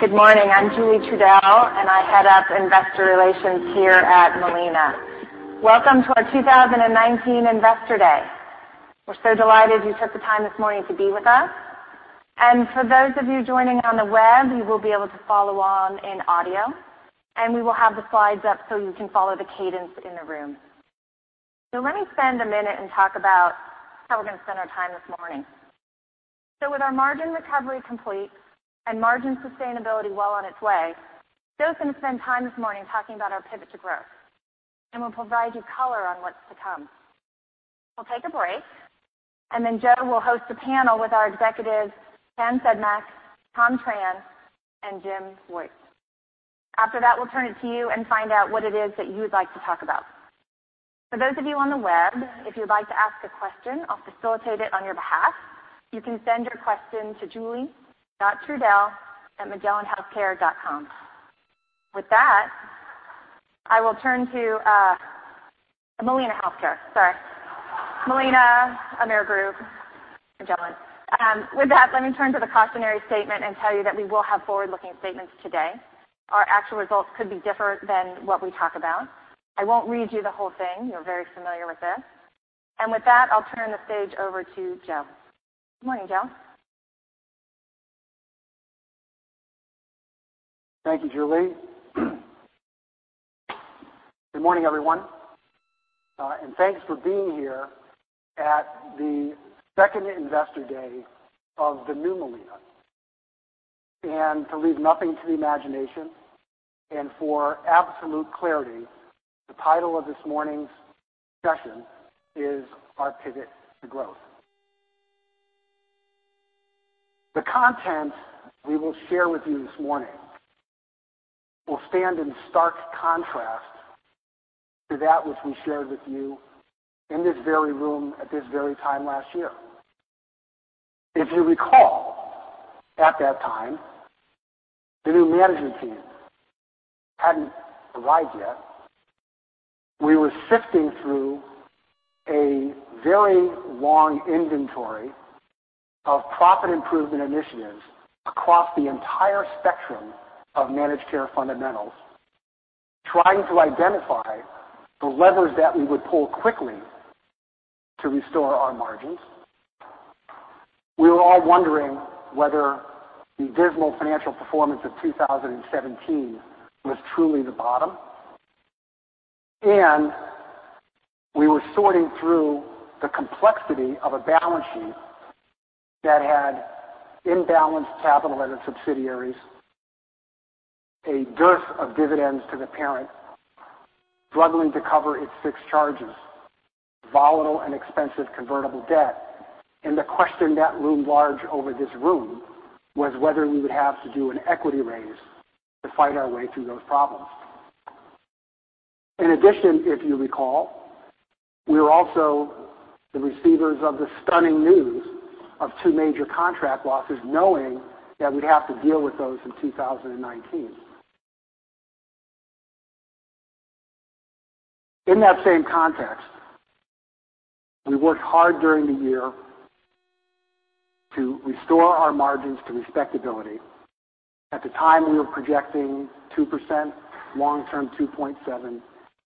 Good morning. I'm Julie Trudell, and I head up investor relations here at Molina. Welcome to our 2019 Investor Day. We're so delighted you took the time this morning to be with us. For those of you joining on the web, you will be able to follow along in audio, and we will have the slides up so you can follow the cadence in the room. Let me spend a minute and talk about how we're going to spend our time this morning. With our margin recovery complete and margin sustainability well on its way, Joe's going to spend time this morning talking about our pivot to growth, and we'll provide you color on what's to come. We'll take a break, and Joe will host a panel with our executives, Dan Finke, Tom Tran, and James Woys. After that, we'll turn it to you and find out what it is that you would like to talk about. For those of you on the web, if you'd like to ask a question, I'll facilitate it on your behalf. You can send your question to Julie.Trudell@molinahealthcare.com. With that, I will turn to Molina Healthcare, sorry. Molina, Amerigroup, Magellan. Let me turn to the cautionary statement and tell you that we will have forward-looking statements today. Our actual results could be different than what we talk about. I won't read you the whole thing. You're very familiar with this. With that, I'll turn the stage over to Joe. Good morning, Joe. Thank you, Julie. Good morning, everyone. Thanks for being here at the second Investor Day of the new Molina. To leave nothing to the imagination and for absolute clarity, the title of this morning's session is Our Pivot to Growth. The content we will share with you this morning will stand in stark contrast to that which we shared with you in this very room at this very time last year. If you recall, at that time, the new management team hadn't arrived yet. We were sifting through a very long inventory of profit improvement initiatives across the entire spectrum of managed care fundamentals, trying to identify the levers that we would pull quickly to restore our margins. We were all wondering whether the dismal financial performance of 2017 was truly the bottom, and we were sorting through the complexity of a balance sheet that had imbalanced capital at its subsidiaries, a dearth of dividends to the parent, struggling to cover its fixed charges, volatile and expensive convertible debt. The question that loomed large over this room was whether we would have to do an equity raise to fight our way through those problems. In addition, if you recall, we were also the receivers of the stunning news of 2 major contract losses, knowing that we'd have to deal with those in 2019. In that same context, we worked hard during the year to restore our margins to respectability. At the time, we were projecting 2%, long-term 2.7%,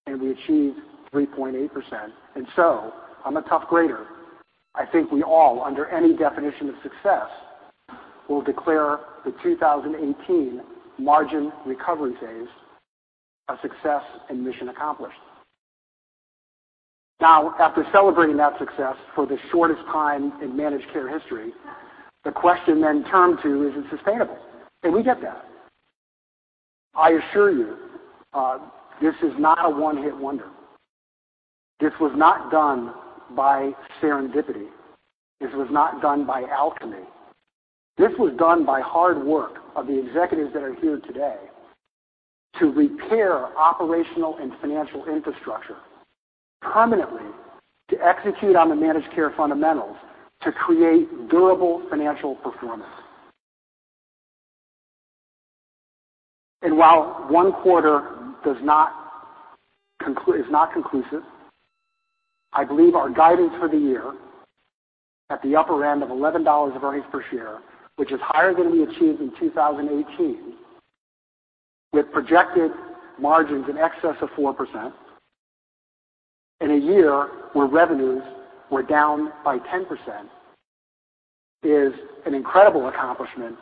and we achieved 3.8%. I'm a tough grader. I think we all, under any definition of success, will declare the 2018 margin recovery phase a success and mission accomplished. After celebrating that success for the shortest time in managed care history, the question then turned to, is it sustainable? We get that. I assure you, this is not a one-hit wonder. This was not done by serendipity. This was not done by alchemy. This was done by hard work of the executives that are here today to repair operational and financial infrastructure permanently to execute on the managed care fundamentals to create durable financial performance. While one quarter is not conclusive, I believe our guidance for the year at the upper end of $11 of earnings per share, which is higher than we achieved in 2018, with projected margins in excess of 4% in a year where revenues were down by 10%, is an incredible accomplishment.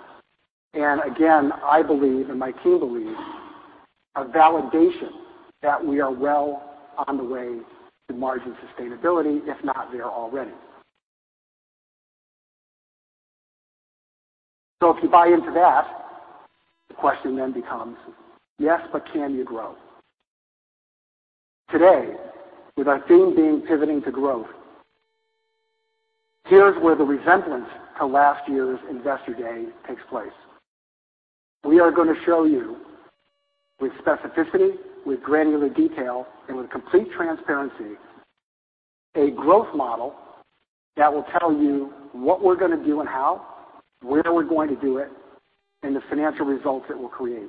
Again, I believe, and my team believes, a validation that we are well on the way to margin sustainability, if not there already. If you buy into that, the question then becomes, yes, but can you grow? Today, with our theme being pivoting to growth, here's where the resemblance to last year's Investor Day takes place. We are going to show you with specificity, with granular detail, and with complete transparency, a growth model that will tell you what we're going to do and how, where we're going to do it, and the financial results it will create.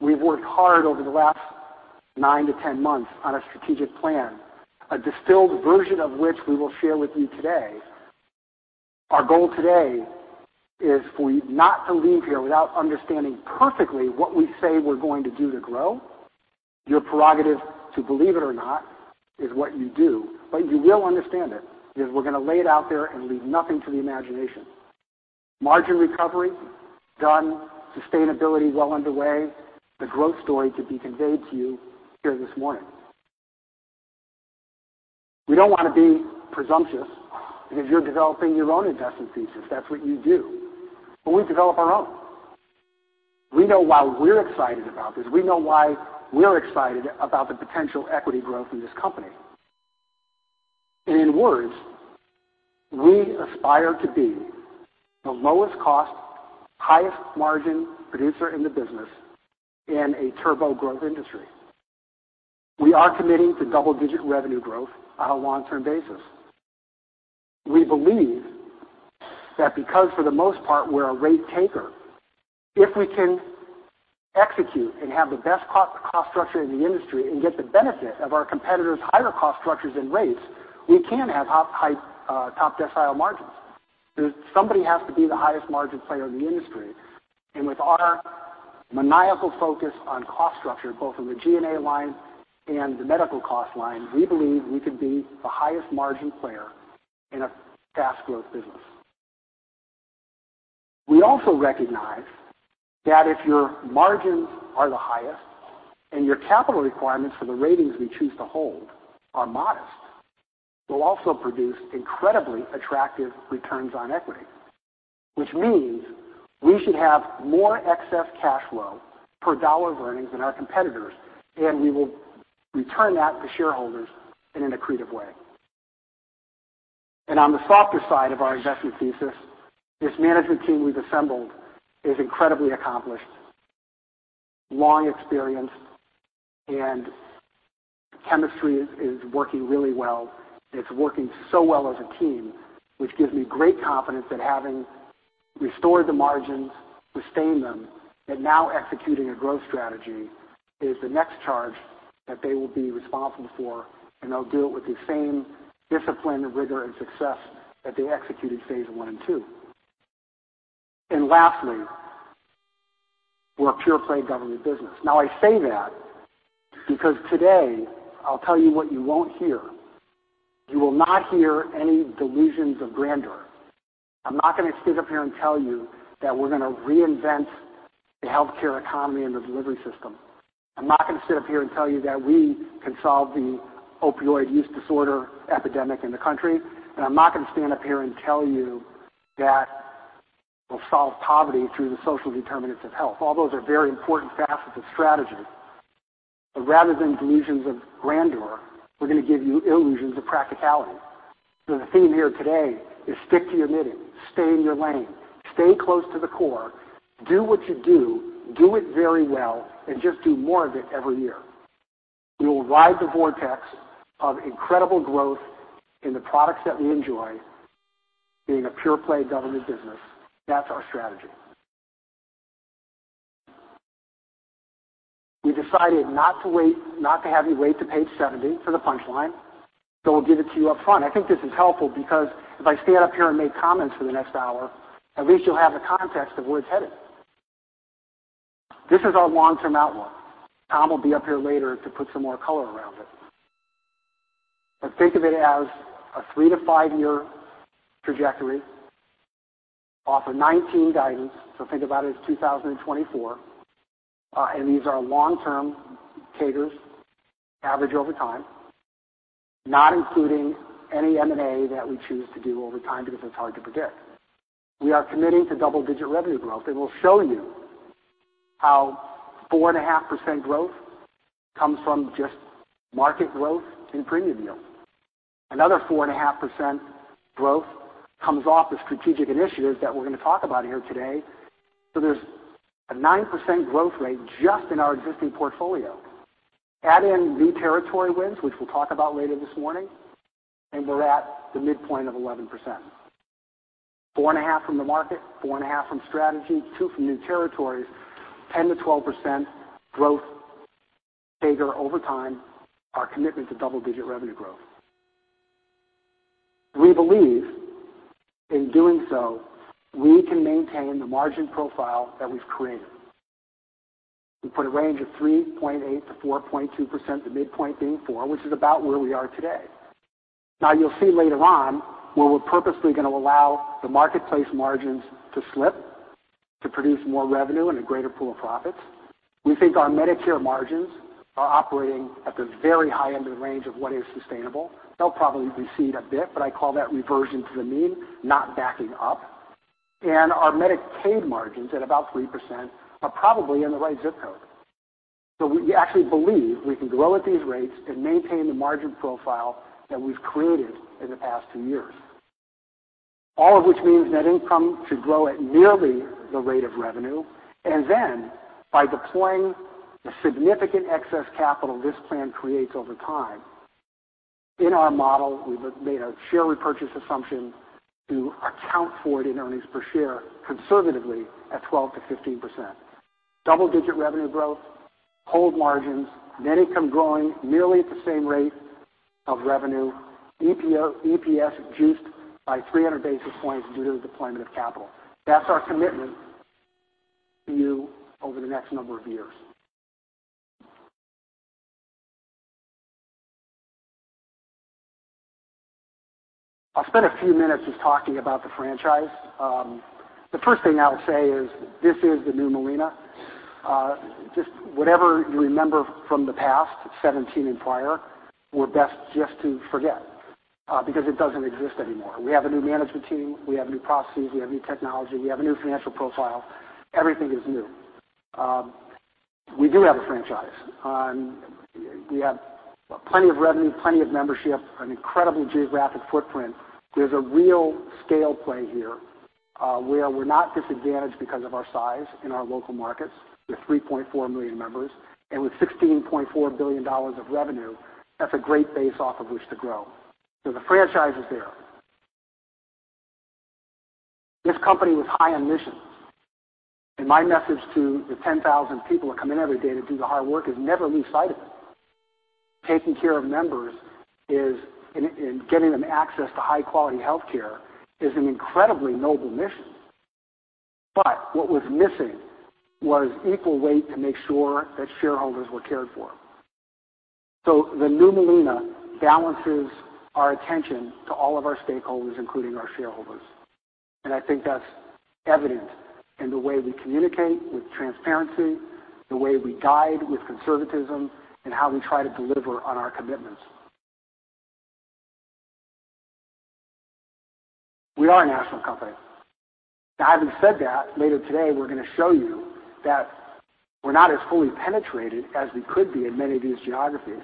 We've worked hard over the last 9 to 10 months on a strategic plan, a distilled version of which we will share with you today. Our goal today is for you not to leave here without understanding perfectly what we say we're going to do to grow. Your prerogative to believe it or not is what you do. You will understand it, because we're going to lay it out there and leave nothing to the imagination. Margin recovery, done. Sustainability, well underway. The growth story to be conveyed to you here this morning. We don't want to be presumptuous, because you're developing your own investment thesis. That's what you do. We develop our own. We know why we're excited about this. We know why we're excited about the potential equity growth in this company. In words, we aspire to be the lowest cost, highest margin producer in the business in a turbo growth industry. We are committing to double-digit revenue growth on a long-term basis. We believe that because, for the most part, we're a rate taker, if we can execute and have the best cost structure in the industry and get the benefit of our competitors' higher cost structures and rates, we can have high top decile margins. Somebody has to be the highest margin player in the industry. With our maniacal focus on cost structure, both in the G&A line and the medical cost line, we believe we could be the highest margin player in a fast growth business. We also recognize that if your margins are the highest and your capital requirements for the ratings we choose to hold are modest, we'll also produce incredibly attractive returns on equity. Which means we should have more excess cash flow per dollar of earnings than our competitors, and we will return that to shareholders in an accretive way. On the softer side of our investment thesis, this management team we've assembled is incredibly accomplished, long experience, and chemistry is working really well. It's working so well as a team, which gives me great confidence that having restored the margins, sustained them, that now executing a growth strategy is the next charge that they will be responsible for, and they'll do it with the same discipline and rigor and success that they executed phase one and two. Lastly, we're a pure-play government business. I say that because today, I'll tell you what you won't hear. You will not hear any delusions of grandeur. I'm not going to stand up here and tell you that we're going to reinvent the healthcare economy and the delivery system. I'm not going to stand up here and tell you that we can solve the opioid use disorder epidemic in the country. I'm not going to stand up here and tell you that we'll solve poverty through the social determinants of health. All those are very important facets of strategy. Rather than delusions of grandeur, we're going to give you illusions of practicality. The theme here today is stick to your knitting, stay in your lane, stay close to the core, do what you do it very well, and just do more of it every year. We will ride the vortex of incredible growth in the products that we enjoy, being a pure-play government business. That's our strategy. We decided not to have you wait to page 70 for the punchline, we'll give it to you up front. I think this is helpful because if I stand up here and make comments for the next hour, at least you'll have the context of where it's headed. This is our long-term outlook. Tom will be up here later to put some more color around it. Think of it as a three to five-year trajectory off of 2019 guidance. Think about it as 2024. These are long-term CAGRs, average over time, not including any M&A that we choose to do over time, because it's hard to predict. We are committing to double-digit revenue growth, we'll show you how 4.5% growth comes from just market growth and premium yield. Another 4.5% growth comes off of strategic initiatives that we're going to talk about here today. There's a 9% growth rate just in our existing portfolio. Add in new territory wins, which we'll talk about later this morning, we're at the midpoint of 11%. 4.5 from the market, 4.5 from strategy, two from new territories, 10%-12% growth CAGR over time, our commitment to double-digit revenue growth. We believe in doing so, we can maintain the margin profile that we've created. We put a range of 3.8%-4.2%, the midpoint being 4%, which is about where we are today. You'll see later on where we're purposely going to allow the marketplace margins to slip to produce more revenue and a greater pool of profits. We think our Medicare margins are operating at the very high end of the range of what is sustainable. They'll probably recede a bit, but I call that reversion to the mean, not backing up. Our Medicaid margins at about 3% are probably in the right zip code. We actually believe we can grow at these rates and maintain the margin profile that we've created in the past two years. All of which means net income should grow at nearly the rate of revenue. By deploying the significant excess capital this plan creates over time. In our model, we made a share repurchase assumption to account for it in earnings per share conservatively at 12%-15%. Double-digit revenue growth, whole margins, net income growing nearly at the same rate of revenue, EPS juiced by 300 basis points due to the deployment of capital. That's our commitment to you over the next number of years. I'll spend a few minutes just talking about the franchise. The first thing I'll say is this is the new Molina. Whatever you remember from the past, 2017 and prior, we're best just to forget because it doesn't exist anymore. We have a new management team. We have new processes. We have new technology. We have a new financial profile. Everything is new. We do have a franchise. We have plenty of revenue, plenty of membership, an incredible geographic footprint. There's a real scale play here, where we're not disadvantaged because of our size in our local markets with 3.4 million members. With $16.4 billion of revenue, that's a great base off of which to grow. The franchise is there. This company was high on mission, my message to the 10,000 people that come in every day to do the hard work is never lose sight of it. Taking care of members and getting them access to high-quality healthcare is an incredibly noble mission. What was missing was equal weight to make sure that shareholders were cared for. The new Molina balances our attention to all of our stakeholders, including our shareholders. I think that's evident in the way we communicate with transparency, the way we guide with conservatism, and how we try to deliver on our commitments. We are a national company. Having said that, later today, we're going to show you that we're not as fully penetrated as we could be in many of these geographies.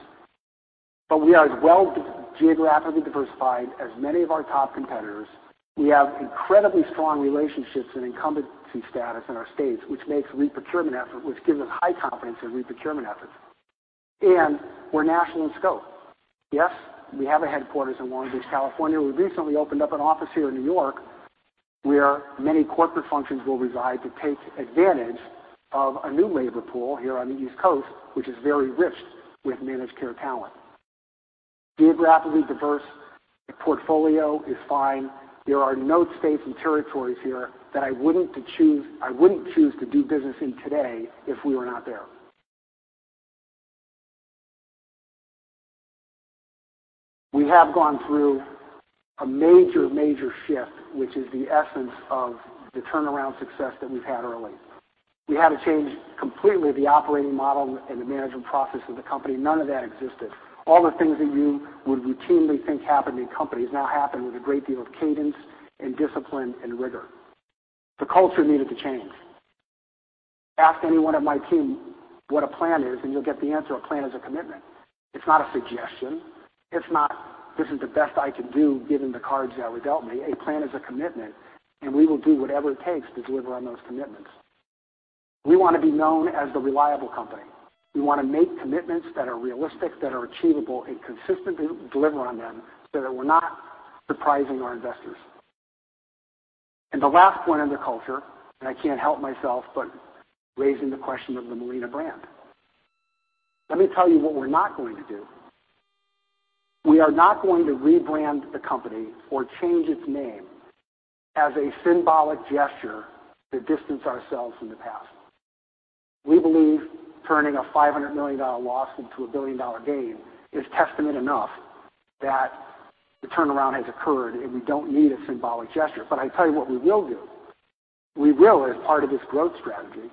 We are as well geographically diversified as many of our top competitors. We have incredibly strong relationships and incumbency status in our states, which gives us high confidence in re-procurement efforts. We're national in scope. Yes, we have a headquarters in Long Beach, California. We recently opened up an office here in New York, where many corporate functions will reside to take advantage of a new labor pool here on the East Coast, which is very rich with managed care talent. Geographically diverse. The portfolio is fine. There are no states and territories here that I wouldn't choose to do business in today if we were not there. We have gone through a major shift, which is the essence of the turnaround success that we've had early. We had to change completely the operating model and the management process of the company. None of that existed. All the things that you would routinely think happen in companies now happen with a great deal of cadence and discipline and rigor. The culture needed to change. Ask any one of my team what a plan is, and you'll get the answer, a plan is a commitment. It's not a suggestion. It's not, this is the best I can do given the cards that were dealt me. A plan is a commitment, and we will do whatever it takes to deliver on those commitments. We want to be known as the reliable company. We want to make commitments that are realistic, that are achievable, and consistently deliver on them so that we're not surprising our investors. The last one under culture, I can't help myself but raising the question of the Molina brand. Let me tell you what we're not going to do. We are not going to rebrand the company or change its name as a symbolic gesture to distance ourselves from the past. We believe turning a $500 million loss into a billion-dollar gain is testament enough that the turnaround has occurred, and we don't need a symbolic gesture. I tell you what we will do. We will, as part of this growth strategy,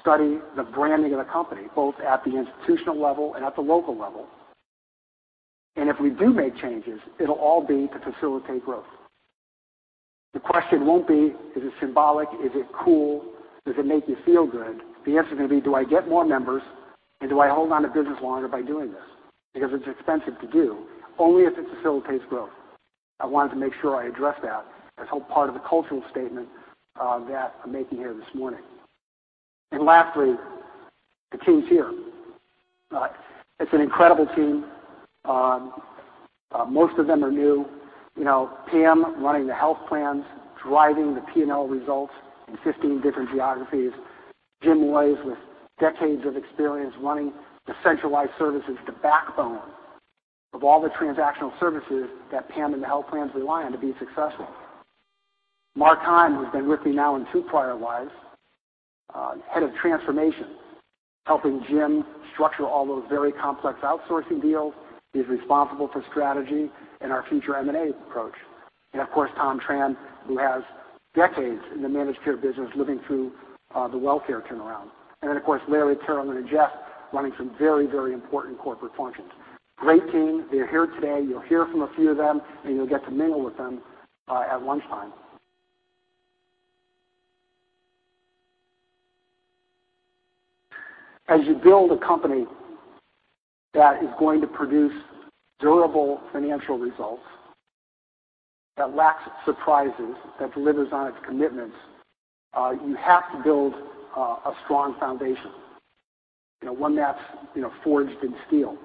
study the branding of the company, both at the institutional level and at the local level. If we do make changes, it'll all be to facilitate growth. The question won't be, is it symbolic? Is it cool? Does it make you feel good? The answer is going to be, do I get more members, and do I hold on to business longer by doing this? Because it's expensive to do. Only if it facilitates growth. I wanted to make sure I addressed that as part of the cultural statement that I'm making here this morning. Lastly, the team's here. It's an incredible team. Most of them are new. Pam running the health plans, driving the P&L results in 15 different geographies. Jim Woys, with decades of experience running the centralized services, the backbone of all the transactional services that Pam and the health plans rely on to be successful. Mark Keim, who's been with me now in two prior lives, head of transformation, helping Jim structure all those very complex outsourcing deals. He's responsible for strategy and our future M&A approach. Of course, Tom Tran, who has decades in the managed care business, living through the WellCare turnaround. Then, of course, Larry, Carolyn, and Jeff running some very, very important corporate functions. Great team. They're here today. You'll hear from a few of them, and you'll get to mingle with them at lunchtime. As you build a company that is going to produce durable financial results that lacks surprises, that delivers on its commitments. You have to build a strong foundation, one that's forged in steel.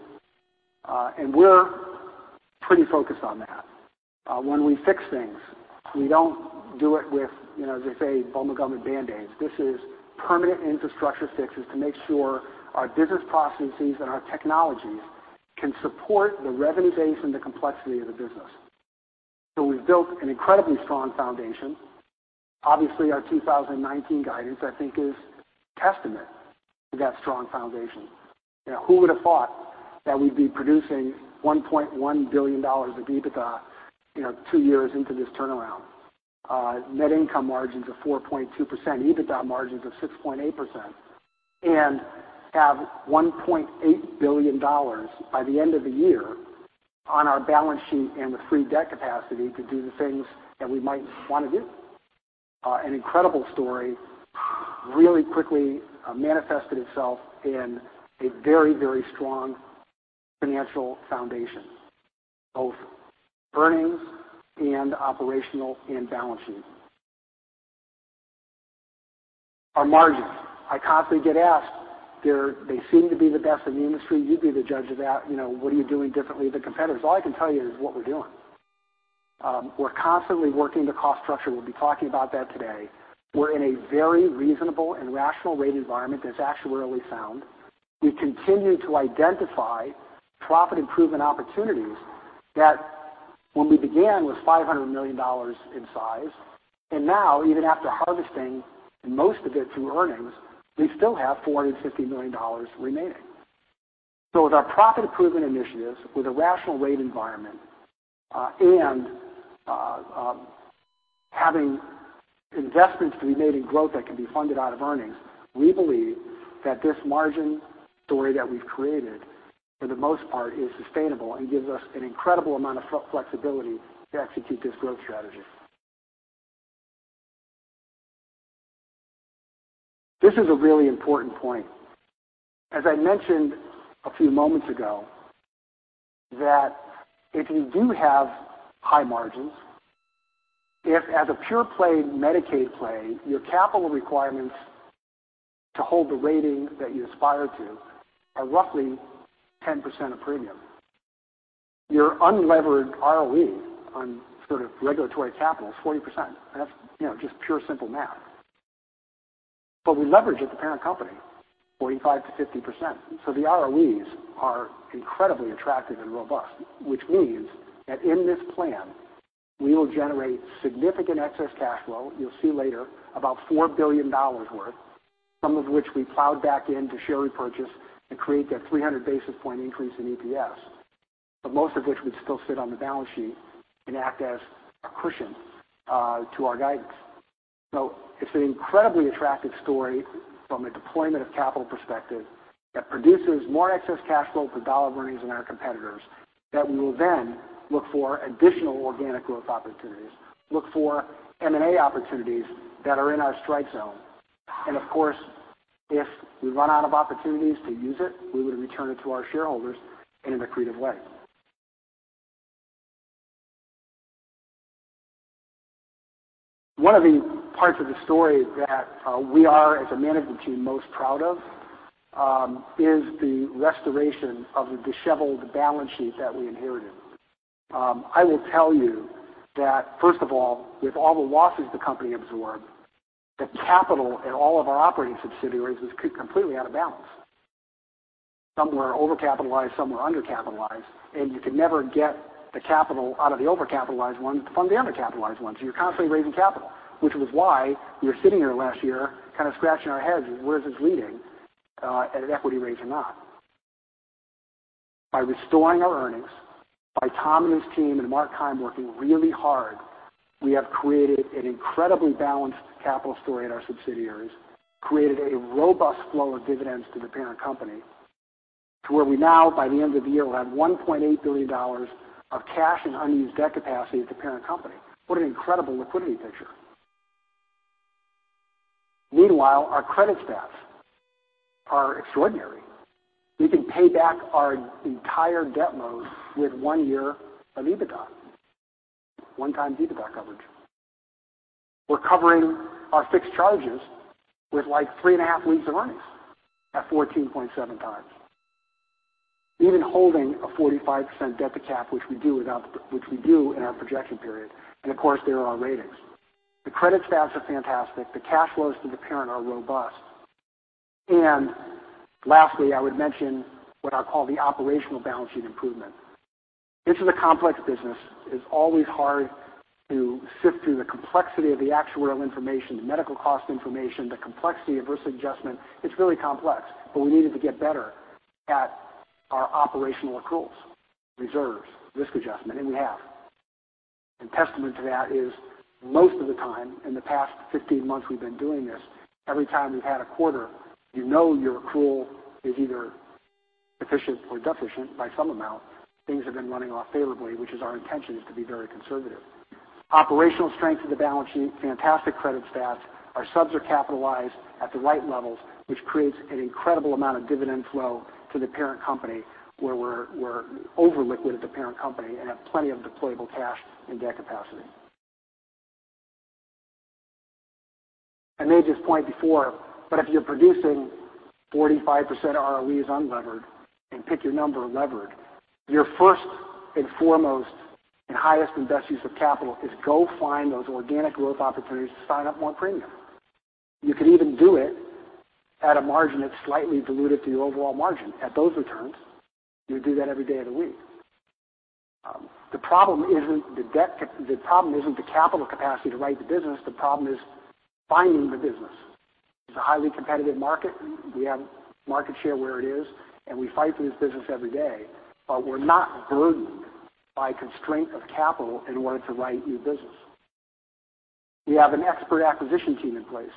We're pretty focused on that. When we fix things, we don't do it with, as they say, bubble gum and Band-Aids. This is permanent infrastructure fixes to make sure our business processes and our technologies can support the revenue base and the complexity of the business. We've built an incredibly strong foundation. Obviously, our 2019 guidance, I think, is testament to that strong foundation. Who would have thought that we'd be producing $1.1 billion of EBITDA two years into this turnaround? Net income margins of 4.2%, EBITDA margins of 6.8%, and have $1.8 billion by the end of the year on our balance sheet and the free debt capacity to do the things that we might want to do. An incredible story really quickly manifested itself in a very, very strong financial foundation, both earnings and operational and balance sheet. Our margins. I constantly get asked, they seem to be the best in the industry. You be the judge of that. What are you doing differently than competitors? All I can tell you is what we're doing. We're constantly working the cost structure. We'll be talking about that today. We're in a very reasonable and rational rate environment that's actuarially sound. We continue to identify profit improvement opportunities that when we began was $500 million in size, and now even after harvesting most of it through earnings, we still have $450 million remaining. With our profit improvement initiatives, with a rational rate environment, and having investments to be made in growth that can be funded out of earnings, we believe that this margin story that we've created, for the most part, is sustainable and gives us an incredible amount of flexibility to execute this growth strategy. This is a really important point. As I mentioned a few moments ago, that if you do have high margins, if as a pure play Medicaid play, your capital requirements to hold the rating that you aspire to are roughly 10% of premium. Your unlevered ROE on sort of regulatory capital is 40%. That's just pure, simple math. We leverage at the parent company 45%-50%. The ROEs are incredibly attractive and robust, which means that in this plan, we will generate significant excess cash flow. You'll see later about $4 billion worth, some of which we plowed back into share repurchase and create that 300 basis point increase in EPS. Most of which would still sit on the balance sheet and act as a cushion to our guidance. It's an incredibly attractive story from a deployment of capital perspective that produces more excess cash flow for dollar earnings than our competitors, that we will then look for additional organic growth opportunities, look for M&A opportunities that are in our strike zone. Of course, if we run out of opportunities to use it, we would return it to our shareholders in an accretive way. One of the parts of the story that we are, as a management team, most proud of is the restoration of the disheveled balance sheet that we inherited. I will tell you that, first of all, with all the losses the company absorbed, the capital in all of our operating subsidiaries was completely out of balance. Some were over-capitalized, some were under-capitalized, and you could never get the capital out of the over-capitalized ones to fund the under-capitalized ones. You're constantly raising capital, which was why we were sitting here last year kind of scratching our heads, where is this leading at an equity raise or not? By restoring our earnings, by Tom and his team and Mark Keim working really hard, we have created an incredibly balanced capital story at our subsidiaries, created a robust flow of dividends to the parent company to where we now, by the end of the year, will have $1.8 billion of cash and unused debt capacity at the parent company. What an incredible liquidity picture. Meanwhile, our credit stats are extraordinary. We can pay back our entire debt load with 1 year of EBITDA, 1 times EBITDA coverage. We're covering our fixed charges with like three and a half weeks of earnings at 14.7 times. Even holding a 45% debt to cap, which we do in our projection period. Of course, there are our ratings. The credit stats are fantastic. The cash flows to the parent are robust. Lastly, I would mention what I call the operational balance sheet improvement. This is a complex business. It's always hard to sift through the complexity of the actuarial information, the medical cost information, the complexity of risk adjustment. It's really complex, but we needed to get better at our operational accruals, reserves, risk adjustment, and we have. Testament to that is most of the time in the past 15 months we've been doing this, every time we've had a quarter, you know your accrual is either efficient or deficient by some amount. Things have been running off favorably, which is our intention is to be very conservative. Operational strength of the balance sheet, fantastic credit stats. Our subs are capitalized at the right levels, which creates an incredible amount of dividend flow to the parent company, where we're over-liquid at the parent company and have plenty of deployable cash and debt capacity. I made this point before, but if you're producing 45% ROEs unlevered, and pick your number levered, your first and foremost and highest and best use of capital is go find those organic growth opportunities to sign up more premium. You could even do it at a margin that's slightly dilutive to your overall margin. At those returns, you would do that every day of the week. The problem isn't the capital capacity to write the business, the problem is finding the business. It's a highly competitive market. We have market share where it is, and we fight for this business every day, but we're not burdened by constraint of capital in order to write new business. We have an expert acquisition team in place,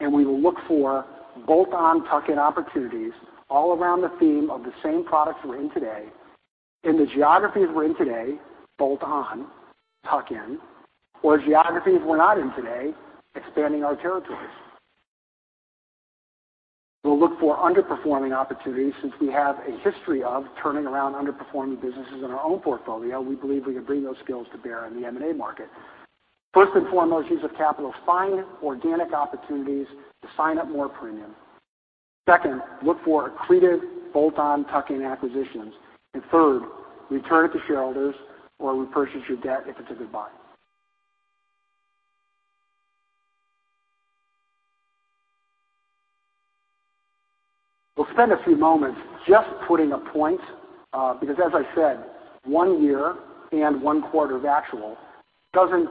and we will look for bolt-on, tuck-in opportunities all around the theme of the same products we're in today, in the geographies we're in today, bolt-on, tuck-in, or geographies we're not in today, expanding our territories. We'll look for underperforming opportunities since we have a history of turning around underperforming businesses in our own portfolio. We believe we can bring those skills to bear in the M&A market. First and foremost use of capital, find organic opportunities to sign up more premium. Second, look for accretive bolt-on, tuck-in acquisitions. Third, return it to shareholders or repurchase your debt if it's a good buy. We'll spend a few moments just putting a point, because as I said, one year and one quarter of actual doesn't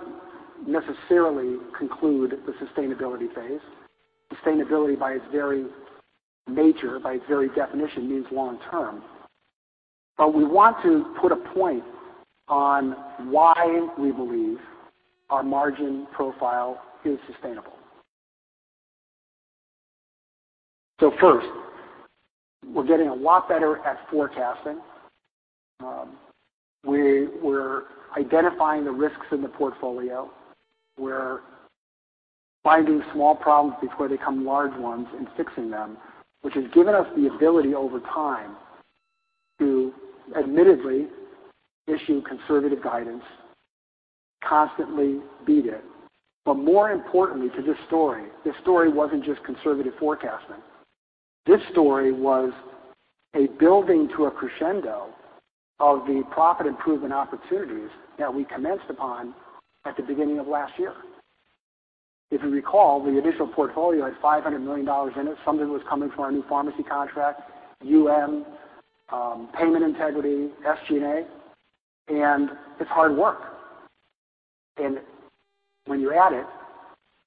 necessarily conclude the sustainability phase. Sustainability by its very nature, by its very definition, means long-term. We want to put a point on why we believe our margin profile is sustainable. First, we're getting a lot better at forecasting. We're identifying the risks in the portfolio. We're finding small problems before they become large ones and fixing them, which has given us the ability over time to admittedly issue conservative guidance, constantly beat it. More importantly to this story, this story wasn't just conservative forecasting. This story was a building to a crescendo of the profit improvement opportunities that we commenced upon at the beginning of last year. If you recall, the initial portfolio had $500 million in it. Some of it was coming from our new pharmacy contract, UM, Payment Integrity, SG&A. It's hard work. When you add it,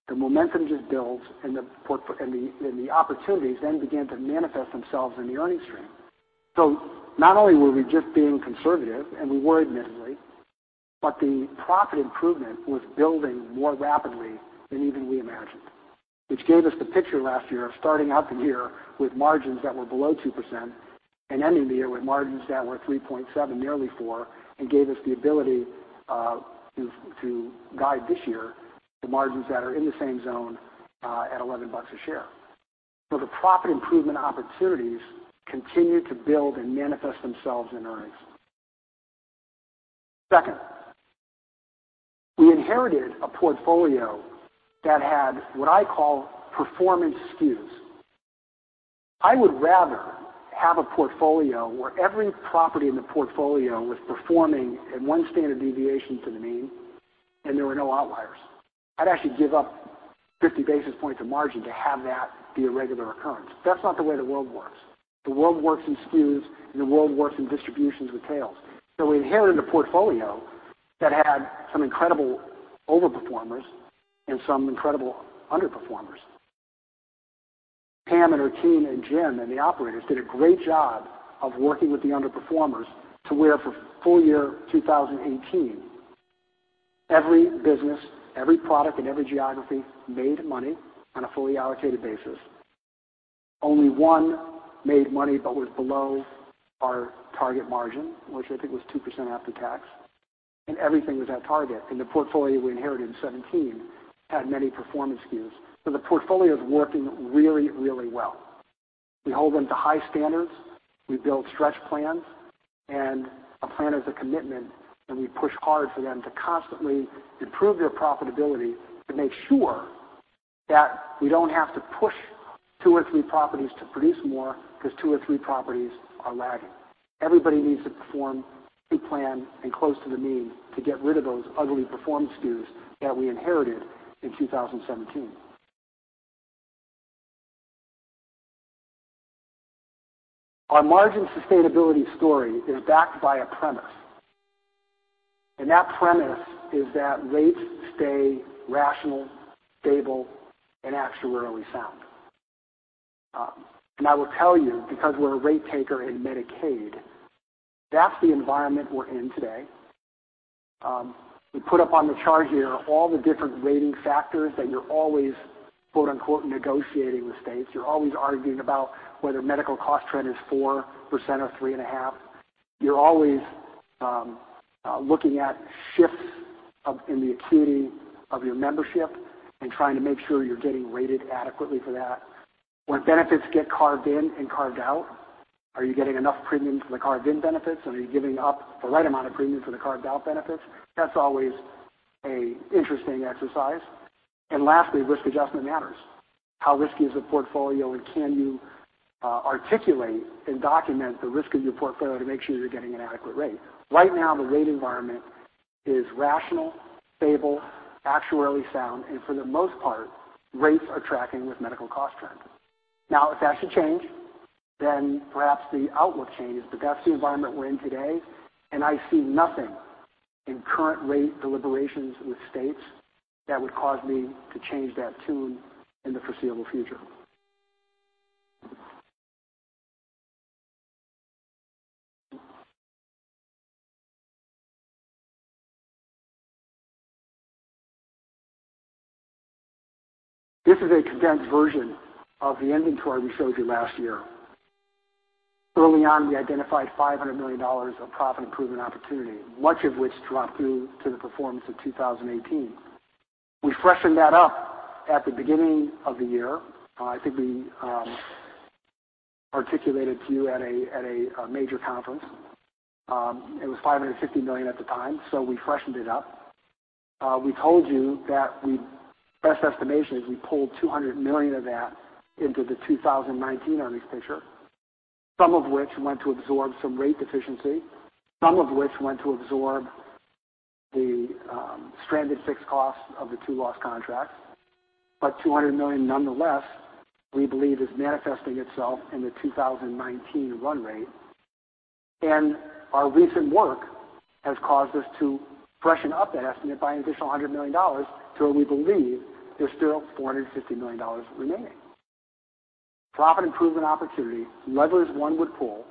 the momentum just builds and the opportunities then begin to manifest themselves in the earnings stream. Not only were we just being conservative, and we were admittedly, but the profit improvement was building more rapidly than even we imagined. Which gave us the picture last year of starting out the year with margins that were below 2% and ending the year with margins that were 3.7, nearly four, and gave us the ability to guide this year to margins that are in the same zone at $11 a share. The profit improvement opportunities continued to build and manifest themselves in earnings. Second, we inherited a portfolio that had what I call performance skews. I would rather have a portfolio where every property in the portfolio was performing at one standard deviation to the mean and there were no outliers. I'd actually give up 50 basis points of margin to have that be a regular occurrence, but that's not the way the world works. The world works in skews, and the world works in distributions with tails. We inherited a portfolio that had some incredible over-performers and some incredible under-performers. Pam and her team and Jim and the operators did a great job of working with the under-performers to where for full year 2018, every business, every product in every geography made money on a fully allocated basis. Only one made money but was below our target margin, which I think was 2% after tax, and everything was at target. The portfolio we inherited in 2017 had many performance skews. The portfolio is working really, really well. We hold them to high standards. We build stretch plans and a plan is a commitment, and we push hard for them to constantly improve their profitability to make sure that we don't have to push two or three properties to produce more because two or three properties are lagging. Everybody needs to perform to plan and close to the mean to get rid of those ugly performance skews that we inherited in 2017. Our margin sustainability story is backed by a premise. That premise is that rates stay rational, stable, and actuarially sound. I will tell you, because we're a rate taker in Medicaid, that's the environment we're in today. We put up on the chart here all the different rating factors that you're always "negotiating" with states. You're always arguing about whether medical cost trend is 4% or three and a half. You're always looking at shifts in the acuity of your membership and trying to make sure you're getting rated adequately for that. When benefits get carved in and carved out? Are you getting enough premium for the carved-in benefits? Are you giving up the right amount of premium for the carved-out benefits? That's always a interesting exercise. Lastly, risk adjustment matters. How risky is a portfolio, and can you articulate and document the risk of your portfolio to make sure you're getting an adequate rate? Right now, the rate environment is rational, stable, actuarially sound, and for the most part, rates are tracking with medical cost trends. If that should change, then perhaps the outlook changes. That's the environment we're in today, and I see nothing in current rate deliberations with states that would cause me to change that tune in the foreseeable future. This is a condensed version of the inventory we showed you last year. Early on, we identified $500 million of profit improvement opportunity, much of which dropped through to the performance of 2018. We freshened that up at the beginning of the year. I think we articulated to you at a major conference. It was $550 million at the time. We freshened it up. We told you that best estimation is we pulled $200 million of that into the 2019 earnings picture. Some of which went to absorb some rate deficiency, some of which went to absorb the stranded fixed costs of the two lost contracts. $200 million, nonetheless, we believe is manifesting itself in the 2019 run rate. Our recent work has caused us to freshen up that estimate by an additional $100 million to where we believe there's still $450 million remaining. Profit improvement opportunity levers one would pull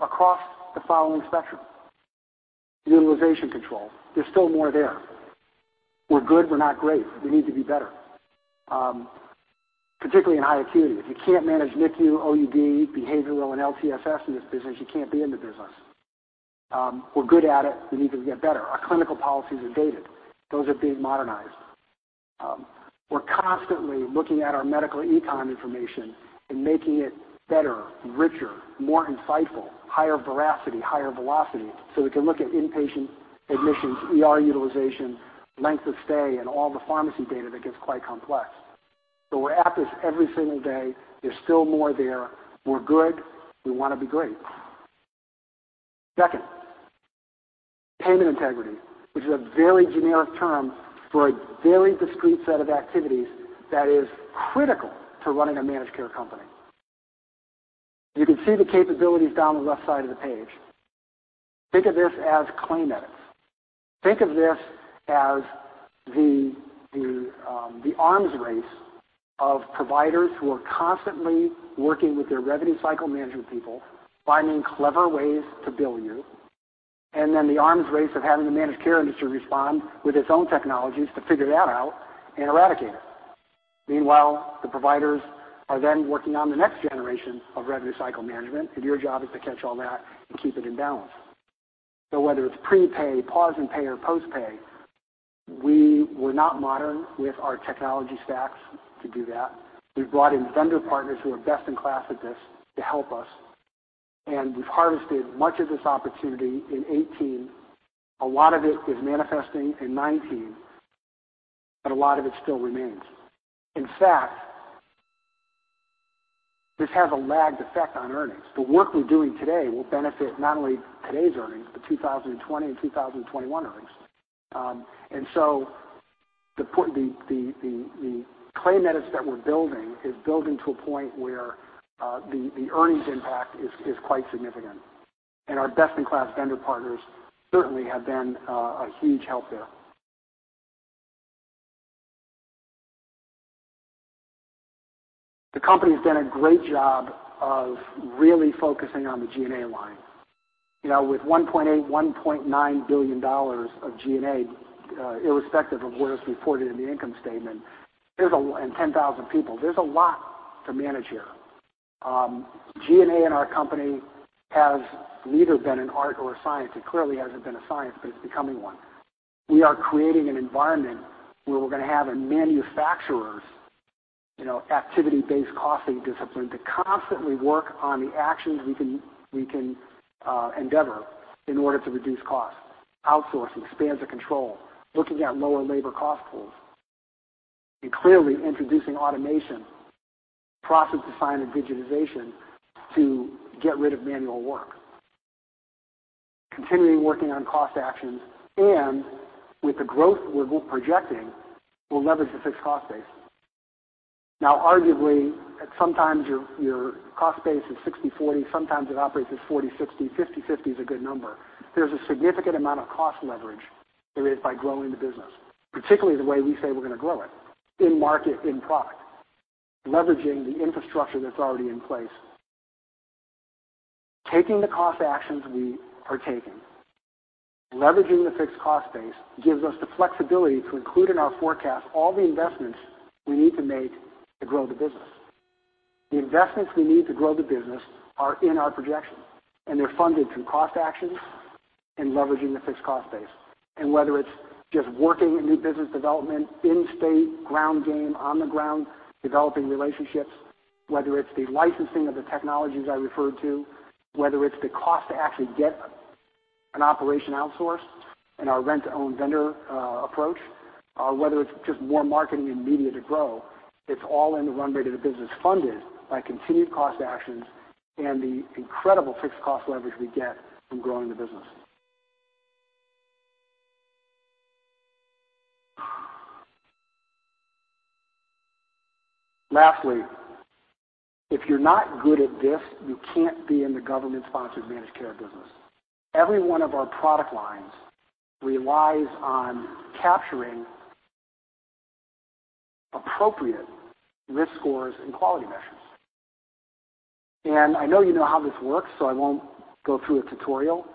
across the following spectrum. Utilization control, there's still more there. We're good. We're not great. We need to be better, particularly in high acuity. If you can't manage NICU, OUD, behavioral, and LTSS in this business, you can't be in the business. We're good at it. We need to get better. Our clinical policies are dated. Those are being modernized. We're constantly looking at our medico-econ information and making it better, richer, more insightful, higher veracity, higher velocity, so we can look at inpatient admissions, ER utilization, length of stay, and all the pharmacy data that gets quite complex. We're at this every single day. There's still more there. We're good. We want to be great. Second, payment integrity, which is a very generic term for a very discrete set of activities that is critical to running a managed care company. You can see the capabilities down the left side of the page. Think of this as claim edits. Think of this as the arms race of providers who are constantly working with their revenue cycle management people, finding clever ways to bill you, and then the arms race of having the managed care industry respond with its own technologies to figure that out and eradicate it. Meanwhile, the providers are then working on the next generation of revenue cycle management, and your job is to catch all that and keep it in balance. Whether it's prepay, pause and pay or post-pay, we were not modern with our technology stacks to do that. We brought in vendor partners who are best in class at this to help us, and we've harvested much of this opportunity in 2018. A lot of it is manifesting in 2019, but a lot of it still remains. In fact, this has a lagged effect on earnings. The work we're doing today will benefit not only today's earnings, but 2020 and 2021 earnings. The claim edits that we're building is building to a point where the earnings impact is quite significant. Our best-in-class vendor partners certainly have been a huge help there. The company has done a great job of really focusing on the G&A line. With $1.8 billion-$1.9 billion of G&A, irrespective of where it's reported in the income statement, and 10,000 people, there's a lot to manage here. G&A in our company has neither been an art or a science. It clearly hasn't been a science, but it's becoming one. We are creating an environment where we're going to have a manufacturer's activity-based costing discipline to constantly work on the actions we can endeavor in order to reduce costs, outsourcing, spans of control, looking at lower labor cost pools, and clearly introducing automation, process design, and digitization to get rid of manual work. Continuing working on cost actions and with the growth we're projecting, we'll leverage the fixed cost base. Arguably, sometimes your cost base is 60/40, sometimes it operates as 40/60. 50/50 is a good number. There's a significant amount of cost leverage there is by growing the business, particularly the way we say we're going to grow it, in market, in product, leveraging the infrastructure that's already in place. Taking the cost actions we are taking, leveraging the fixed cost base gives us the flexibility to include in our forecast all the investments we need to make to grow the business. The investments we need to grow the business are in our projection, and they're funded through cost actions and leveraging the fixed cost base. Whether it's just working in new business development, in state, ground game, on the ground, developing relationships. Whether it's the licensing of the technologies I referred to, whether it's the cost to actually get an operation outsourced and our rent-to-own vendor approach, or whether it's just more marketing and media to grow, it's all in the run rate of the business funded by continued cost actions and the incredible fixed cost leverage we get from growing the business. Lastly, if you're not good at this, you can't be in the government-sponsored managed care business. Every one of our product lines relies on capturing appropriate risk scores and quality measures. I know you know how this works, so I won't go through a tutorial.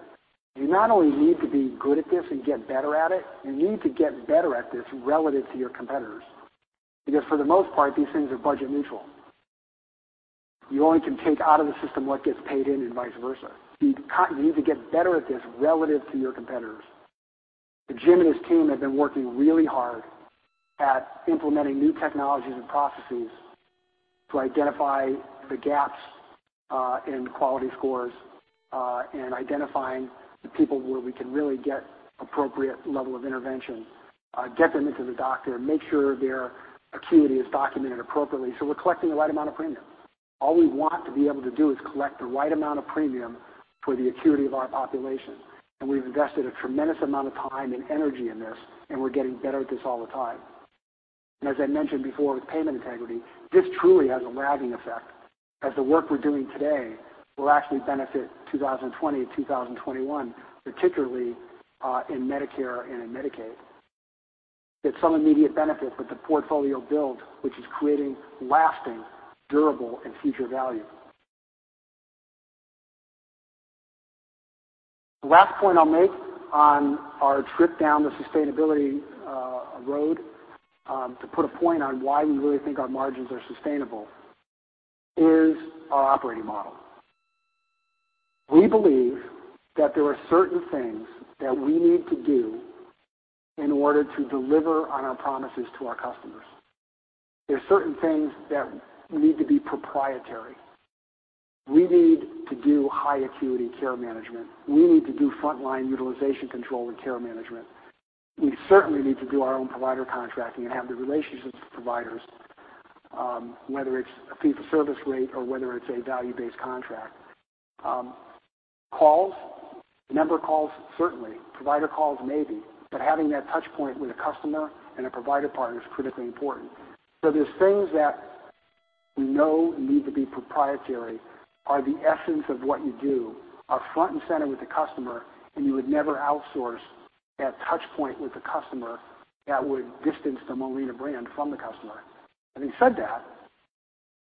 You not only need to be good at this and get better at it, you need to get better at this relative to your competitors. For the most part, these things are budget neutral. You only can take out of the system what gets paid in and vice versa. You need to get better at this relative to your competitors. Jim and his team have been working really hard at implementing new technologies and processes to identify the gaps in quality scores, and identifying the people where we can really get appropriate level of intervention, get them into the doctor, make sure their acuity is documented appropriately, so we're collecting the right amount of premium. All we want to be able to do is collect the right amount of premium for the acuity of our population. We've invested a tremendous amount of time and energy in this, and we're getting better at this all the time. As I mentioned before with payment integrity, this truly has a lagging effect, as the work we're doing today will actually benefit 2020, 2021, particularly, in Medicare and in Medicaid. It's some immediate benefit, but the portfolio build, which is creating lasting, durable, and future value. The last point I'll make on our trip down the sustainability road, to put a point on why we really think our margins are sustainable, is our operating model. We believe that there are certain things that we need to do in order to deliver on our promises to our customers. There are certain things that need to be proprietary. We need to do high acuity care management. We need to do frontline utilization control and care management. We certainly need to do our own provider contracting and have the relationships with providers, whether it's a fee-for-service rate or whether it's a value-based contract. Calls, member calls, certainly. Provider calls, maybe. Having that touch point with a customer and a provider partner is critically important. There's things that we know need to be proprietary, are the essence of what you do, are front and center with the customer, and you would never outsource that touch point with the customer that would distance the Molina brand from the customer. Having said that,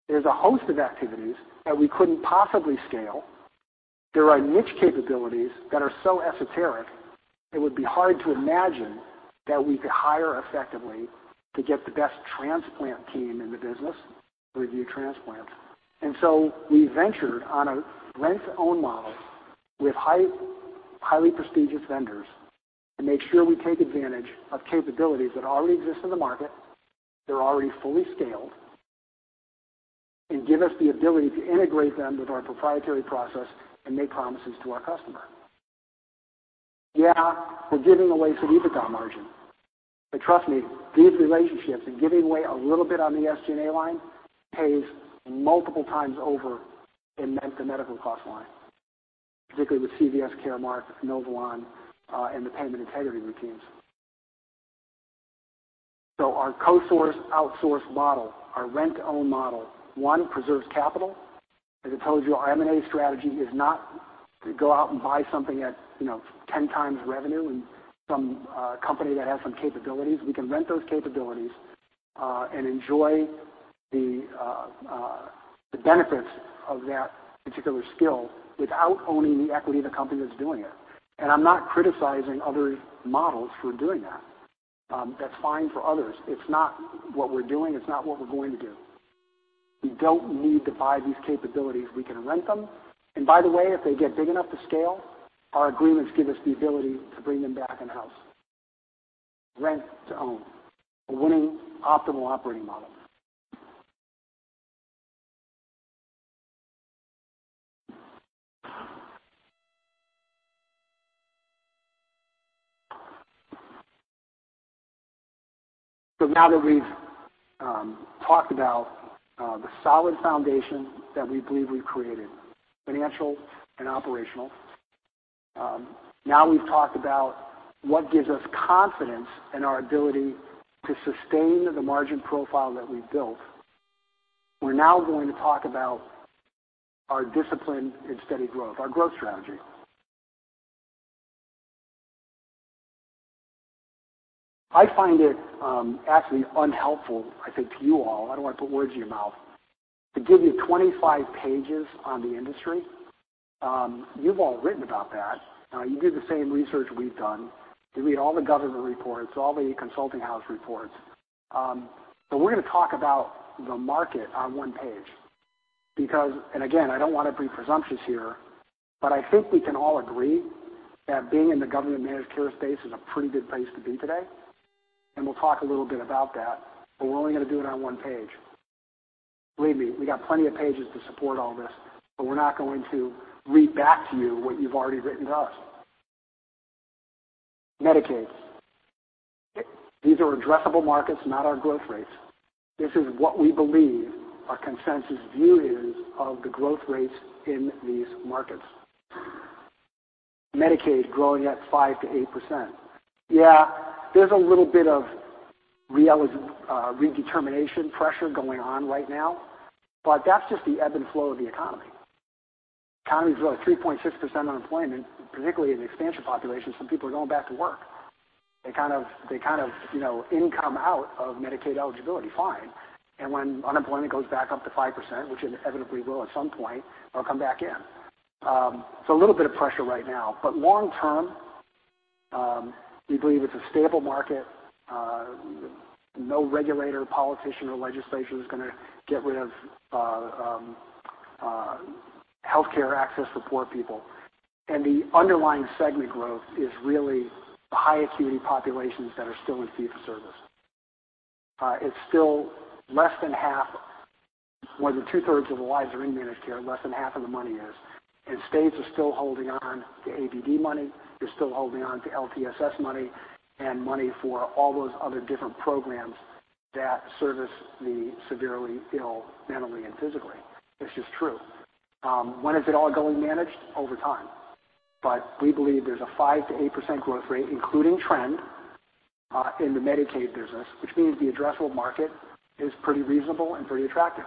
there's a host of activities that we couldn't possibly scale. There are niche capabilities that are so esoteric, it would be hard to imagine that we could hire effectively to get the best transplant team in the business to review transplants. We ventured on a rent-to-own model with highly prestigious vendors to make sure we take advantage of capabilities that already exist in the market, that are already fully scaled, and give us the ability to integrate them with our proprietary process and make promises to our customer. Yeah, we're giving away some EBITDA margin. Trust me, these relationships and giving away a little bit on the SG&A line pays multiple times over in the medical cost line, particularly with CVS Caremark, NovoLogix, and the payment integrity routines. Our co-source, outsource model, our rent-to-own model, one, preserves capital. As I told you, our M&A strategy is not to go out and buy something at 10 times revenue and some company that has some capabilities. We can rent those capabilities, and enjoy the benefits of that particular skill without owning the equity of the company that's doing it. I'm not criticizing other models for doing that. That's fine for others. It's not what we're doing. It's not what we're going to do. We don't need to buy these capabilities. We can rent them. By the way, if they get big enough to scale, our agreements give us the ability to bring them back in-house. Rent to own. A winning optimal operating model. Now that we've talked about the solid foundation that we believe we've created, financial and operational. Now we've talked about what gives us confidence in our ability to sustain the margin profile that we've built. We're now going to talk about our discipline and steady growth, our growth strategy. I find it actually unhelpful, I think, to you all. I don't want to put words in your mouth. To give you 25 pages on the industry, you've all written about that. You did the same research we've done. You read all the government reports, all the consulting house reports. We're going to talk about the market on one page. I don't want to be presumptuous here, but I think we can all agree that being in the government managed care space is a pretty good place to be today, and we'll talk a little bit about that, but we're only going to do it on one page. Believe me, we got plenty of pages to support all this, but we're not going to read back to you what you've already written to us. Medicaid. These are addressable markets, not our growth rates. This is what we believe our consensus view is of the growth rates in these markets. Medicaid growing at 5%-8%. There's a little bit of redetermination pressure going on right now, but that's just the ebb and flow of the economy. Economy's growing, 3.6% unemployment, particularly in the expansion population. Some people are going back to work. They kind of income out of Medicaid eligibility, fine. When unemployment goes back up to 5%, which it inevitably will at some point, they'll come back in. A little bit of pressure right now, but long term, we believe it's a stable market. No regulator, politician, or legislator is going to get rid of healthcare access for poor people. The underlying segment growth is really the high acuity populations that are still in fee for service. It's still less than half. More than two-thirds of the lives are in managed care, less than half of the money is, and states are still holding on to ABD money. They're still holding on to LTSS money and money for all those other different programs that service the severely ill, mentally and physically. It's just true. When is it all going managed? Over time. We believe there's a 5%-8% growth rate, including trend, in the Medicaid business, which means the addressable market is pretty reasonable and pretty attractive.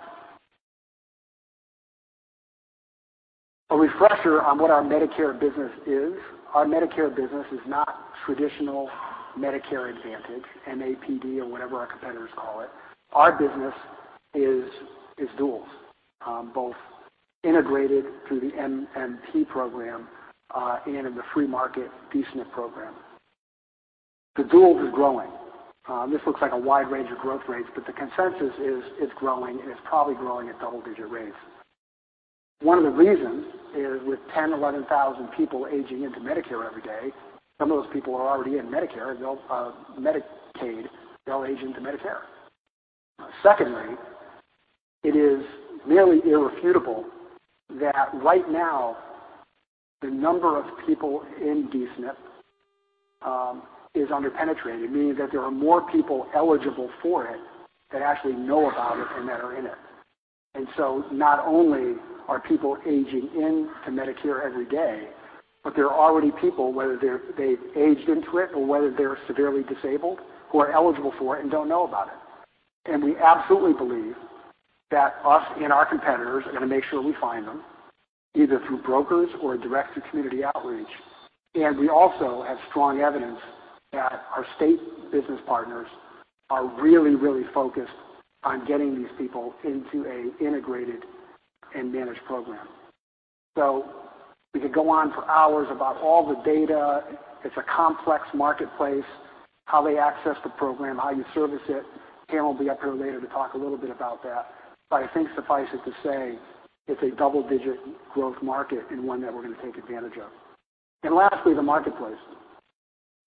A refresher on what our Medicare business is. Our Medicare business is not traditional Medicare Advantage, MAPD or whatever our competitors call it. Our business is duals, both integrated through the MMP program, and in the free market D-SNP program. The duals is growing. This looks like a wide range of growth rates, but the consensus is it's growing, and it's probably growing at double-digit rates. One of the reasons is with 10,000-11,000 people aging into Medicare every day, some of those people are already in Medicare, Medicaid, they'll age into Medicare. Secondly, it is nearly irrefutable that right now the number of people in D-SNP is under-penetrated, meaning that there are more people eligible for it that actually know about it and that are in it. Not only are people aging into Medicare every day, but there are already people, whether they've aged into it or whether they're severely disabled, who are eligible for it and don't know about it. We absolutely believe that us and our competitors are going to make sure we find them, either through brokers or direct through community outreach. We also have strong evidence that our state business partners are really, really focused on getting these people into an integrated and managed program. We could go on for hours about all the data. It's a complex marketplace, how they access the program, how you service it. Carol will be up here later to talk a little bit about that. I think suffice it to say, it's a double-digit growth market and one that we're going to take advantage of. Lastly, the marketplace.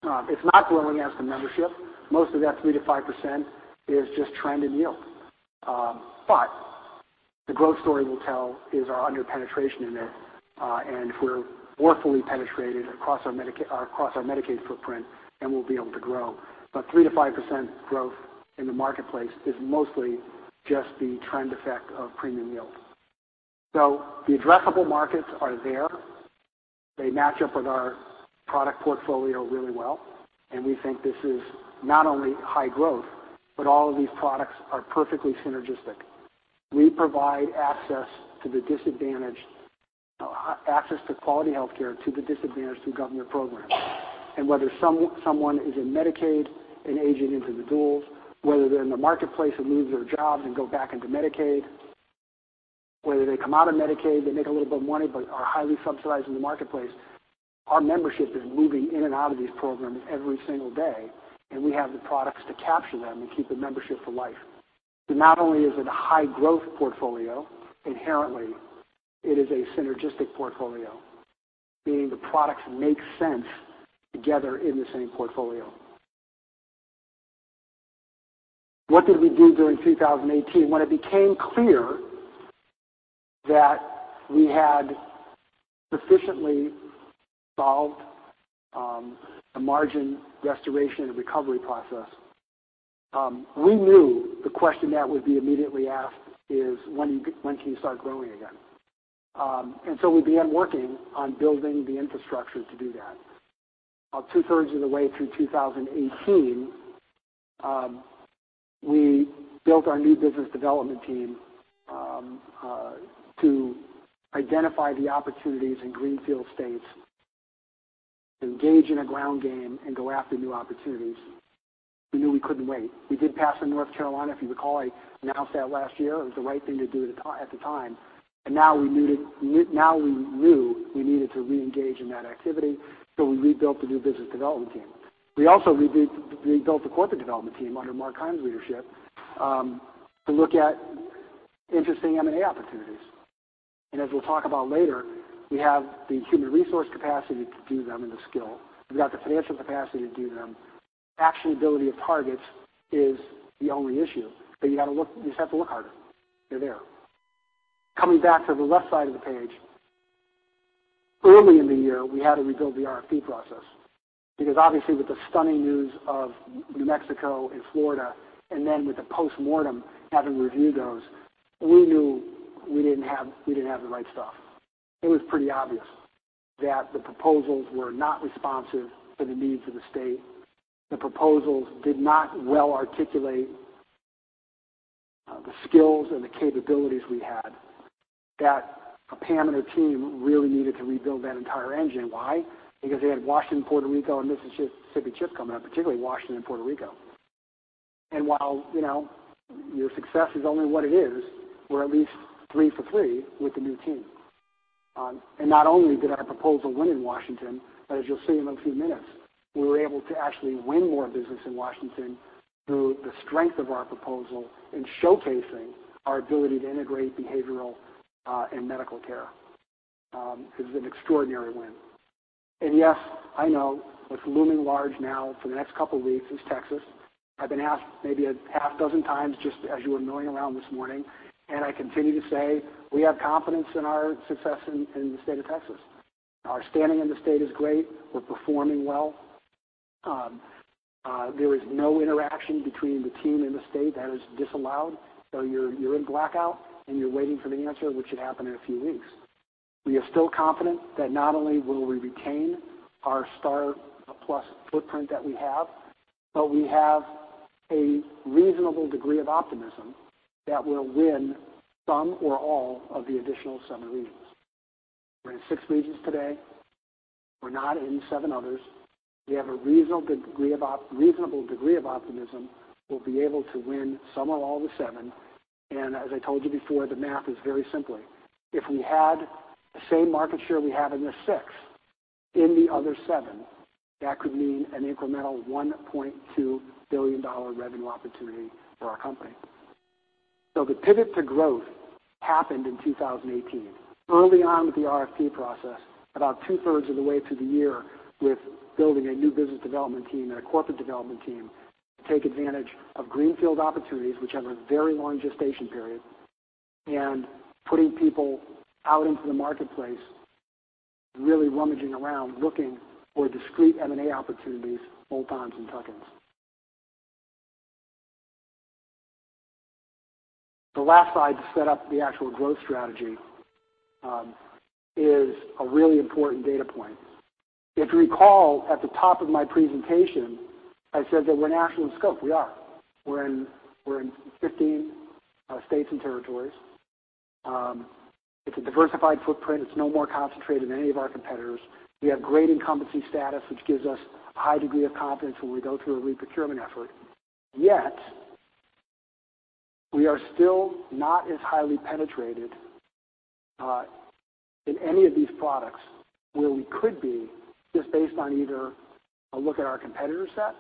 It's not growing as the membership. Most of that 3%-5% is just trend and yield. The growth story we'll tell is our under-penetration in it, and if we're more fully penetrated across our Medicaid footprint, then we'll be able to grow. 3%-5% growth in the marketplace is mostly just the trend effect of premium yield. The addressable markets are there. They match up with our product portfolio really well. We think this is not only high growth, but all of these products are perfectly synergistic. We provide access to quality healthcare to the disadvantaged through government programs. Whether someone is in Medicaid and aging into the duals, whether they're in the marketplace and lose their jobs and go back into Medicaid, whether they come out of Medicaid, they make a little bit of money, but are highly subsidized in the marketplace, our membership is moving in and out of these programs every single day, and we have the products to capture them and keep the membership for life. Not only is it a high growth portfolio, inherently, it is a synergistic portfolio, meaning the products make sense together in the same portfolio. What did we do during 2018? When it became clear that we had sufficiently solved the margin restoration and recovery process, we knew the question that would be immediately asked is, when can you start growing again? We began working on building the infrastructure to do that. About two-thirds of the way through 2018, we built our new business development team to identify the opportunities in greenfield states, engage in a ground game, and go after new opportunities. We knew we couldn't wait. We did pass in North Carolina. If you recall, I announced that last year. It was the right thing to do at the time. Now we knew we needed to reengage in that activity, so we rebuilt the new business development team. We also rebuilt the corporate development team under Mark Keim's leadership to look at interesting M&A opportunities. As we'll talk about later, we have the human resource capacity to do them and the skill. We've got the financial capacity to do them. Actionability of targets is the only issue. You just have to look harder. They're there. Coming back to the left side of the page. Early in the year, we had to rebuild the RFP process because obviously with the stunning news of New Mexico and Florida, then with the postmortem, having reviewed those, we knew we didn't have the right stuff. It was pretty obvious that the proposals were not responsive to the needs of the state. The proposals did not well articulate the skills and the capabilities we had, that Pam and her team really needed to rebuild that entire engine. Why? Because they had Washington, Puerto Rico, and Mississippi CHIP coming up, particularly Washington and Puerto Rico. While your success is only what it is, we're at least three for three with the new team. Not only did our proposal win in Washington, but as you'll see in a few minutes, we were able to actually win more business in Washington through the strength of our proposal in showcasing our ability to integrate behavioral and medical care. It was an extraordinary win. Yes, I know what's looming large now for the next couple of weeks is Texas. I've been asked maybe a half dozen times, just as you were milling around this morning, and I continue to say we have confidence in our success in the state of Texas. Our standing in the state is great. We're performing well. There is no interaction between the team and the state. That is disallowed. You're in blackout, and you're waiting for the answer, which should happen in a few weeks. We are still confident that not only will we retain our STAR+PLUS footprint that we have, but we have a reasonable degree of optimism that we'll win some or all of the additional seven regions. We're in six regions today. We're not in seven others. We have a reasonable degree of optimism we'll be able to win some or all the seven, and as I told you before, the math is very simple. If we had the same market share we have in the six in the other seven, that could mean an incremental $1.2 billion revenue opportunity for our company. The pivot to growth happened in 2018 early on with the RFP process, about two-thirds of the way through the year with building a new business development team and a corporate development team to take advantage of greenfield opportunities, which have a very long gestation period, and putting people out into the marketplace, really rummaging around, looking for discrete M&A opportunities, bolt-ons, and tuck-ins. The last slide to set up the actual growth strategy is a really important data point. If you recall, at the top of my presentation, I said that we're national in scope. We are. We're in 15 states and territories. It's a diversified footprint. It's no more concentrated than any of our competitors. We have great incumbency status, which gives us a high degree of confidence when we go through a re-procurement effort. We are still not as highly penetrated, in any of these products where we could be, just based on either a look at our competitor set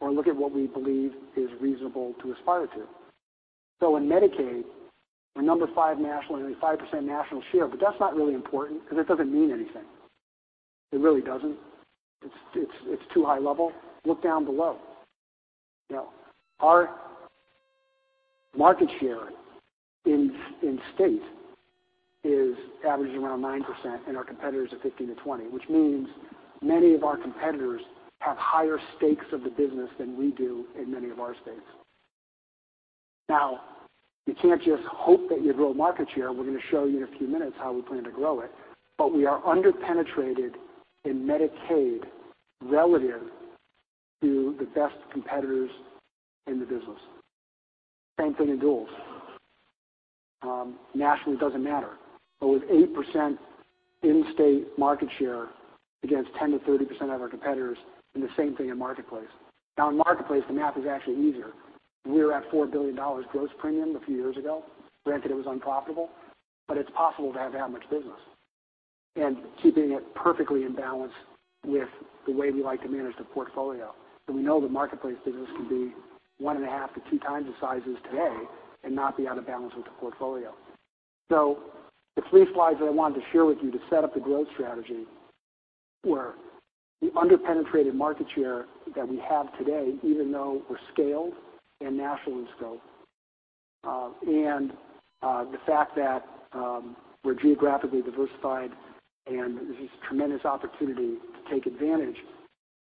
or a look at what we believe is reasonable to aspire to. In Medicaid, we're number 5 nationally, 5% national share, but that's not really important because it doesn't mean anything. It really doesn't. It's too high level. Look down below. Our market share in-state is averaging around 9%, and our competitors are 15%-20%, which means many of our competitors have higher stakes of the business than we do in many of our states. You can't just hope that you grow market share. We're going to show you in a few minutes how we plan to grow it. We are under-penetrated in Medicaid relative to the best competitors in the business. Same thing in duals. Nationally, it doesn't matter. With 8% in-state market share against 10%-30% of our competitors, and the same thing in Marketplace. In Marketplace, the math is actually easier. We were at $4 billion gross premium a few years ago. Granted, it was unprofitable, but it's possible to have that much business and keeping it perfectly in balance with the way we like to manage the portfolio. We know the Marketplace business can be one and a half to two times the size it is today and not be out of balance with the portfolio. The three slides that I wanted to share with you to set up the growth strategy were the under-penetrated market share that we have today, even though we're scaled and national in scope, and the fact that we're geographically diversified, and there's this tremendous opportunity to take advantage,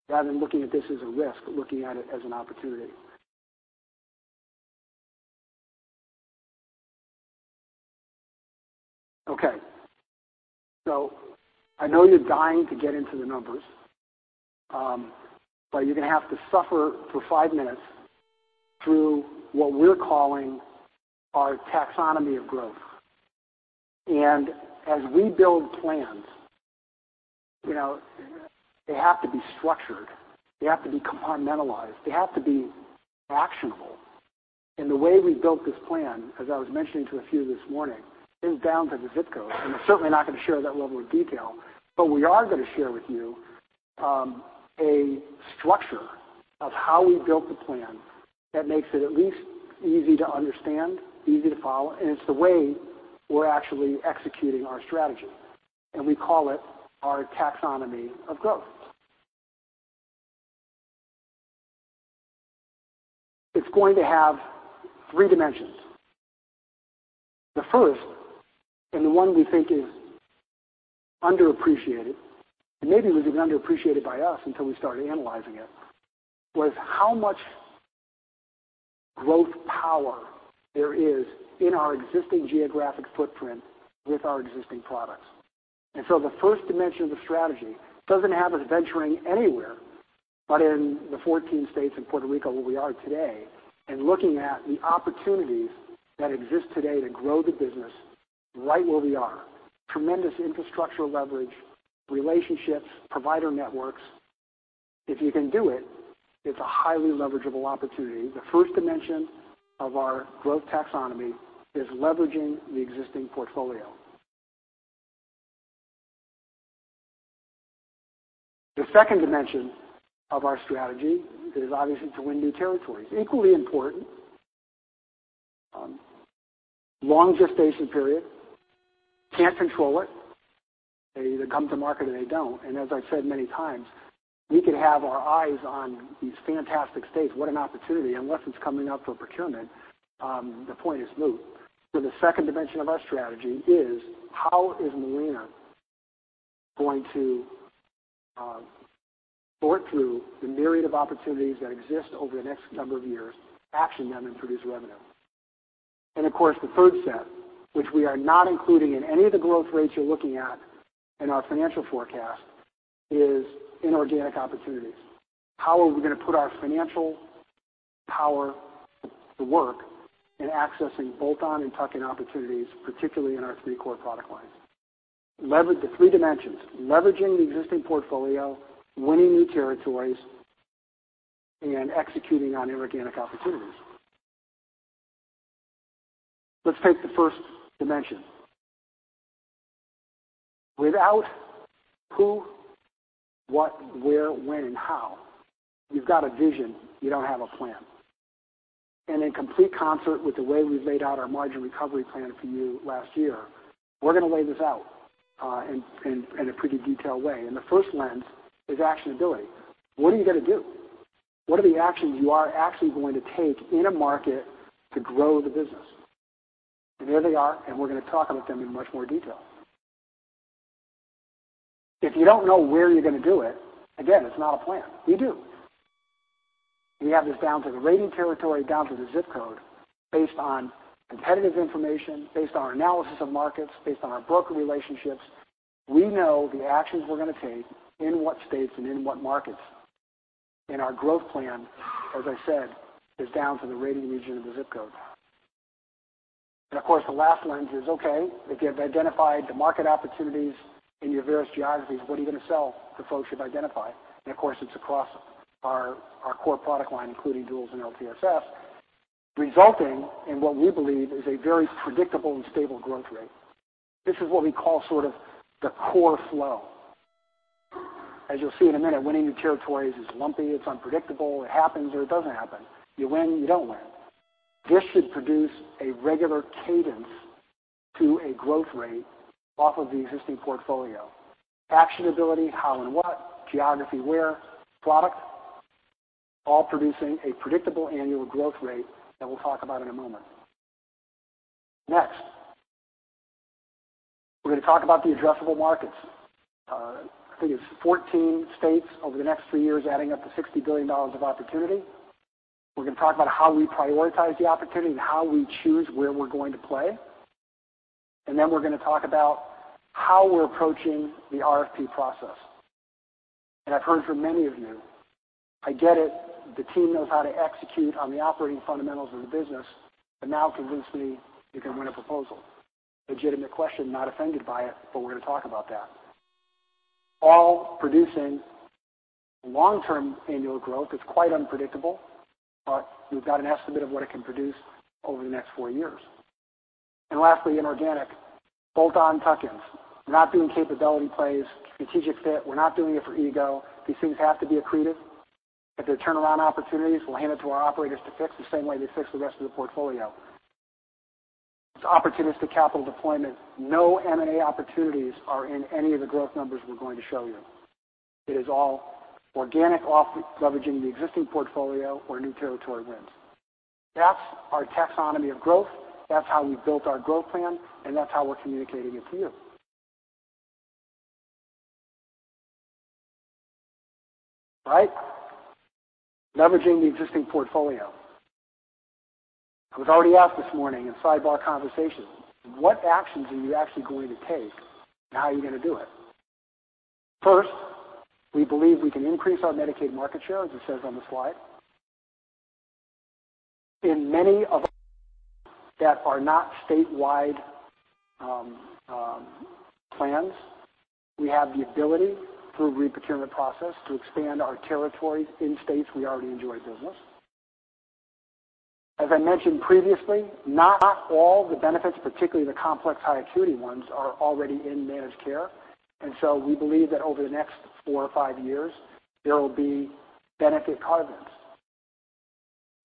rather than looking at this as a risk, looking at it as an opportunity. Okay. I know you're dying to get into the numbers. You're going to have to suffer for five minutes through what we're calling our taxonomy of growth. As we build plans, they have to be structured. They have to be compartmentalized. They have to be actionable. The way we built this plan, as I was mentioning to a few this morning, is down to the ZIP code. We're certainly not going to share that level of detail, we are going to share with you a structure of how we built the plan that makes it at least easy to understand, easy to follow, and it's the way we're actually executing our strategy, we call it our taxonomy of growth. It's going to have three dimensions. The first, the one we think is underappreciated, and maybe it was even underappreciated by us until we started analyzing it, was how much growth power there is in our existing geographic footprint with our existing products. The first dimension of the strategy doesn't have us venturing anywhere but in the 14 states and Puerto Rico where we are today and looking at the opportunities that exist today to grow the business right where we are. Tremendous infrastructural leverage, relationships, provider networks. If you can do it's a highly leverageable opportunity. The first dimension of our growth taxonomy is leveraging the existing portfolio. The second dimension of our strategy is obviously to win new territories. Equally important, long gestation period. Can't control it. They either come to market or they don't. As I've said many times, we could have our eyes on these fantastic states, what an opportunity. Unless it's coming up for procurement, the point is moot. The second dimension of our strategy is how is Molina going to sort through the myriad of opportunities that exist over the next number of years, action them, and produce revenue? Of course, the third set, which we are not including in any of the growth rates you're looking at in our financial forecast, is inorganic opportunities. How are we going to put our financial power to work in accessing bolt-on and tuck-in opportunities, particularly in our three core product lines? The three dimensions, leveraging the existing portfolio, winning new territories, and executing on inorganic opportunities. Let's take the first dimension. Without who, what, where, when, and how, you've got a vision, you don't have a plan. In complete concert with the way we've laid out our margin recovery plan for you last year, we're going to lay this out in a pretty detailed way, and the first lens is actionability. What are you going to do? What are the actions you are actually going to take in a market to grow the business? There they are, and we're going to talk about them in much more detail. If you don't know where you're going to do it, again, it's not a plan. We do. We have this down to the rating territory, down to the ZIP code, based on competitive information, based on our analysis of markets, based on our broker relationships. We know the actions we're going to take, in what states and in what markets. In our growth plan, as I said, is down to the rating region of the ZIP code. Of course, the last lens is, okay, if you have identified the market opportunities in your various geographies, what are you going to sell to folks you've identified? Of course, it's across our core product line, including duals and LTSS, resulting in what we believe is a very predictable and stable growth rate. This is what we call sort of the core flow. As you'll see in a minute, winning new territories is lumpy, it's unpredictable. It happens, or it doesn't happen. You win, you don't win. This should produce a regular cadence to a growth rate off of the existing portfolio. Actionability, how and what, geography, where, product, all producing a predictable annual growth rate that we'll talk about in a moment. Next, we're going to talk about the addressable markets. I think it's 14 states over the next three years, adding up to $60 billion of opportunity. We're going to talk about how we prioritize the opportunity and how we choose where we're going to play. Then we're going to talk about how we're approaching the RFP process. I've heard from many of you, I get it, the team knows how to execute on the operating fundamentals of the business, but now convince me you can win a proposal. Legitimate question, not offended by it, but we're going to talk about that. All producing long-term annual growth is quite unpredictable, but we've got an estimate of what it can produce over the next four years. Lastly, inorganic bolt-on tuck-ins. We're not doing capability plays, strategic fit. We're not doing it for ego. These things have to be accretive. If they're turnaround opportunities, we'll hand it to our operators to fix the same way they fix the rest of the portfolio. It's opportunistic capital deployment. No M&A opportunities are in any of the growth numbers we're going to show you. It is all organic, leveraging the existing portfolio or new territory wins. That's our taxonomy of growth, that's how we've built our growth plan, and that's how we're communicating it to you. Right. Leveraging the existing portfolio. I was already asked this morning in sidebar conversations, what actions are you actually going to take, and how are you going to do it? First, we believe we can increase our Medicaid market share, as it says on the slide. In many of the that are not statewide plans. We have the ability, through a re-procurement process, to expand our territory in states we already enjoy business. As I mentioned previously, not all the benefits, particularly the complex high acuity ones, are already in managed care. We believe that over the next four or five years, there will be benefit carvings,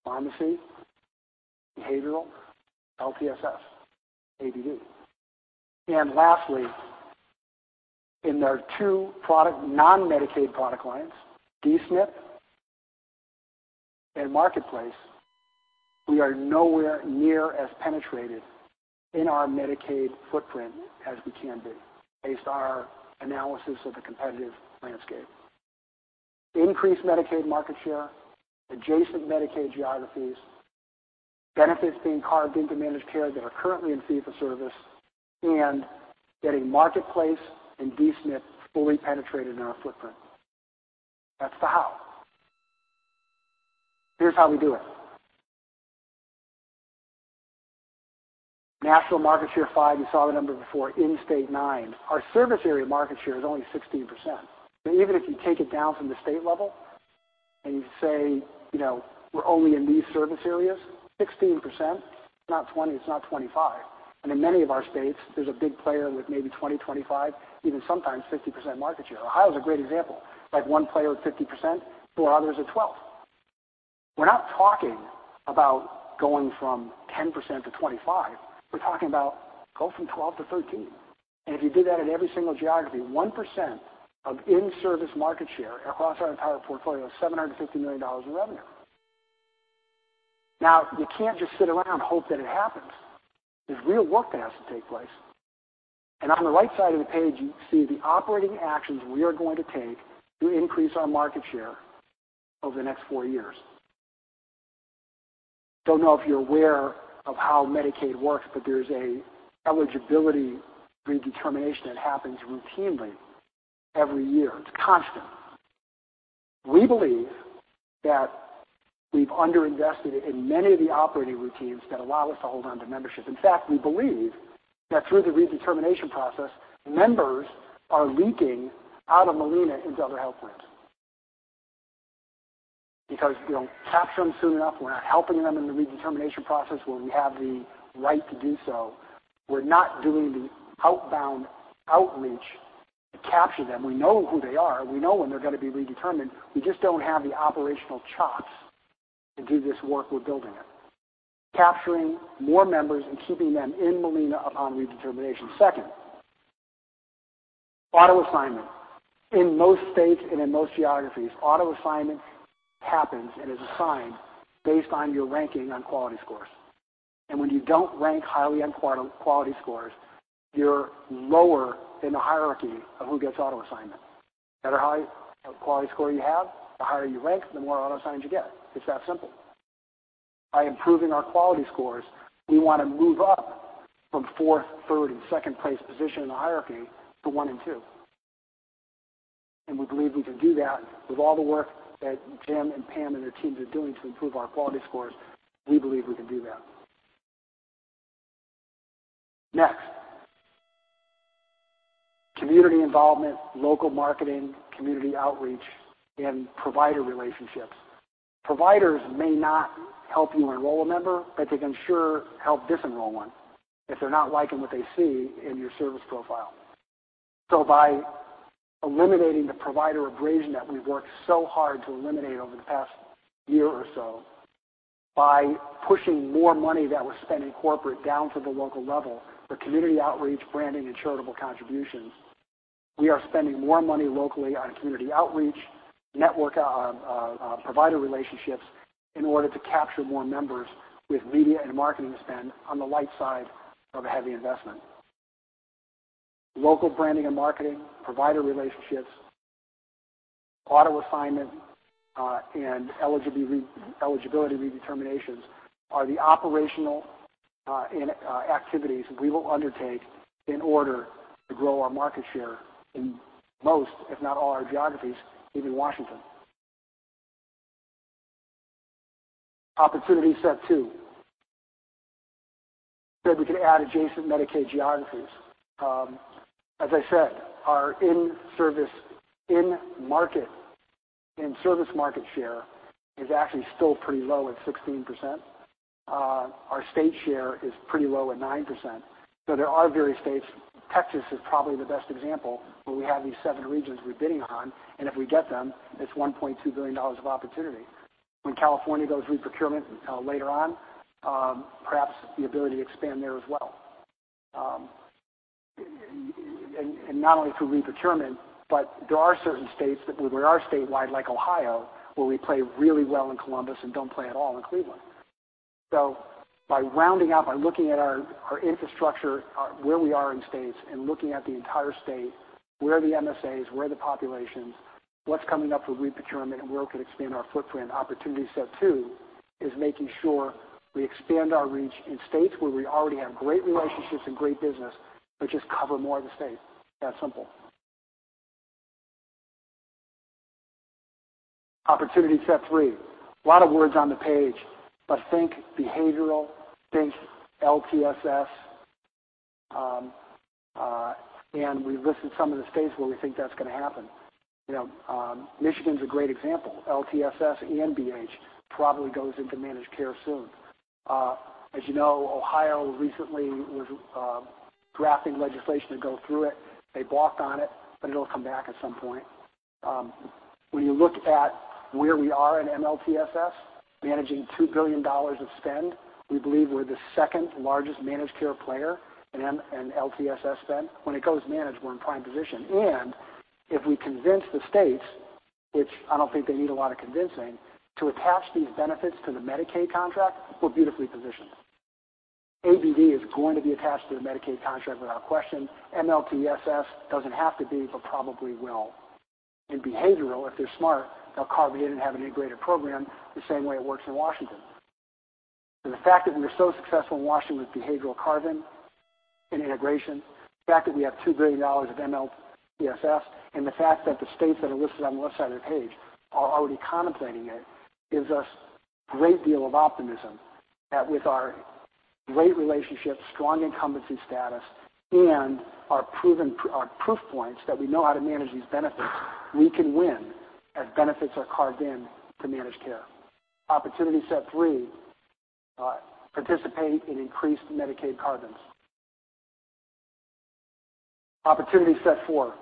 pharmacy, behavioral, LTSS, ABD. Lastly, in our two non-Medicaid product lines, D-SNP and Marketplace, we are nowhere near as penetrated in our Medicaid footprint as we can be, based on our analysis of the competitive landscape. Increased Medicaid market share, adjacent Medicaid geographies, benefits being carved into managed care that are currently in fee-for-service, and getting Marketplace and D-SNP fully penetrated in our footprint. That's the how. Here's how we do it. National market share five, you saw the number before, in state nine. Our service area market share is only 16%. Even if you take it down from the state level and you say, we're only in these service areas, 16%, it's not 20, it's not 25. In many of our states, there's a big player with maybe 20, 25, even sometimes 50% market share. Ohio's a great example, like one player with 50%, four others with 12. We're not talking about going from 10% to 25. We're talking about go from 12 to 13. If you do that in every single geography, 1% of in-service market share across our entire portfolio is $750 million in revenue. Now, you can't just sit around and hope that it happens. There's real work that has to take place. On the right side of the page, you see the operating actions we are going to take to increase our market share over the next four years. Don't know if you're aware of how Medicaid works, but there's an eligibility redetermination that happens routinely every year. It's constant. We believe that we've under-invested in many of the operating routines that allow us to hold onto membership. In fact, we believe that through the redetermination process, members are leaking out of Molina into other health plans because we don't capture them soon enough. We're not helping them in the redetermination process where we have the right to do so. We're not doing the outbound outreach to capture them. We know who they are. We know when they're going to be redetermined. We just don't have the operational chops to do this work. We're building it. Capturing more members and keeping them in Molina upon redetermination. Second, auto assignment. In most states and in most geographies, auto assignment happens and is assigned based on your ranking on quality scores. When you don't rank highly on quality scores, you're lower in the hierarchy of who gets auto assignment. The higher quality score you have, the higher you rank, the more auto assignments you get. It's that simple. By improving our quality scores, we want to move up from fourth, third, and second place position in the hierarchy to one and two. We believe we can do that with all the work that Jim and Pam and their teams are doing to improve our quality scores. We believe we can do that. Next, community involvement, local marketing, community outreach, and provider relationships. Providers may not help you enroll a member, but they can sure help dis-enroll one if they're not liking what they see in your service profile. By eliminating the provider abrasion that we've worked so hard to eliminate over the past year or so, by pushing more money that was spent in corporate down to the local level for community outreach, branding, and charitable contributions, we are spending more money locally on community outreach, network provider relationships in order to capture more members with media and marketing spend on the light side of a heavy investment. Local branding and marketing, provider relationships, auto assignment, and eligibility redeterminations are the operational activities we will undertake in order to grow our market share in most, if not all, our geographies, even Washington. Opportunity set two. Said we could add adjacent Medicaid geographies. As I said, our in-service market share is actually still pretty low at 16%. Our state share is pretty low at 9%. There are various states, Texas is probably the best example, where we have these seven regions we're bidding on, and if we get them, it's $1.2 billion of opportunity. When California goes re-procurement later on, perhaps the ability to expand there as well. Not only through re-procurement, but there are certain states that we are statewide, like Ohio, where we play really well in Columbus and don't play at all in Cleveland. By rounding out, by looking at our infrastructure, where we are in states, and looking at the entire state, where are the MSAs, where are the populations, what's coming up for re-procurement, and where we can expand our footprint. Opportunity set two is making sure we expand our reach in states where we already have great relationships and great business, but just cover more of the state. That simple. Opportunity set three. A lot of words on the page, but think behavioral, think LTSS. We've listed some of the states where we think that's going to happen. Michigan's a great example. LTSS and BH probably goes into managed care soon. As you know, Ohio recently was drafting legislation to go through it. They balked on it, but it'll come back at some point. When you look at where we are in MLTSS, managing $2 billion of spend, we believe we're the second-largest managed care player in LTSS spend. When it goes managed, we're in prime position. If we convince the states, which I don't think they need a lot of convincing, to attach these benefits to the Medicaid contract, we're beautifully positioned. ABD is going to be attached to the Medicaid contract without a question. MLTSS doesn't have to be, but probably will. In behavioral, if they're smart, they'll carve in and have an integrated program the same way it works in Washington. The fact that we were so successful in Washington with behavioral carving and integration, the fact that we have $2 billion of MLTSS, and the fact that the states that are listed on the left side of the page are already contemplating it, gives us great deal of optimism that with our great relationships, strong incumbency status, and our proof points that we know how to manage these benefits, we can win as benefits are carved in to managed care. Opportunity set 3, participate in increased Medicaid carvings. Opportunity set 4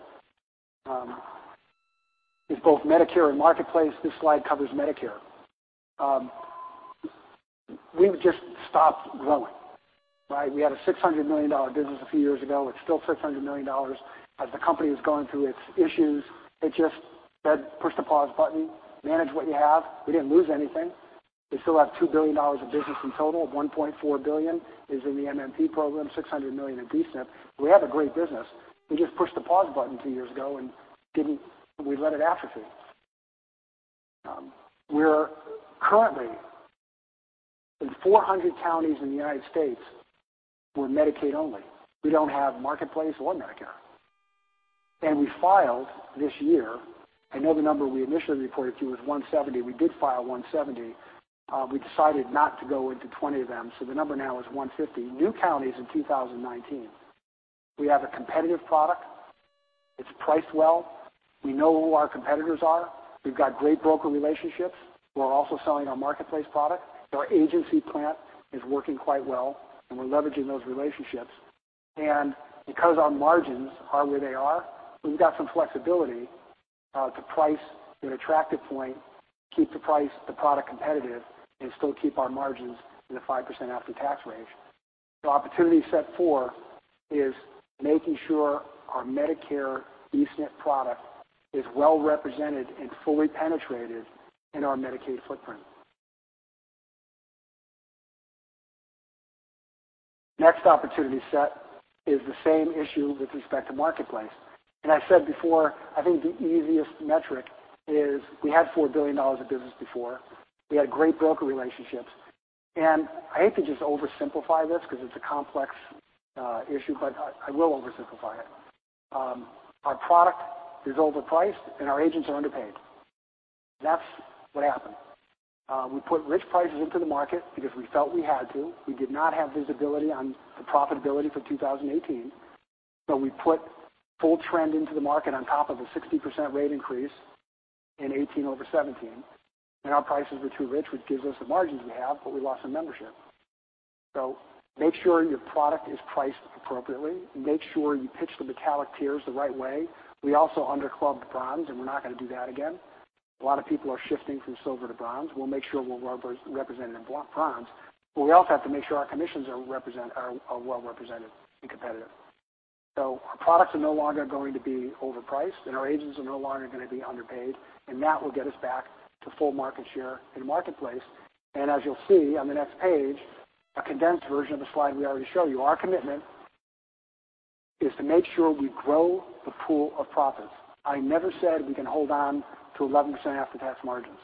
is both Medicare and Marketplace. This slide covers Medicare. We've just stopped growing. We had a $600 million business a few years ago. It's still $600 million. As the company has gone through its issues, it just said, "Push the pause button, manage what you have." We didn't lose anything. We still have $2 billion of business in total. $1.4 billion is in the MMP program, $600 million in D-SNP. We have a great business. We just pushed the pause button two years ago and we let it atrophy. We're currently in 400 counties in the U.S. We're Medicaid only. We don't have Marketplace or Medicare. We filed this year, I know the number we initially reported to you was 170. We did file 170. We decided not to go into 20 of them, so the number now is 150 new counties in 2019. We have a competitive product. It's priced well. We know who our competitors are. We've got great broker relationships who are also selling our Marketplace product. Our agency plant is working quite well, and we're leveraging those relationships. Because our margins are where they are, we've got some flexibility to price an attractive point, keep the price, the product competitive, and still keep our margins in the 5% after-tax range. Opportunity set 4 is making sure our Medicare D-SNP product is well represented and fully penetrated in our Medicaid footprint. Next opportunity set is the same issue with respect to Marketplace. I said before, I think the easiest metric is we had $4 billion of business before. We had great broker relationships. I hate to just oversimplify this because it's a complex issue, but I will oversimplify it. Our product is overpriced, and our agents are underpaid. That's what happened. We put rich prices into the market because we felt we had to. We did not have visibility on the profitability for 2018. We put full trend into the market on top of a 60% rate increase in 2018 over 2017. Our prices were too rich, which gives us the margins we have, but we lost our membership. Make sure your product is priced appropriately. Make sure you pitch the metallic tiers the right way. We also under-clubbed Bronze, and we're not going to do that again. A lot of people are shifting from Silver to Bronze. We'll make sure we're representing Bronze, but we also have to make sure our commissions are well represented and competitive. Our products are no longer going to be overpriced, our agents are no longer going to be underpaid, and that will get us back to full market share in the Marketplace. As you'll see on the next page, a condensed version of a slide we already showed you, our commitment is to make sure we grow the pool of profits. I never said we can hold on to 11% after-tax margins.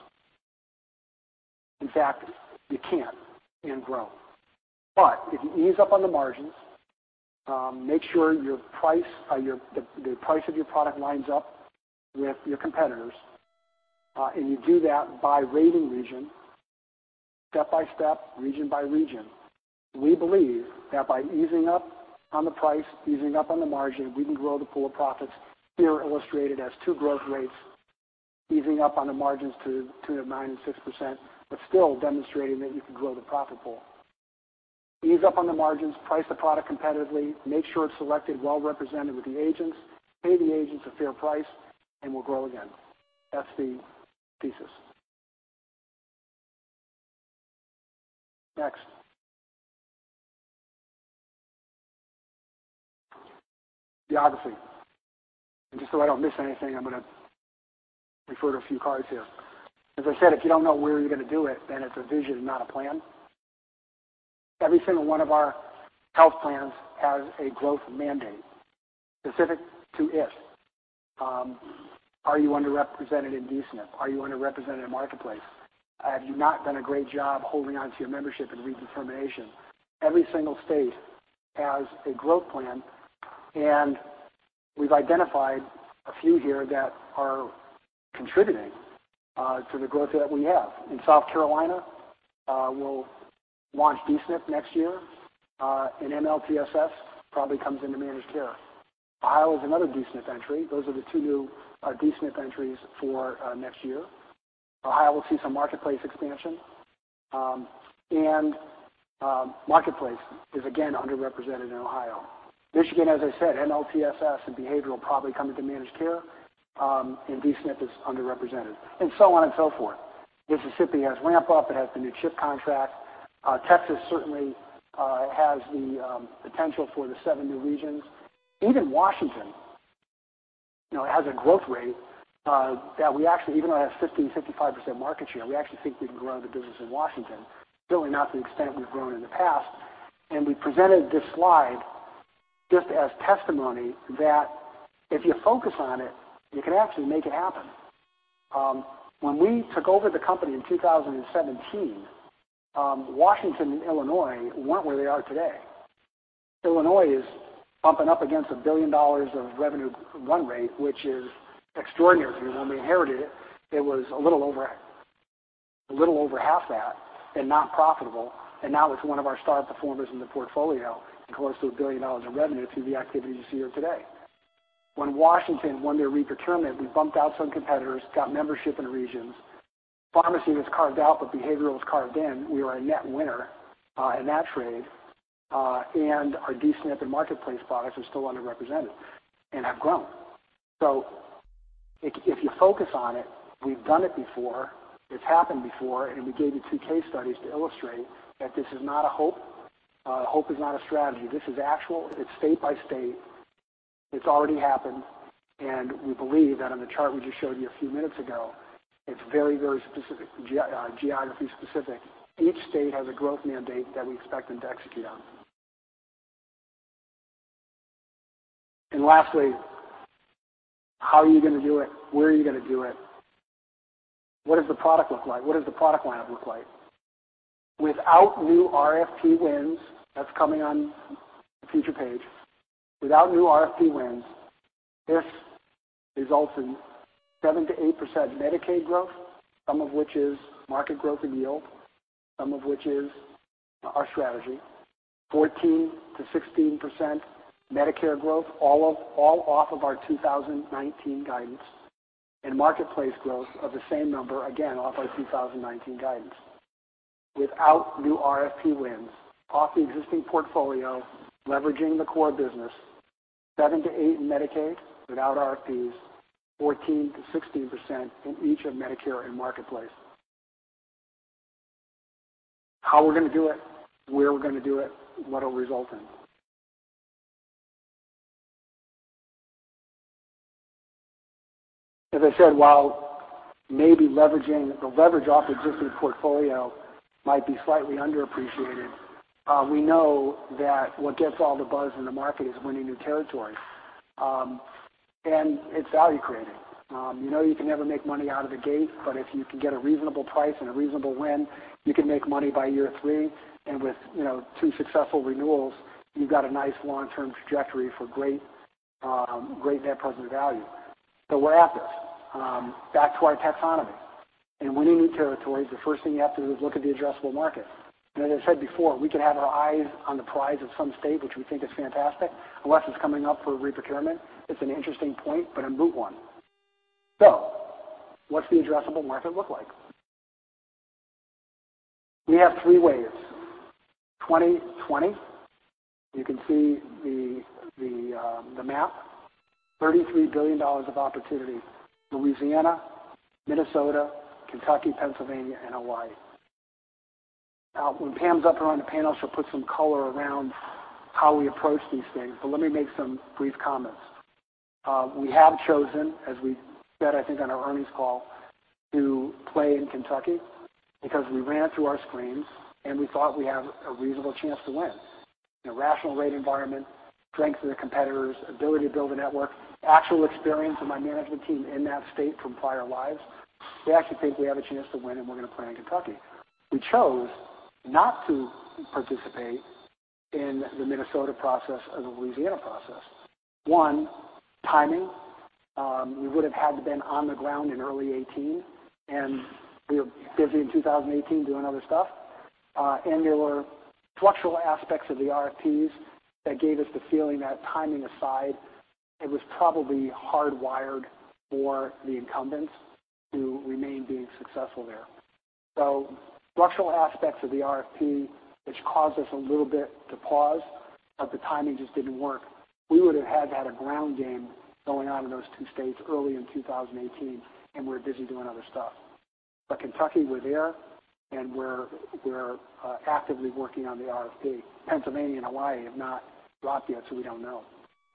In fact, you can't and grow. If you ease up on the margins, make sure the price of your product lines up with your competitors, and you do that by rating region, step by step, region by region. We believe that by easing up on the price, easing up on the margin, we can grow the pool of profits, here illustrated as two growth rates easing up on the margins to nine and 6%, still demonstrating that you can grow the profit pool. Ease up on the margins, price the product competitively, make sure it's selected well represented with the agents, pay the agents a fair price, and we'll grow again. That's the thesis. Next. Geography. Just so I don't miss anything, I'm going to refer to a few cards here. As I said, if you don't know where you're going to do it, then it's a vision, not a plan. Every single one of our health plans has a growth mandate specific to if. Are you underrepresented in D-SNP? Are you underrepresented in Marketplace? Have you not done a great job holding onto your membership and redetermination? Every single state has a growth plan. We've identified a few here that are contributing to the growth that we have. In South Carolina, we'll launch D-SNP next year, and MLTSS probably comes into managed care. Ohio is another D-SNP entry. Those are the two new D-SNP entries for next year. Ohio will see some Marketplace expansion. Marketplace is again underrepresented in Ohio. Michigan, as I said, MLTSS and behavioral probably come into managed care, and D-SNP is underrepresented, and so on and so forth. Mississippi has ramp-up. It has the new CHIP contract. Texas certainly has the potential for the seven new regions. Even Washington has a growth rate that we actually, even though it has 50% and 55% market share, we actually think we can grow the business in Washington, certainly not to the extent we've grown in the past. We presented this slide just as testimony that if you focus on it, you can actually make it happen. When we took over the company in 2017, Washington and Illinois weren't where they are today. Illinois is bumping up against $1 billion of revenue run rate, which is extraordinary to me. When we inherited it was a little over half that and not profitable. Now it's one of our star performers in the portfolio and close to $1 billion in revenue through the activities you see here today. When Washington won their re-procurement, we bumped out some competitors, got membership in the regions. Pharmacy was carved out, but behavioral was carved in. We were a net winner in that trade. Our D-SNP and marketplace products are still underrepresented and have grown. If you focus on it, we've done it before. It's happened before, and we gave you two case studies to illustrate that this is not a hope. Hope is not a strategy. This is actual. It's state by state. It's already happened, and we believe that on the chart we just showed you a few minutes ago, it's very, very specific, geography specific. Each state has a growth mandate that we expect them to execute on. Lastly, how are you going to do it? Where are you going to do it? What does the product look like? What does the product lineup look like? Without new RFP wins, that's coming on the future page. Without new RFP wins, this results in 7%-8% Medicaid growth, some of which is market growth and yield, some of which is our strategy. 14%-16% Medicare growth, all off of our 2019 guidance and marketplace growth of the same number, again, off our 2019 guidance. Without new RFP wins, off the existing portfolio, leveraging the core business, 7%-8% in Medicaid without RFPs, 14%-16% in each of Medicare and Marketplace. How we're going to do it, where we're going to do it, what it'll result in. As I said, while maybe the leverage off existing portfolio might be slightly underappreciated, we know that what gets all the buzz in the market is winning new territory. It's value creating. You know you can never make money out of the gate, but if you can get a reasonable price and a reasonable win, you can make money by year three, and with two successful renewals, you've got a nice long-term trajectory for great net present value. Back to our taxonomy. In winning new territories, the first thing you have to do is look at the addressable market. As I said before, we could have our eyes on the prize of some state which we think is fantastic. Unless it's coming up for re-procurement, it's an interesting point, but a moot one. What's the addressable market look like? We have three waves. 2020, you can see the map. $33 billion of opportunity. Louisiana, Minnesota, Kentucky, Pennsylvania, and Hawaii. When Pam's up here on the panel, she'll put some color around how we approach these things, but let me make some brief comments. We have chosen, as we said, I think, on our earnings call, to play in Kentucky because we ran it through our screens and we thought we have a reasonable chance to win. A rational rate environment, strength of the competitors, ability to build a network, actual experience of my management team in that state from prior lives. We actually think we have a chance to win, and we're going to play in Kentucky. We chose not to participate in the Minnesota process or the Louisiana process. One, timing. We would have had to been on the ground in early 2018, and we were busy in 2018 doing other stuff. There were structural aspects of the RFPs that gave us the feeling that timing aside, it was probably hardwired for the incumbents to remain being successful there. Structural aspects of the RFP, which caused us a little bit to pause, the timing just didn't work. We would have had to have a ground game going on in those two states early in 2018, and we were busy doing other stuff. Kentucky, we're there, and we're actively working on the RFP. Pennsylvania and Hawaii have not dropped yet, so we don't know.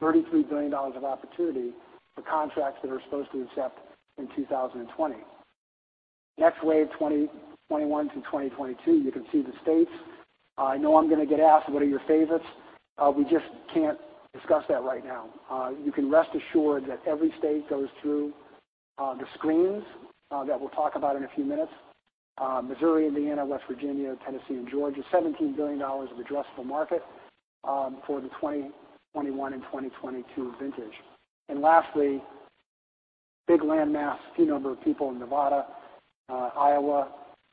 $33 billion of opportunity for contracts that are supposed to accept in 2020. Next wave, 2021-2022. You can see the states. I know I'm going to get asked, what are your favorites? We just can't discuss that right now. You can rest assured that every state goes through the screens that we'll talk about in a few minutes: Missouri, Indiana, West Virginia, Tennessee, and Georgia. $17 billion of addressable market for the 2021 and 2022 vintage. Lastly, big land mass, few number of people in Nevada, Iowa.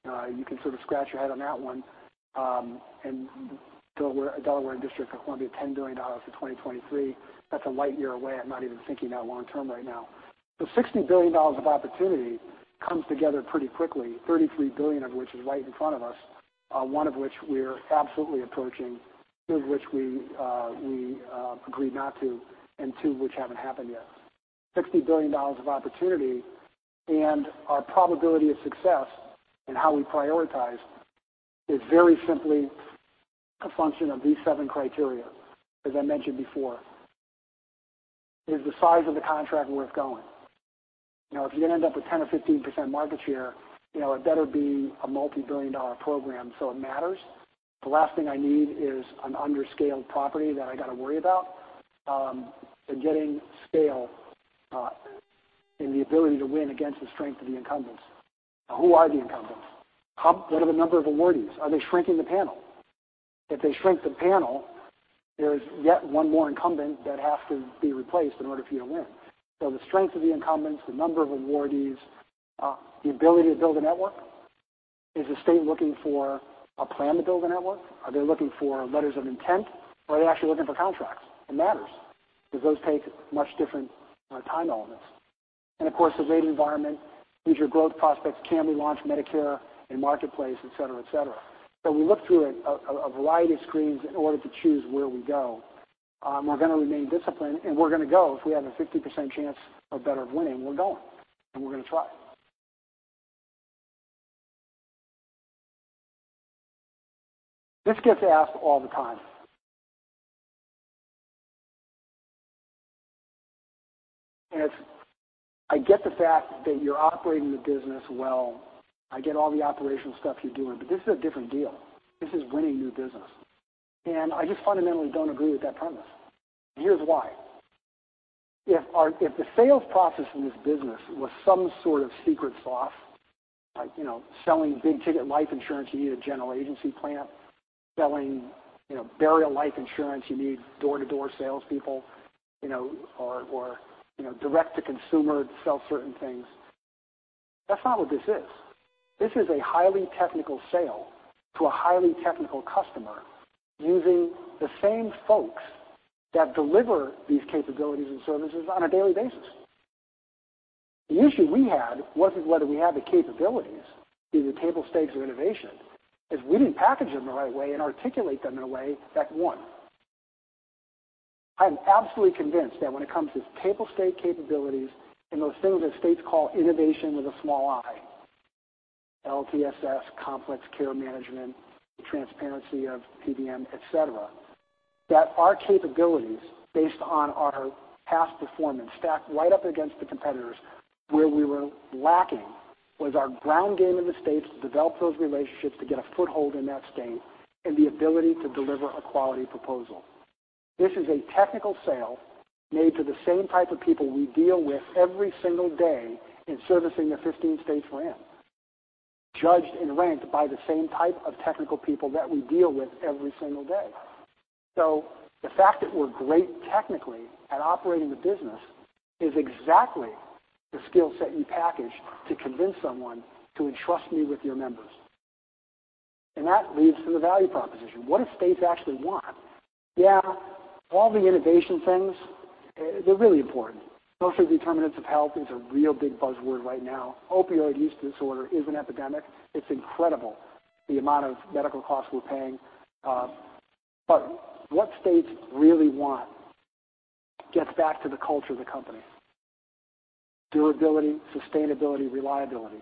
You can sort of scratch your head on that one. Delaware and District of Columbia, $10 billion for 2023. That's a light year away. I'm not even thinking that long-term right now. $60 billion of opportunity comes together pretty quickly, $33 billion of which is right in front of us. One of which we're absolutely approaching, two of which we agreed not to, and two which haven't happened yet. $60 billion of opportunity, our probability of success and how we prioritize is very simply a function of these seven criteria, as I mentioned before. Is the size of the contract worth going? If you're going to end up with 10% or 15% market share, it better be a multi-billion dollar program so it matters. The last thing I need is an under-scaled property that I got to worry about. Getting scale and the ability to win against the strength of the incumbents. Who are the incumbents? What are the number of awardees? Are they shrinking the panel? If they shrink the panel, there's yet one more incumbent that has to be replaced in order for you to win. The strength of the incumbents, the number of awardees, the ability to build a network. Is the state looking for a plan to build a network? Are they looking for letters of intent, or are they actually looking for contracts? It matters, because those take much different time elements. Of course, the rate environment, future growth prospects. Can we launch Medicare and Marketplace, et cetera. We look through a variety of screens in order to choose where we go. We're going to remain disciplined, and we're going to go. If we have a 50% chance or better of winning, we're going, and we're going to try. This gets asked all the time. I get the fact that you're operating the business well. I get all the operational stuff you're doing, this is a different deal. This is winning new business. I just fundamentally don't agree with that premise. Here's why. If the sales process in this business was some sort of secret sauce, like selling big-ticket life insurance, you need a general agency plan. Selling burial life insurance, you need door-to-door salespeople, or direct to consumer to sell certain things. That's not what this is. This is a highly technical sale to a highly technical customer using the same folks that deliver these capabilities and services on a daily basis. The issue we had wasn't whether we had the capabilities, either table stakes or innovation. We didn't package them the right way and articulate them in a way that won. I'm absolutely convinced that when it comes to table stake capabilities and those things that states call innovation with a small I, LTSS, complex care management, transparency of PBM, et cetera, that our capabilities, based on our past performance, stack right up against the competitors. Where we were lacking was our ground game in the states to develop those relationships to get a foothold in that state and the ability to deliver a quality proposal. This is a technical sale made to the same type of people we deal with every single day in servicing the 15 states we're in, judged and ranked by the same type of technical people that we deal with every single day. The fact that we're great technically at operating the business is exactly the skill set you package to convince someone to entrust me with your members. That leads to the value proposition. What do states actually want? Yeah, all the innovation things, they're really important. Social determinants of health is a real big buzzword right now. Opioid use disorder is an epidemic. It's incredible the amount of medical costs we're paying. What states really want gets back to the culture of the company. Durability, sustainability, reliability.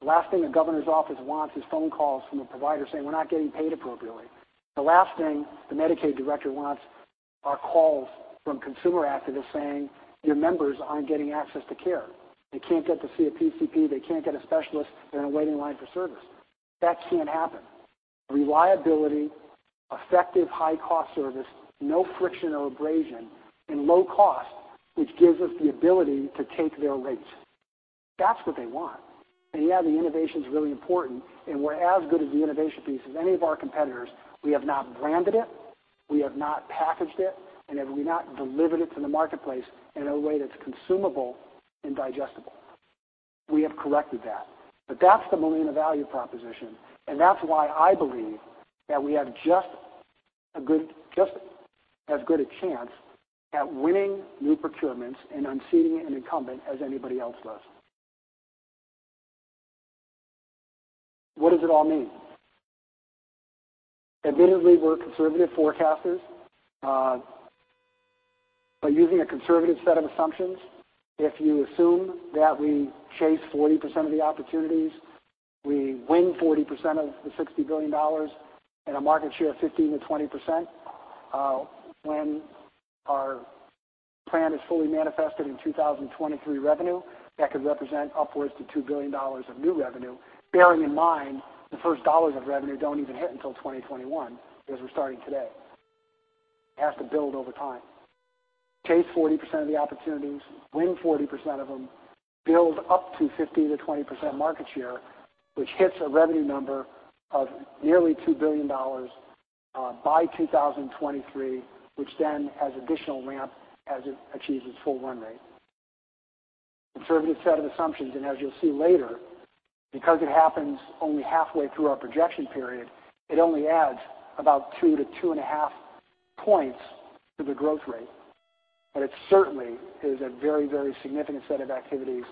The last thing a governor's office wants is phone calls from a provider saying, "We're not getting paid appropriately." The last thing the Medicaid director wants are calls from consumer activists saying, "Your members aren't getting access to care. They can't get to see a PCP. They can't get a specialist. They're in a waiting line for service." That can't happen. Reliability, effective high-cost service, no friction or abrasion, and low cost, which gives us the ability to take their rates. That's what they want. Yeah, the innovation's really important, and we're as good at the innovation piece as any of our competitors. We have not branded it, we have not packaged it, and have we not delivered it to the marketplace in a way that's consumable and digestible. We have corrected that. That's the Molina value proposition, and that's why I believe that we have just as good a chance at winning new procurements and unseating an incumbent as anybody else does. What does it all mean? Admittedly, we're conservative forecasters. By using a conservative set of assumptions, if you assume that we chase 40% of the opportunities, we win 40% of the $60 billion, and a market share of 15%-20%, when our plan is fully manifested in 2023 revenue, that could represent upwards to $2 billion of new revenue, bearing in mind the first dollars of revenue don't even hit until 2021, because we're starting today. It has to build over time. Chase 40% of the opportunities, win 40% of them, build up to 15%-20% market share, which hits a revenue number of nearly $2 billion by 2023, which then has additional ramp as it achieves its full run rate. Conservative set of assumptions, and as you'll see later, because it happens only halfway through our projection period, it only adds about 2 to 2.5 points to the growth rate. It certainly is a very significant set of activities,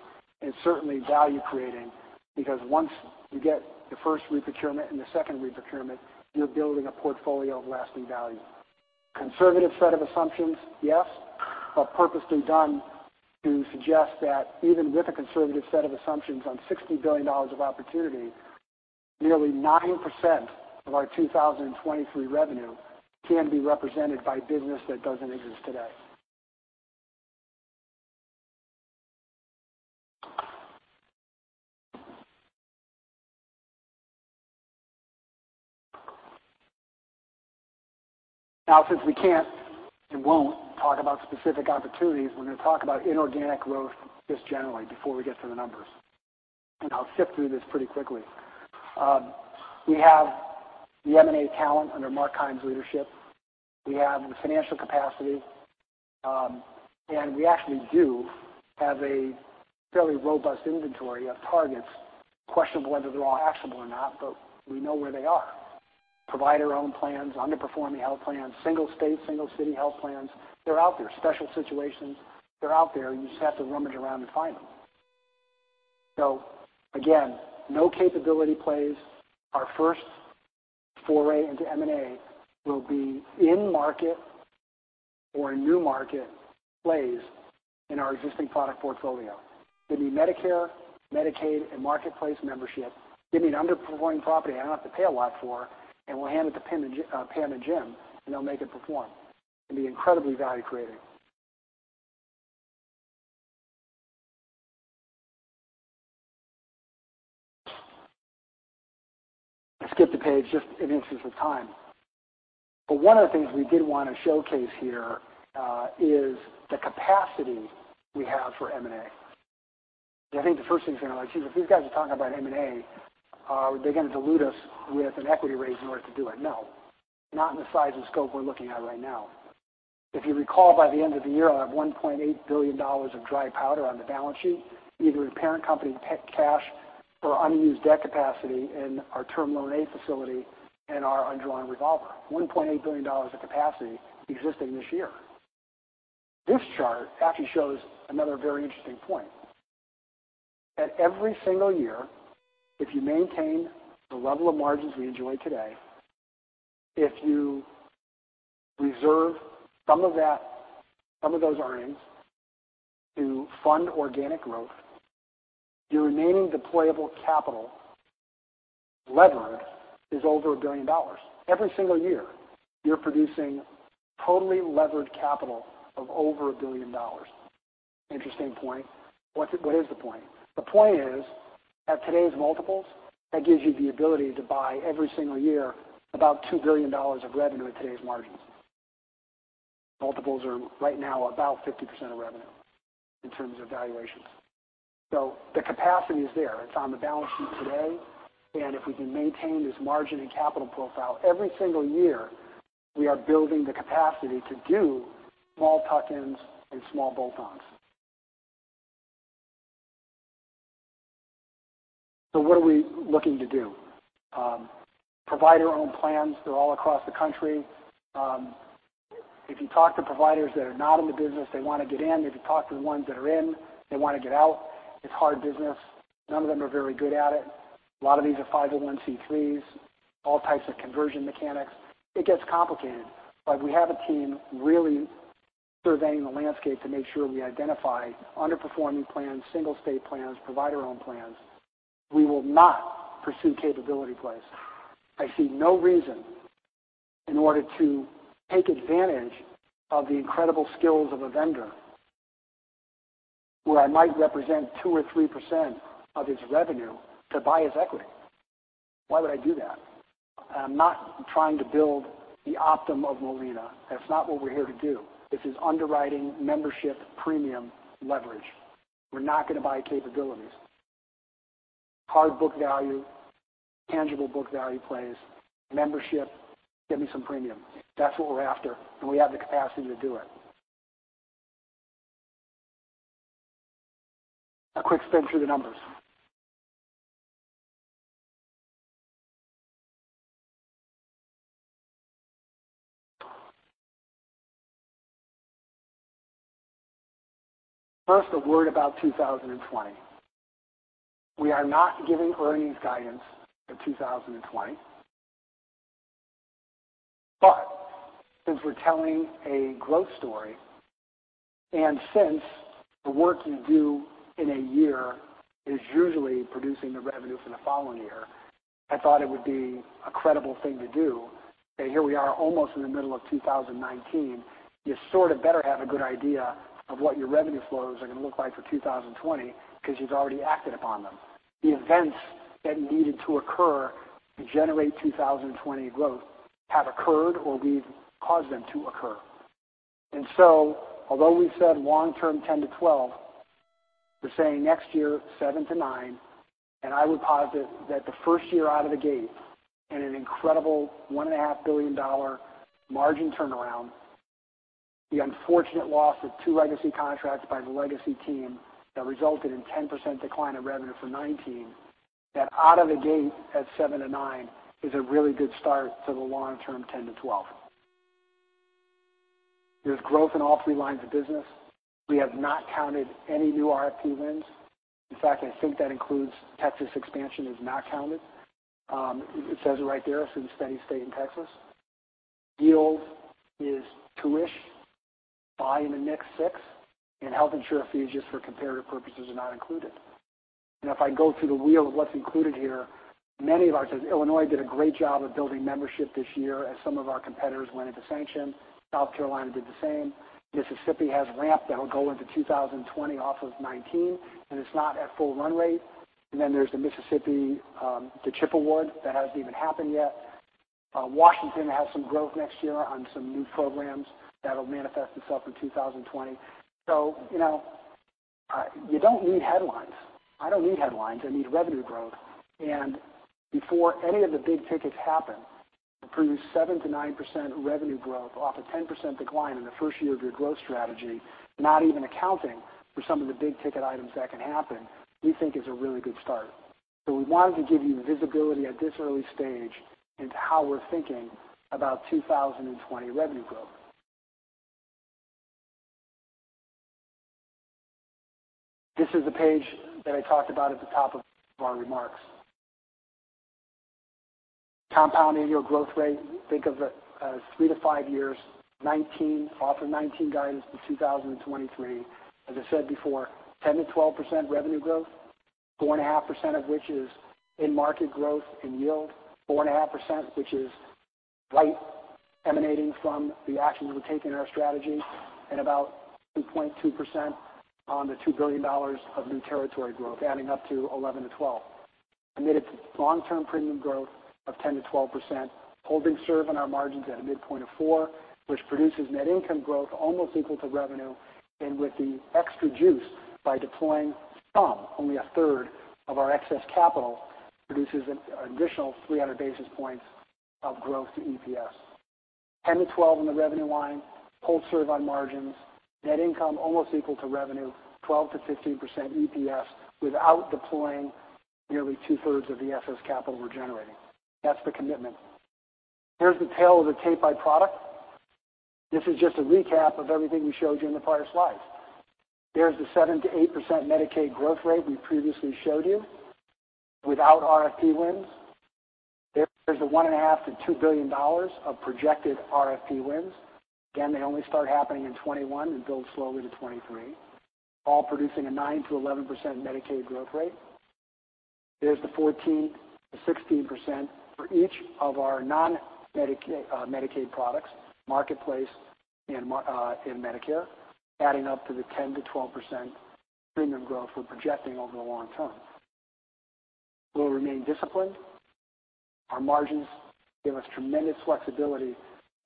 and certainly value-creating, because once you get the first re-procurement and the second re-procurement, you're building a portfolio of lasting value. Conservative set of assumptions, yes, but purposely done to suggest that even with a conservative set of assumptions on $60 billion of opportunity, nearly 9% of our 2023 revenue can be represented by business that doesn't exist today. Since we can't and won't talk about specific opportunities, we're going to talk about inorganic growth just generally before we get to the numbers, and I'll skip through this pretty quickly. We have the M&A talent under Mark Keim's leadership. We have the financial capacity. We actually do have a fairly robust inventory of targets. Questionable whether they're all actionable or not, but we know where they are. Provider-owned plans, underperforming health plans, single state, single city health plans. They're out there. Special situations, they're out there, and you just have to rummage around and find them. Again, no capability plays. Our first foray into M&A will be in-market or a new market plays in our existing product portfolio. Give me Medicare, Medicaid, and Marketplace membership. Give me an underperforming property I don't have to pay a lot for, and we'll hand it to Pam and Jim, and they'll make it perform. It'll be incredibly value-creating. I skipped a page just in the interest of time. One of the things we did want to showcase here is the capacity we have for M&A. Because I think the first thing is going to be like, "Geez, if these guys are talking about M&A, are they going to dilute us with an equity raise in order to do it?" No. Not in the size and scope we're looking at right now. If you recall, by the end of the year, I'll have $1.8 billion of dry powder on the balance sheet, either in parent company cash or unused debt capacity in our term loan A facility and our undrawn revolver. $1.8 billion of capacity existing this year. This chart actually shows another very interesting point. That every single year, if you maintain the level of margins we enjoy today, if you reserve some of those earnings to fund organic growth, your remaining deployable capital leverage is over $1 billion. Every single year, you're producing totally levered capital of over $1 billion. Interesting point. What is the point? The point is, at today's multiples, that gives you the ability to buy every single year about $2 billion of revenue at today's margins. Multiples are right now about 50% of revenue in terms of valuations. The capacity is there. It's on the balance sheet today. If we can maintain this margin and capital profile every single year, we are building the capacity to do small tuck-ins and small bolt-ons. What are we looking to do? Provider-owned plans, they're all across the country. If you talk to providers that are not in the business, they want to get in. If you talk to the ones that are in, they want to get out. It's hard business. None of them are very good at it. A lot of these are 501(c)(3)s, all types of conversion mechanics. It gets complicated. We have a team really surveying the landscape to make sure we identify underperforming plans, single state plans, provider-owned plans. We will not pursue capability plays. I see no reason in order to take advantage of the incredible skills of a vendor where I might represent 2% or 3% of his revenue to buy his equity. Why would I do that? I'm not trying to build the Optum of Molina. That's not what we're here to do. This is underwriting membership premium leverage. We're not going to buy capabilities. Hard book value, tangible book value plays, membership, give me some premium. That's what we're after, and we have the capacity to do it. A quick spin through the numbers. First, a word about 2020. We are not giving earnings guidance for 2020. Since we're telling a growth story, and since the work you do in a year is usually producing the revenue for the following year, I thought it would be a credible thing to do that here we are almost in the middle of 2019. You sort of better have a good idea of what your revenue flows are going to look like for 2020, because you've already acted upon them. The events that needed to occur to generate 2020 growth have occurred, or we've caused them to occur. Although we said long-term 10%-12%, we're saying next year, 7%-9%, and I would posit that the first year out of the gate, in an incredible $1.5 billion margin turnaround, the unfortunate loss of two legacy contracts by the legacy team that resulted in 10% decline of revenue for 2019, that out of the gate at 7%-9% is a really good start to the long-term 10%-12%. There's growth in all three lines of business. We have not counted any new RFP wins. In fact, I think that includes Texas expansion is not counted. It says it right there. It says steady state in Texas. Yield is 2-ish, buy in the next six, and Health Insurer Fees just for comparative purposes are not included. If I go through the wheel of what's included here, many of our states, Illinois did a great job of building membership this year as some of our competitors went into sanction. South Carolina did the same. Mississippi has ramp that'll go into 2020 off of 2019, and it's not at full run rate. Then there's the Mississippi, the CHIP award, that hasn't even happened yet. Washington has some growth next year on some new programs that'll manifest itself in 2020. You don't need headlines. I don't need headlines. I need revenue growth. Before any of the big tickets happen, to produce 7%-9% revenue growth off a 10% decline in the first year of your growth strategy, not even accounting for some of the big-ticket items that can happen, we think is a really good start. We wanted to give you visibility at this early stage into how we're thinking about 2020 revenue growth. This is the page that I talked about at the top of our remarks. Compound annual growth rate, think of it as three to five years, off of 2019 guidance to 2023. As I said before, 10%-12% revenue growth, 4.5% of which is in market growth and yield, 4.5%, which is light emanating from the actions we've taken in our strategy, and about 2.2% on the $2 billion of new territory growth, adding up to 11 to 12. Admitted long-term premium growth of 10%-12%, holding serve on our margins at a midpoint of four, which produces net income growth almost equal to revenue, and with the extra juice by deploying some, only a third, of our excess capital produces an additional 300 basis points of growth to EPS. 10 to 12 in the revenue line, hold serve on margins, net income almost equal to revenue, 12%-15% EPS without deploying nearly two-thirds of the excess capital we're generating. That's the commitment. Here's the tail of the tape by product. This is just a recap of everything we showed you in the prior slides. There's the 7%-8% Medicaid growth rate we previously showed you without RFP wins. There's the $1.5 billion-$2 billion of projected RFP wins. They only start happening in 2021 and build slowly to 2023, all producing a 9%-11% Medicaid growth rate. There's the 14%-16% for each of our non-Medicaid products, Marketplace and Medicare, adding up to the 10%-12% premium growth we're projecting over the long term. We'll remain disciplined. Our margins give us tremendous flexibility to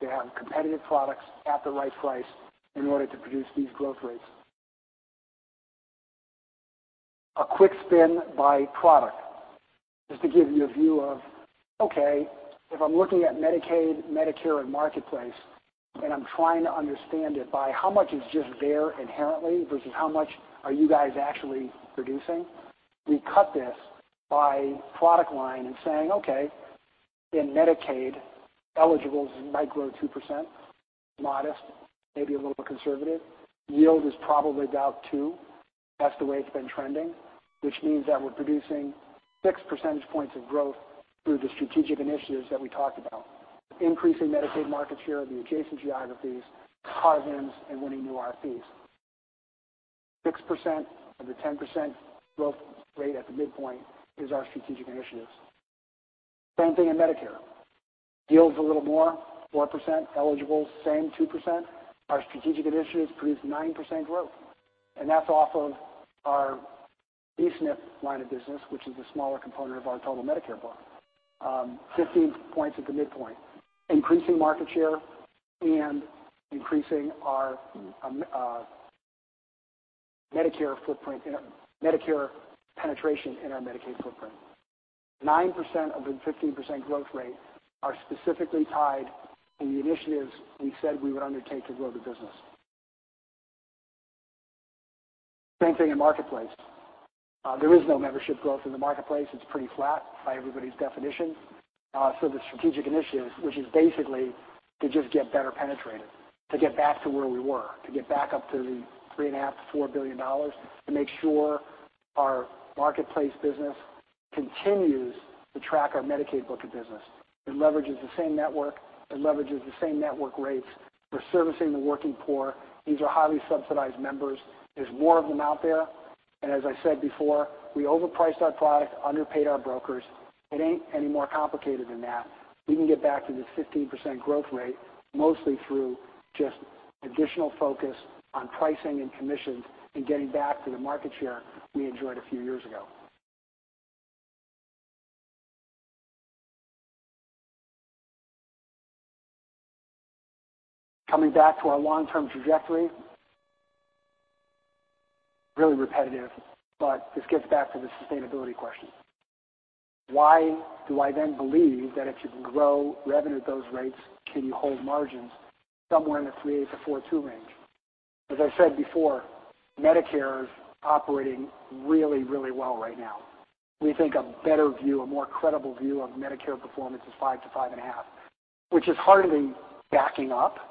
have competitive products at the right price in order to produce these growth rates. A quick spin by product, just to give you a view of, okay, if I'm looking at Medicaid, Medicare, and Marketplace, and I'm trying to understand it by how much is just there inherently versus how much are you guys actually producing? We cut this by product line and saying, okay, in Medicaid, eligibles might grow 2%, modest, maybe a little conservative. Yield is probably about two. That's the way it's been trending, which means that we're producing six percentage points of growth through the strategic initiatives that we talked about. Increasing Medicaid market share, the adjacent geographies, card wins, and winning new RFPs. 6% of the 10% growth rate at the midpoint is our strategic initiatives. Same thing in Medicare. Yields a little more, 4%. Eligible, same 2%. Our strategic initiatives produce 9% growth, and that's off of our D-SNP line of business, which is a smaller component of our total Medicare book. 15 points at the midpoint. Increasing market share and increasing our Medicare penetration in our Medicaid footprint. 9% of the 15% growth rate are specifically tied in the initiatives we said we would undertake to grow the business. Same thing in Marketplace. There is no membership growth in the Marketplace. It's pretty flat by everybody's definition. The strategic initiatives, which is basically to just get better penetrated, to get back to where we were, to get back up to the $3.5 billion, $4 billion, to make sure our Marketplace business continues to track our Medicaid book of business. It leverages the same network, it leverages the same network rates. We're servicing the working poor. These are highly subsidized members. There's more of them out there. As I said before, we overpriced our product, underpaid our brokers. It ain't any more complicated than that. We can get back to the 15% growth rate mostly through just additional focus on pricing and commissions and getting back to the market share we enjoyed a few years ago. Coming back to our long-term trajectory, really repetitive, but this gets back to the sustainability question. Why do I then believe that if you can grow revenue at those rates, can you hold margins somewhere in the 3.8%-4.2% range? As I said before, Medicare is operating really, really well right now. We think a better view, a more credible view of Medicare performance is 5%-5.5%, which is hardly backing up.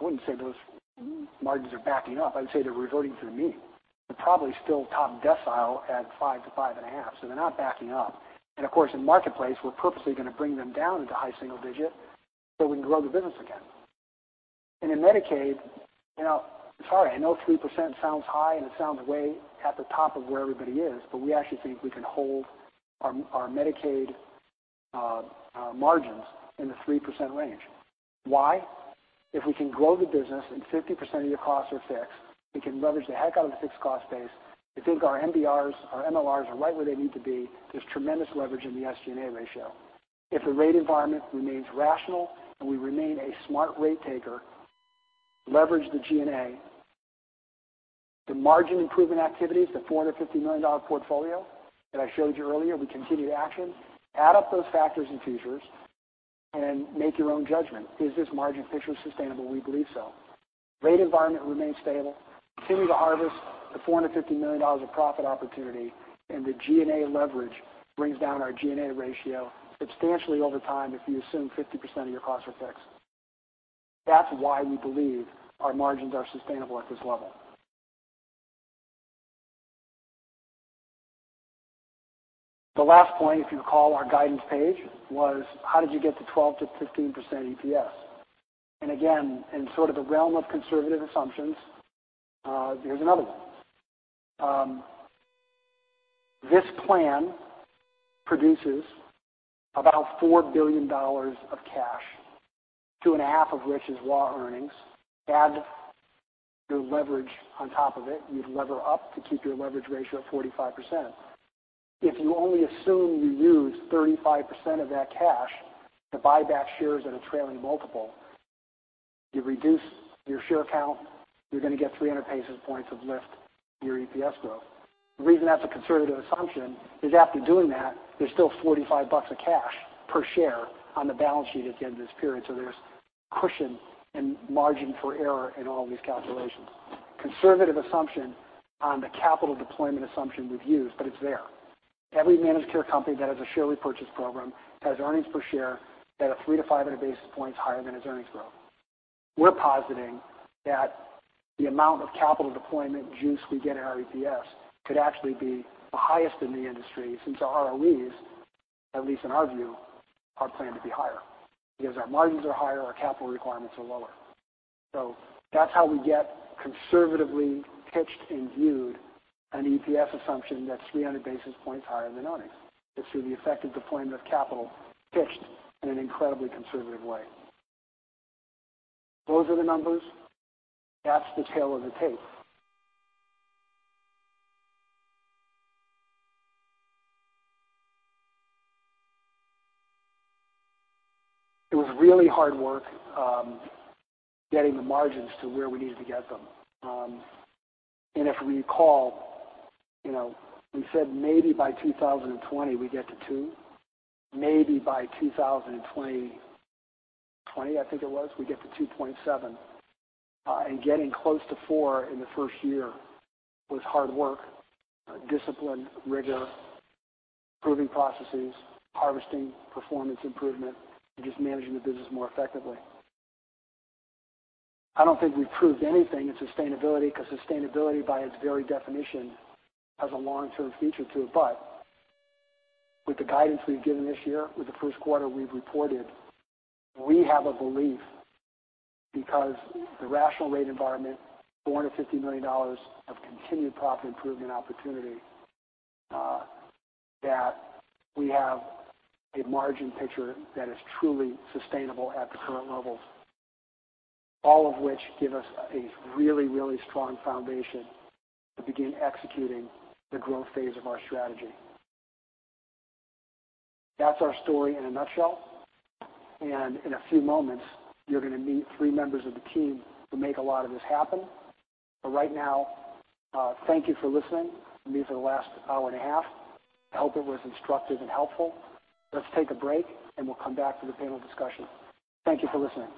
I wouldn't say those margins are backing up. I would say they're reverting to the mean. They're probably still top decile at 5%-5.5%, so they're not backing up. Of course, in Marketplace, we're purposely going to bring them down into high single digit so we can grow the business again. In Medicaid, sorry, I know 3% sounds high, and it sounds way at the top of where everybody is, but we actually think we can hold our Medicaid margins in the 3% range. Why? If we can grow the business and 50% of your costs are fixed, we can leverage the heck out of the fixed cost base. I think our IBNRs, our MLRs are right where they need to be. There's tremendous leverage in the SG&A ratio. If the rate environment remains rational and we remain a smart rate taker, leverage the G&A, the margin improvement activities, the $450 million portfolio that I showed you earlier, we continue to action, add up those factors and teasers and make your own judgment. Is this margin picture sustainable? We believe so. Rate environment remains stable. Continue to harvest the $450 million of profit opportunity, and the G&A leverage brings down our G&A ratio substantially over time if you assume 50% of your costs are fixed. That's why we believe our margins are sustainable at this level. The last point, if you recall our guidance page, was how did you get to 12%-15% EPS? Again, in sort of the realm of conservative assumptions, here's another one. This plan produces about $4 billion of cash, $2.5 of which is raw earnings. Add your leverage on top of it. You'd lever up to keep your leverage ratio at 45%. If you only assume you use 35% of that cash to buy back shares at a trailing multiple, you reduce your share count, you're going to get 300 basis points of lift your EPS growth. The reason that's a conservative assumption is after doing that, there's still $45 of cash per share on the balance sheet at the end of this period, so there's cushion and margin for error in all these calculations. Conservative assumption on the capital deployment assumption we've used, but it's there. Every managed care company that has a share repurchase program has earnings per share that are 300-500 basis points higher than its earnings growth. We're positing that the amount of capital deployment juice we get in our EPS could actually be the highest in the industry since our ROEs, at least in our view, are planned to be higher because our margins are higher, our capital requirements are lower. That's how we get conservatively pitched and viewed an EPS assumption that's 300 basis points higher than earnings. It's through the effect of deployment of capital pitched in an incredibly conservative way. Those are the numbers. That's the tale of the tape. It was really hard work getting the margins to where we needed to get them. If we recall, we said maybe by 2020 we get to two, maybe by 2020, I think it was, we get to 2.7. Getting close to four in the first year was hard work, discipline, rigor, improving processes, harvesting performance improvement, and just managing the business more effectively. I don't think we proved anything in sustainability because sustainability by its very definition has a long-term feature to it. With the guidance we've given this year, with the first quarter we've reported, we have a belief because the rational rate environment, $450 million of continued profit improvement opportunity that we have a margin picture that is truly sustainable at the current levels. All of which give us a really, really strong foundation to begin executing the growth phase of our strategy. That's our story in a nutshell. In a few moments, you're going to meet three members of the team who make a lot of this happen. Right now, thank you for listening to me for the last hour and a half. I hope it was instructive and helpful. Let's take a break, and we'll come back for the panel discussion. Thank you for listening.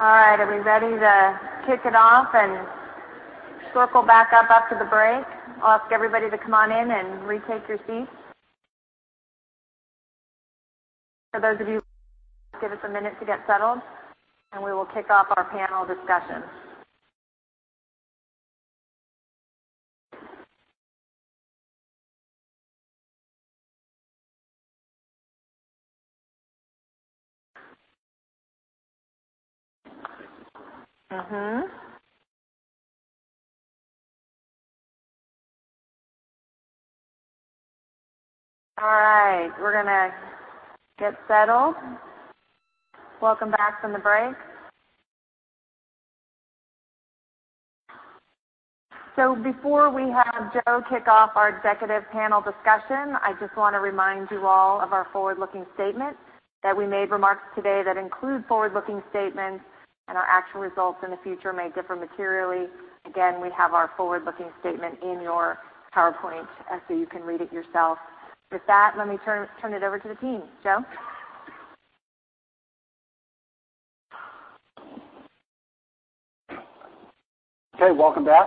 All right. Are we ready to kick it off and circle back up after the break? I will ask everybody to come on in and retake your seats. For those of you, give us a minute to get settled, and we will kick off our panel discussion. All right. We are going to get settled. Welcome back from the break. Before we have Joe kick off our executive panel discussion, I just want to remind you all of our forward-looking statements, that we made remarks today that include forward-looking statements, and our actual results in the future may differ materially. Again, we have our forward-looking statement in your PowerPoint, so you can read it yourself. With that, let me turn it over to the team. Joe? Okay, welcome back.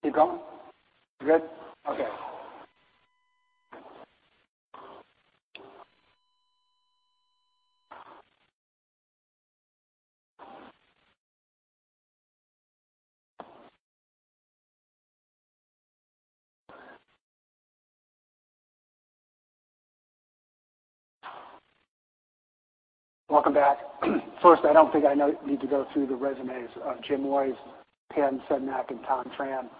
Still gone? We are good? Okay. Welcome back. First, I do not think I need to go through the resumes of Jim Woys, Ken Sedmak, and Thomas Tran,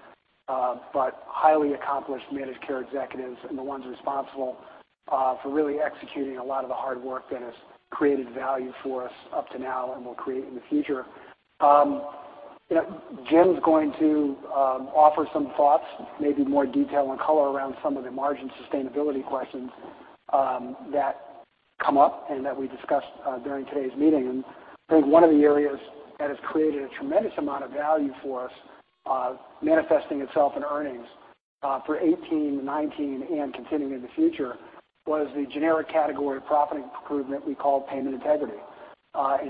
but highly accomplished managed care executives and the ones responsible for really executing a lot of the hard work that has created value for us up to now and will create in the future. Jim is going to offer some thoughts, maybe more detail and color around some of the margin sustainability questions that come up and that we discussed during today's meeting. I think one of the areas that has created a tremendous amount of value for us, manifesting itself in earnings, for 2018, 2019, and continuing in the future, was the generic category of profit improvement we call payment integrity.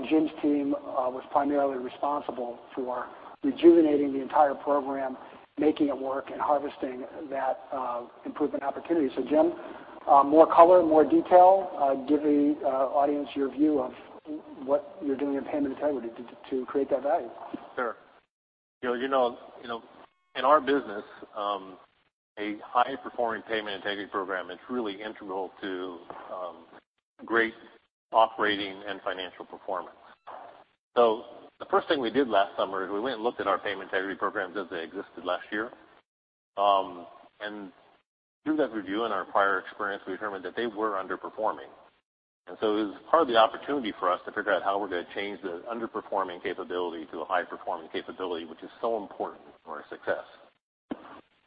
Jim's team was primarily responsible for rejuvenating the entire program, making it work, and harvesting that improvement opportunity. Jim, more color, more detail, give the audience your view of what you are doing in payment integrity to create that value. Sure. In our business, a high-performing payment integrity program, it is really integral to great operating and financial performance. The first thing we did last summer is we went and looked at our payment integrity programs as they existed last year. Through that review and our prior experience, we determined that they were underperforming. It was partly an opportunity for us to figure out how we are going to change the underperforming capability to a high-performing capability, which is so important for our success.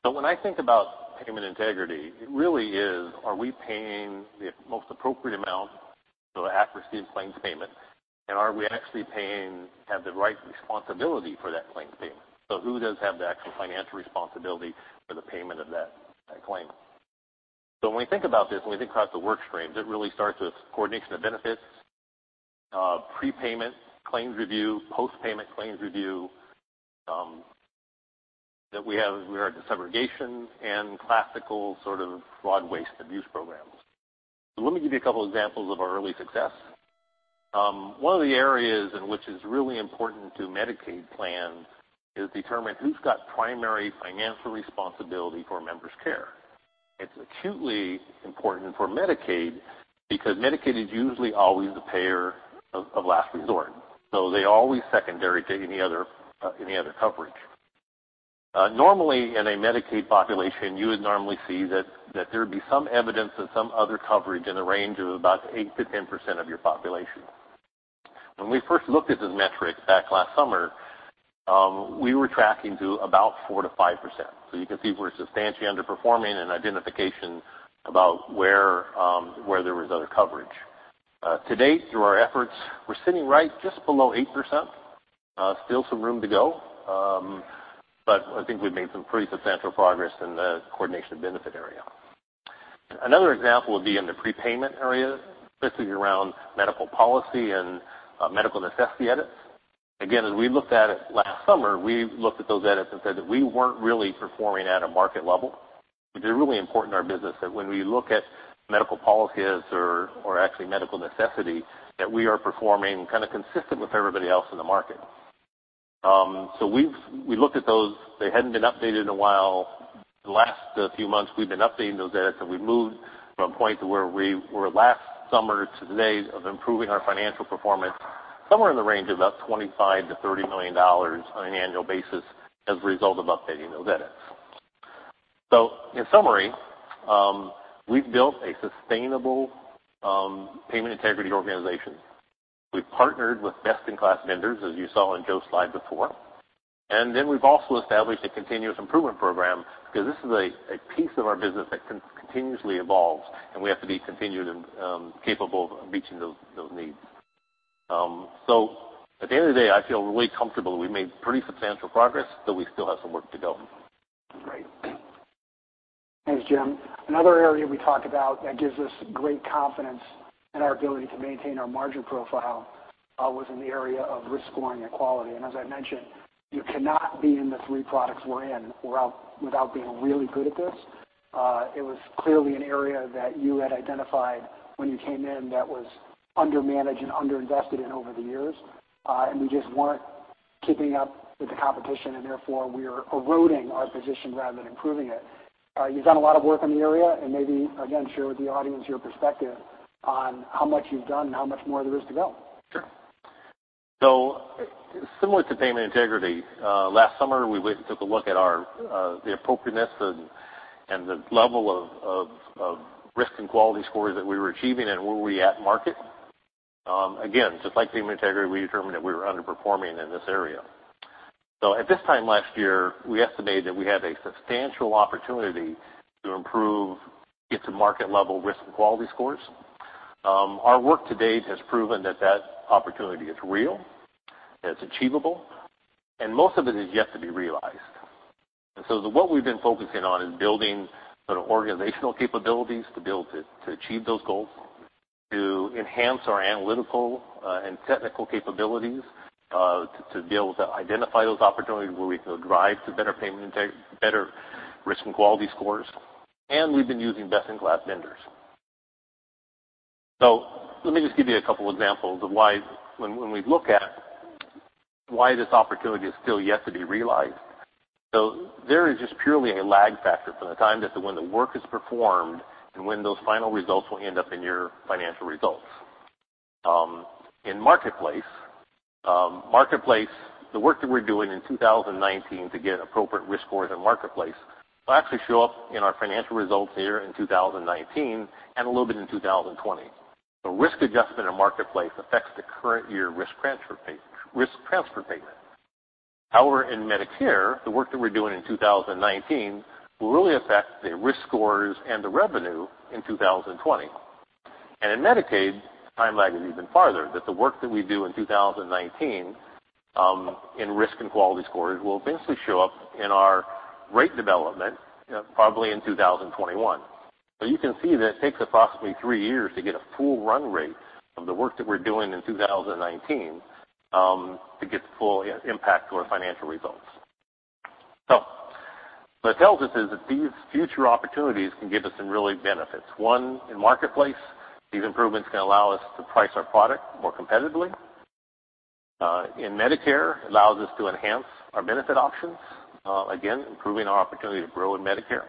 When I think about payment integrity, it really is, are we paying the most appropriate amount, so accuracy in claims payment, and are we actually paying, have the right responsibility for that claim payment? Who does have the actual financial responsibility for the payment of that claim? When we think about this and we think across the work streams, it really starts with coordination of benefits, prepayment claims review, post-payment claims review, that we have disaggregation and classical sort of fraud, waste, abuse programs. Let me give you a couple examples of our early success. One of the areas in which is really important to Medicaid plans is determine who's got primary financial responsibility for a member's care. It's acutely important for Medicaid because Medicaid is usually always the payer of last resort, so they're always secondary to any other coverage. Normally, in a Medicaid population, you would normally see that there would be some evidence of some other coverage in the range of about 8%-10% of your population. When we first looked at this metric back last summer, we were tracking to about 4%-5%. You can see we're substantially underperforming in identification about where there was other coverage. To date, through our efforts, we're sitting right just below 8%. Still some room to go, but I think we've made some pretty substantial progress in the coordination of benefit area. Another example would be in the prepayment area, specifically around medical policy and medical necessity edits. As we looked at it last summer, we looked at those edits and said that we weren't really performing at a market level. It's really important in our business that when we look at medical policies or actually medical necessity, that we are performing consistent with everybody else in the market. We looked at those. They hadn't been updated in a while. The last few months, we've been updating those edits, and we've moved from a point to where we were last summer to today of improving our financial performance somewhere in the range of about $25 million-$30 million on an annual basis as a result of updating those edits. In summary, we've built a sustainable payment integrity organization. We've partnered with best-in-class vendors, as you saw in Joe's slide before. We've also established a continuous improvement program because this is a piece of our business that continuously evolves, and we have to be continued and capable of meeting those needs. At the end of the day, I feel really comfortable that we've made pretty substantial progress, but we still have some work to go. Great. Thanks, Jim. Another area we talked about that gives us great confidence in our ability to maintain our margin profile was in the area of risk scoring and quality. As I mentioned, you cannot be in the three products we're in without being really good at this. It was clearly an area that you had identified when you came in that was undermanaged and under-invested in over the years. We just weren't keeping up with the competition, and therefore we are eroding our position rather than improving it. You've done a lot of work in the area, and maybe, again, share with the audience your perspective on how much you've done and how much more there is to go. Sure. Similar to payment integrity, last summer we went and took a look at the appropriateness and the level of risk and quality scores that we were achieving and where we at market. Again, just like payment integrity, we determined that we were underperforming in this area. At this time last year, we estimated that we had a substantial opportunity to improve, get to market level risk and quality scores. Our work to date has proven that that opportunity is real, it's achievable, and most of it is yet to be realized. What we've been focusing on is building sort of organizational capabilities to be able to achieve those goals, to enhance our analytical and technical capabilities, to be able to identify those opportunities where we can drive to better risk and quality scores. We've been using best-in-class vendors. Let me just give you a couple examples of when we look at why this opportunity is still yet to be realized. There is just purely a lag factor from the time that when the work is performed and when those final results will end up in your financial results. In Marketplace, the work that we're doing in 2019 to get appropriate risk scores in Marketplace will actually show up in our financial results here in 2019 and a little bit in 2020. The risk adjustment in Marketplace affects the current year risk transfer payment. However, in Medicare, the work that we're doing in 2019 will really affect the risk scores and the revenue in 2020. In Medicaid, the time lag is even farther, that the work that we do in 2019 in risk and quality scores will basically show up in our rate development probably in 2021. You can see that it takes approximately three years to get a full run rate of the work that we're doing in 2019 to get the full impact to our financial results. What it tells us is that these future opportunities can give us some really benefits. One, in Marketplace, these improvements can allow us to price our product more competitively. In Medicare, it allows us to enhance our benefit options, again, improving our opportunity to grow in Medicare.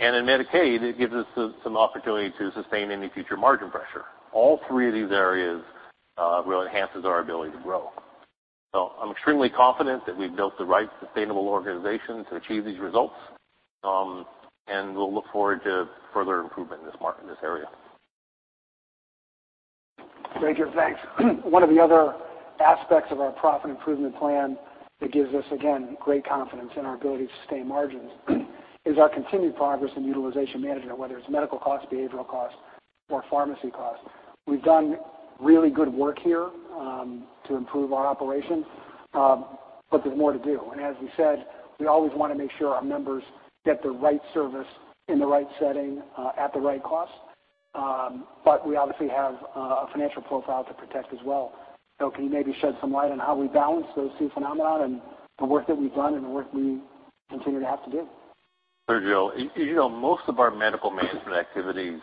In Medicaid, it gives us some opportunity to sustain any future margin pressure. All three of these areas really enhances our ability to grow. I'm extremely confident that we've built the right sustainable organization to achieve these results, and we'll look forward to further improvement in this area. Great, Jim. Thanks. One of the other aspects of our profit improvement plan that gives us, again, great confidence in our ability to sustain margins, is our continued progress in utilization management, whether it's medical costs, behavioral costs, or pharmacy costs. We've done really good work here to improve our operations, but there's more to do. As we said, we always want to make sure our members get the right service in the right setting at the right cost. We obviously have a financial profile to protect as well. Can you maybe shed some light on how we balance those two phenomena and the work that we've done and the work we continue to have to do? Sure, Joe. Most of our medical management activities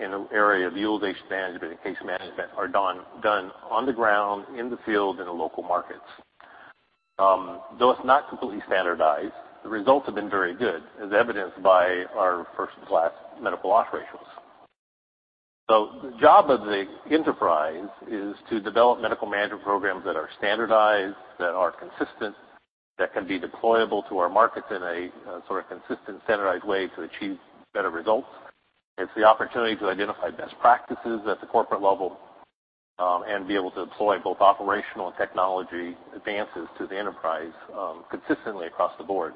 in the area of utilization management and case management are done on the ground, in the field, in the local markets. Though it's not completely standardized, the results have been very good, as evidenced by our first-class medical loss ratios. The job of the enterprise is to develop medical management programs that are standardized, that are consistent, that can be deployable to our markets in a sort of consistent, standardized way to achieve better results. It's the opportunity to identify best practices at the corporate level, and be able to deploy both operational and technology advances to the enterprise consistently across the board.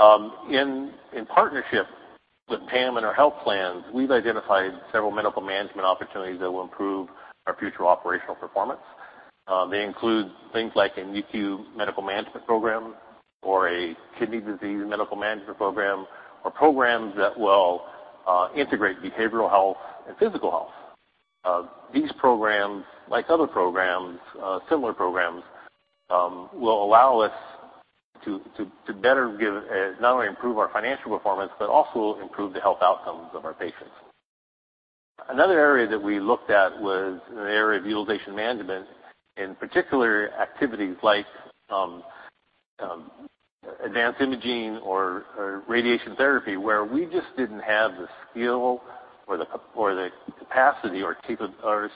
In partnership with Pam and our health plans, we've identified several medical management opportunities that will improve our future operational performance. They include things like a NICU medical management program or a kidney disease medical management program, or programs that will integrate behavioral health and physical health. These programs, like other programs, similar programs, will allow us to not only improve our financial performance, but also improve the health outcomes of our patients. Another area that we looked at was in the area of utilization management, in particular activities like advanced imaging or radiation therapy, where we just didn't have the skill or the capacity or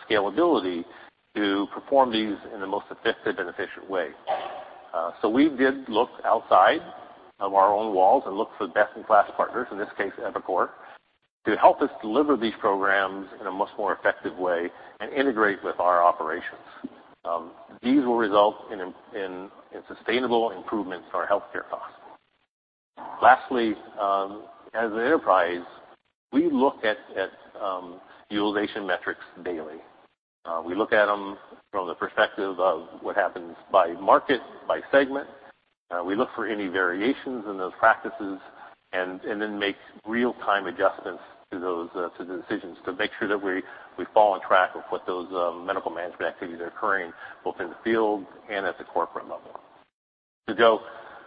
scalability to perform these in the most effective and efficient way. We did look outside of our own walls and look for best-in-class partners, in this case, EviCore, to help us deliver these programs in a much more effective way and integrate with our operations. These will result in sustainable improvements in our healthcare costs. Lastly, as an enterprise, we look at utilization metrics daily. We look at them from the perspective of what happens by market, by segment. We look for any variations in those practices and then make real-time adjustments to the decisions to make sure that we fall on track with what those medical management activities are occurring, both in the field and at the corporate level. Joe,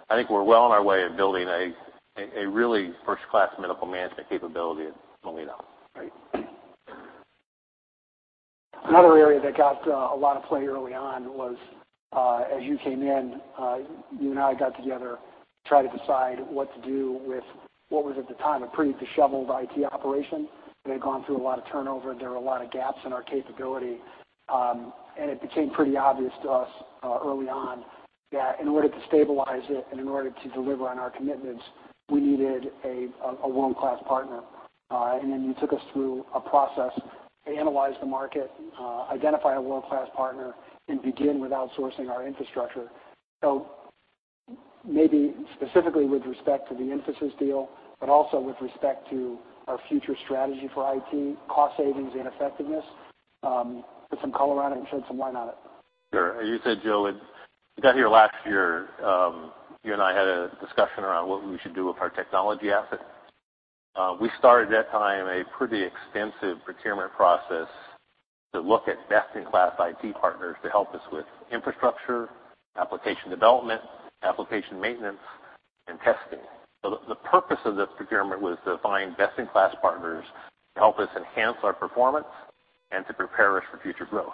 I think we're well on our way of building a really first-class medical management capability at Molina. Another area that got a lot of play early on was, as you came in, you and I got together to try to decide what to do with what was at the time, a pretty disheveled IT operation. It had gone through a lot of turnover. There were a lot of gaps in our capability. It became pretty obvious to us early on that in order to stabilize it and in order to deliver on our commitments, we needed a world-class partner. Then you took us through a process to analyze the market, identify a world-class partner, and begin with outsourcing our infrastructure. Maybe specifically with respect to the Infosys deal, but also with respect to our future strategy for IT, cost savings, and effectiveness, put some color on it and shed some light on it. Sure. As you said, Joe, when you got here last year, you and I had a discussion around what we should do with our technology assets. We started at that time a pretty extensive procurement process to look at best-in-class IT partners to help us with infrastructure, application development, application maintenance, and testing. The purpose of this procurement was to find best-in-class partners to help us enhance our performance and to prepare us for future growth.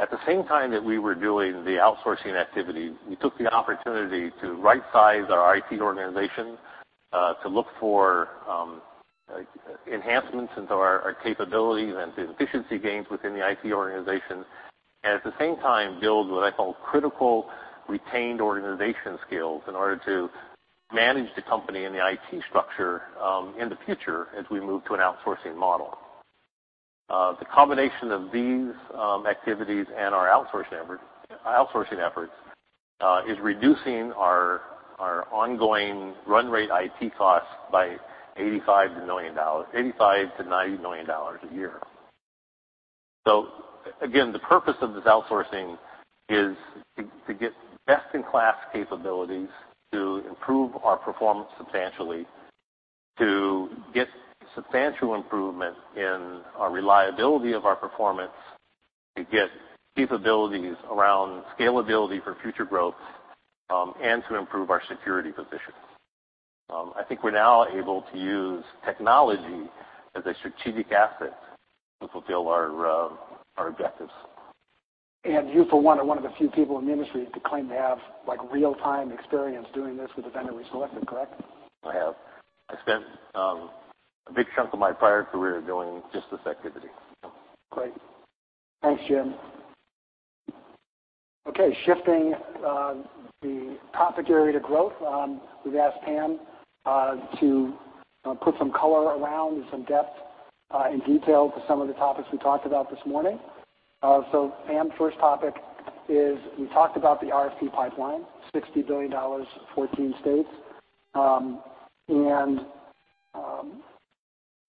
At the same time that we were doing the outsourcing activity, we took the opportunity to right-size our IT organization, to look for enhancements into our capabilities and see efficiency gains within the IT organization, and at the same time build what I call critical retained organization skills in order to manage the company and the IT structure in the future as we move to an outsourcing model. The combination of these activities and our outsourcing efforts is reducing our ongoing run rate IT costs by $85 million-$90 million a year. Again, the purpose of this outsourcing is to get best-in-class capabilities to improve our performance substantially, to get substantial improvement in our reliability of our performance, to get capabilities around scalability for future growth, and to improve our security position. I think we're now able to use technology as a strategic asset to fulfill our objectives. You, for one, are one of the few people in the industry to claim to have real-time experience doing this with a vendor we selected, correct? I have. I spent a big chunk of my prior career doing just this activity. Shifting the topic area to growth. We've asked Pam to put some color around and some depth and detail to some of the topics we talked about this morning. Pam, first topic is we talked about the RFP pipeline, $60 billion, 14 states, and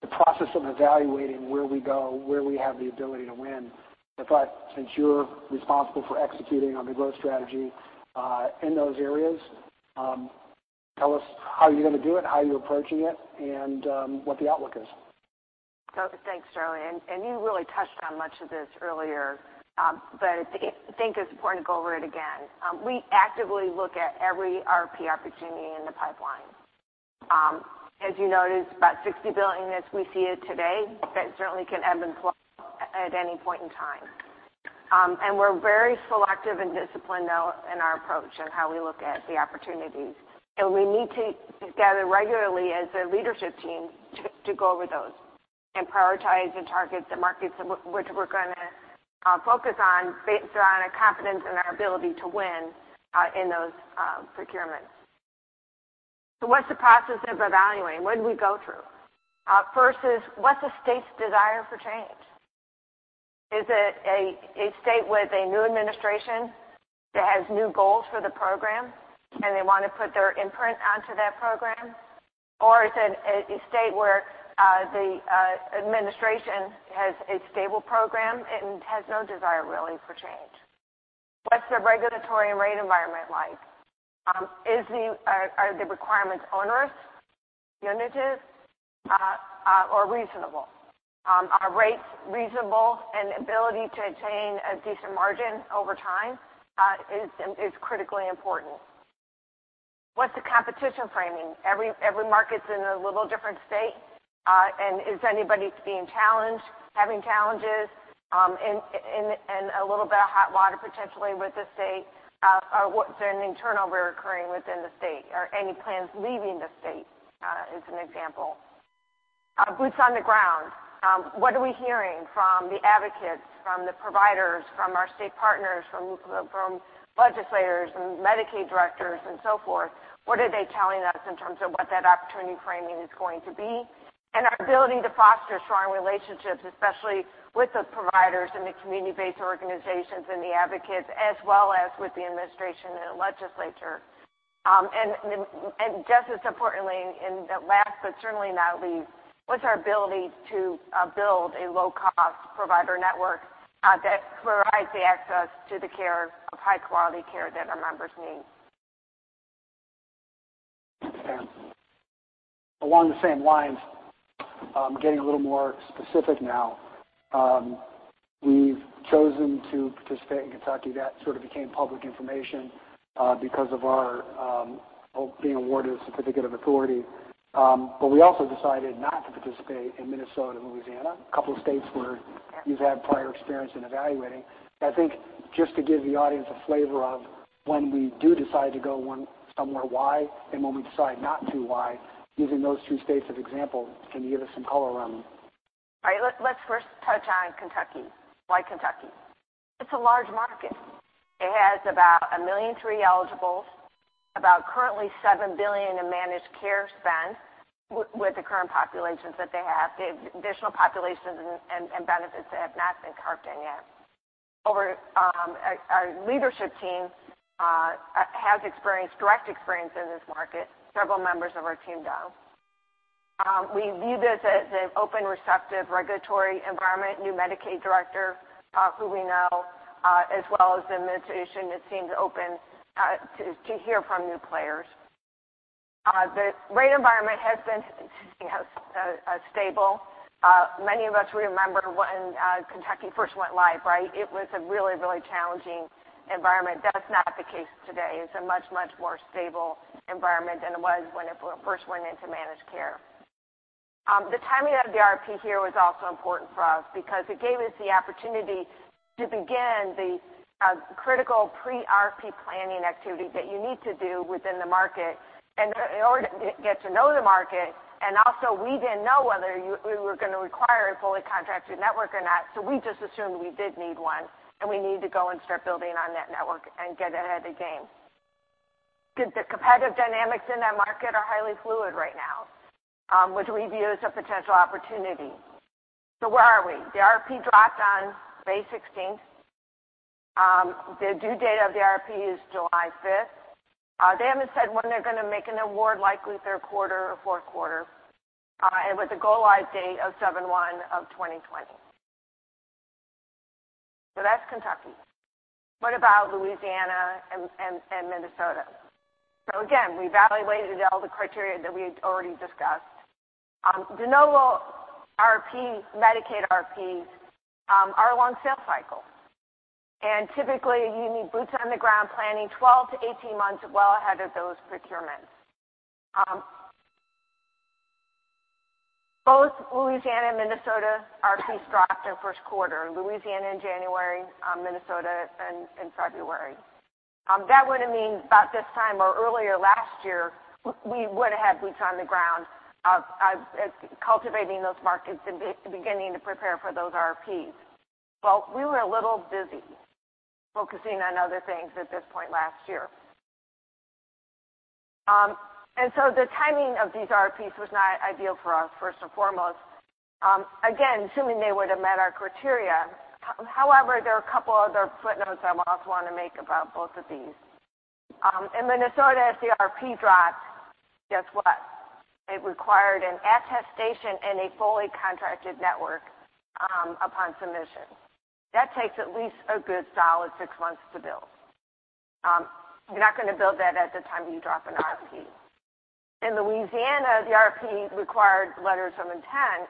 the process of evaluating where we go, where we have the ability to win. I thought since you're responsible for executing on the growth strategy in those areas, tell us how you're going to do it, how you're approaching it, and what the outlook is. Thanks, Joe. You really touched on much of this earlier, but I think it's important to go over it again. We actively look at every RFP opportunity in the pipeline. As you noticed, about $60 billion as we see it today, that certainly can ebb and flow at any point in time. We're very selective and disciplined now in our approach on how we look at the opportunities. We meet together regularly as a leadership team to go over those and prioritize and target the markets which we're going to focus on based on our confidence and our ability to win in those procurements. What's the process of evaluating? What do we go through? First is, what's the state's desire for change? Is it a state with a new administration that has new goals for the program and they want to put their imprint onto that program? Is it a state where the administration has a stable program and has no desire really for change? What's the regulatory and rate environment like? Are the requirements onerous, punitive, or reasonable? Are rates reasonable? Ability to attain a decent margin over time is critically important. What's the competition framing? Every market's in a little different state. Is anybody being challenged, having challenges, in a little bit of hot water potentially with the state? What's an internal recurring within the state? Are any plans leaving the state, as an example? Boots on the ground. What are we hearing from the advocates, from the providers, from our state partners, from legislators and Medicaid directors and so forth? What are they telling us in terms of what that opportunity framing is going to be? Our ability to foster strong relationships, especially with the providers and the community-based organizations and the advocates, as well as with the administration and the legislature. Just as importantly, and last but certainly not least, what's our ability to build a low-cost provider network that provides the access to the care of high-quality care that our members need. Along the same lines, getting a little more specific now. We've chosen to participate in Kentucky. That sort of became public information because of our being awarded a certificate of authority. We also decided not to participate in Minnesota and Louisiana, a couple of states where you've had prior experience in evaluating. I think just to give the audience a flavor of when we do decide to go somewhere, why, and when we decide not to, why, using those two states as examples, can you give us some color around them? All right. Let's first touch on Kentucky. Why Kentucky? It's a large market. It has about 1 million three eligibles, about currently $7 billion in managed care spend with the current populations that they have. They have additional populations and benefits that have not been carved in yet. Our leadership team has direct experience in this market. Several members of our team does. We view this as an open, receptive regulatory environment, new Medicaid Director, who we know, as well as the administration that seems open to hear from new players. The rate environment has been stable. Many of us remember when Kentucky first went live, right? It was a really, really challenging environment. That's not the case today. It's a much, much more stable environment than it was when it first went into managed care. The timing of the RFP here was also important for us because it gave us the opportunity to begin the critical pre-RFP planning activity that you need to do within the market in order to get to know the market. Also, we didn't know whether we were going to require a fully contracted network or not, so we just assumed we did need one, and we need to go and start building on that network and get ahead of the game. The competitive dynamics in that market are highly fluid right now, which we view as a potential opportunity. Where are we? The RFP dropped on May 16th. The due date of the RFP is July 5th. They haven't said when they're going to make an award, likely third quarter or fourth quarter, and with a go-live date of 7/1/2020. That's Kentucky. What about Louisiana and Minnesota? Again, we evaluated all the criteria that we had already discussed. De novo Medicaid RFPs are a long sales cycle. Typically, you need boots-on-the-ground planning 12 to 18 months well ahead of those procurements. Both Louisiana and Minnesota RFP dropped in the first quarter, Louisiana in January, Minnesota in February. That would mean about this time or earlier last year, we would have had boots on the ground cultivating those markets and beginning to prepare for those RFPs. We were a little busy focusing on other things at this point last year. The timing of these RFPs was not ideal for us, first and foremost, again, assuming they would have met our criteria. However, there are a couple other footnotes I also want to make about both of these. In Minnesota, as the RFP dropped, guess what? It required an attestation and a fully contracted network upon submission. That takes at least a good solid six months to build. You're not going to build that at the time you drop an RFP. In Louisiana, the RFP required letters of intent.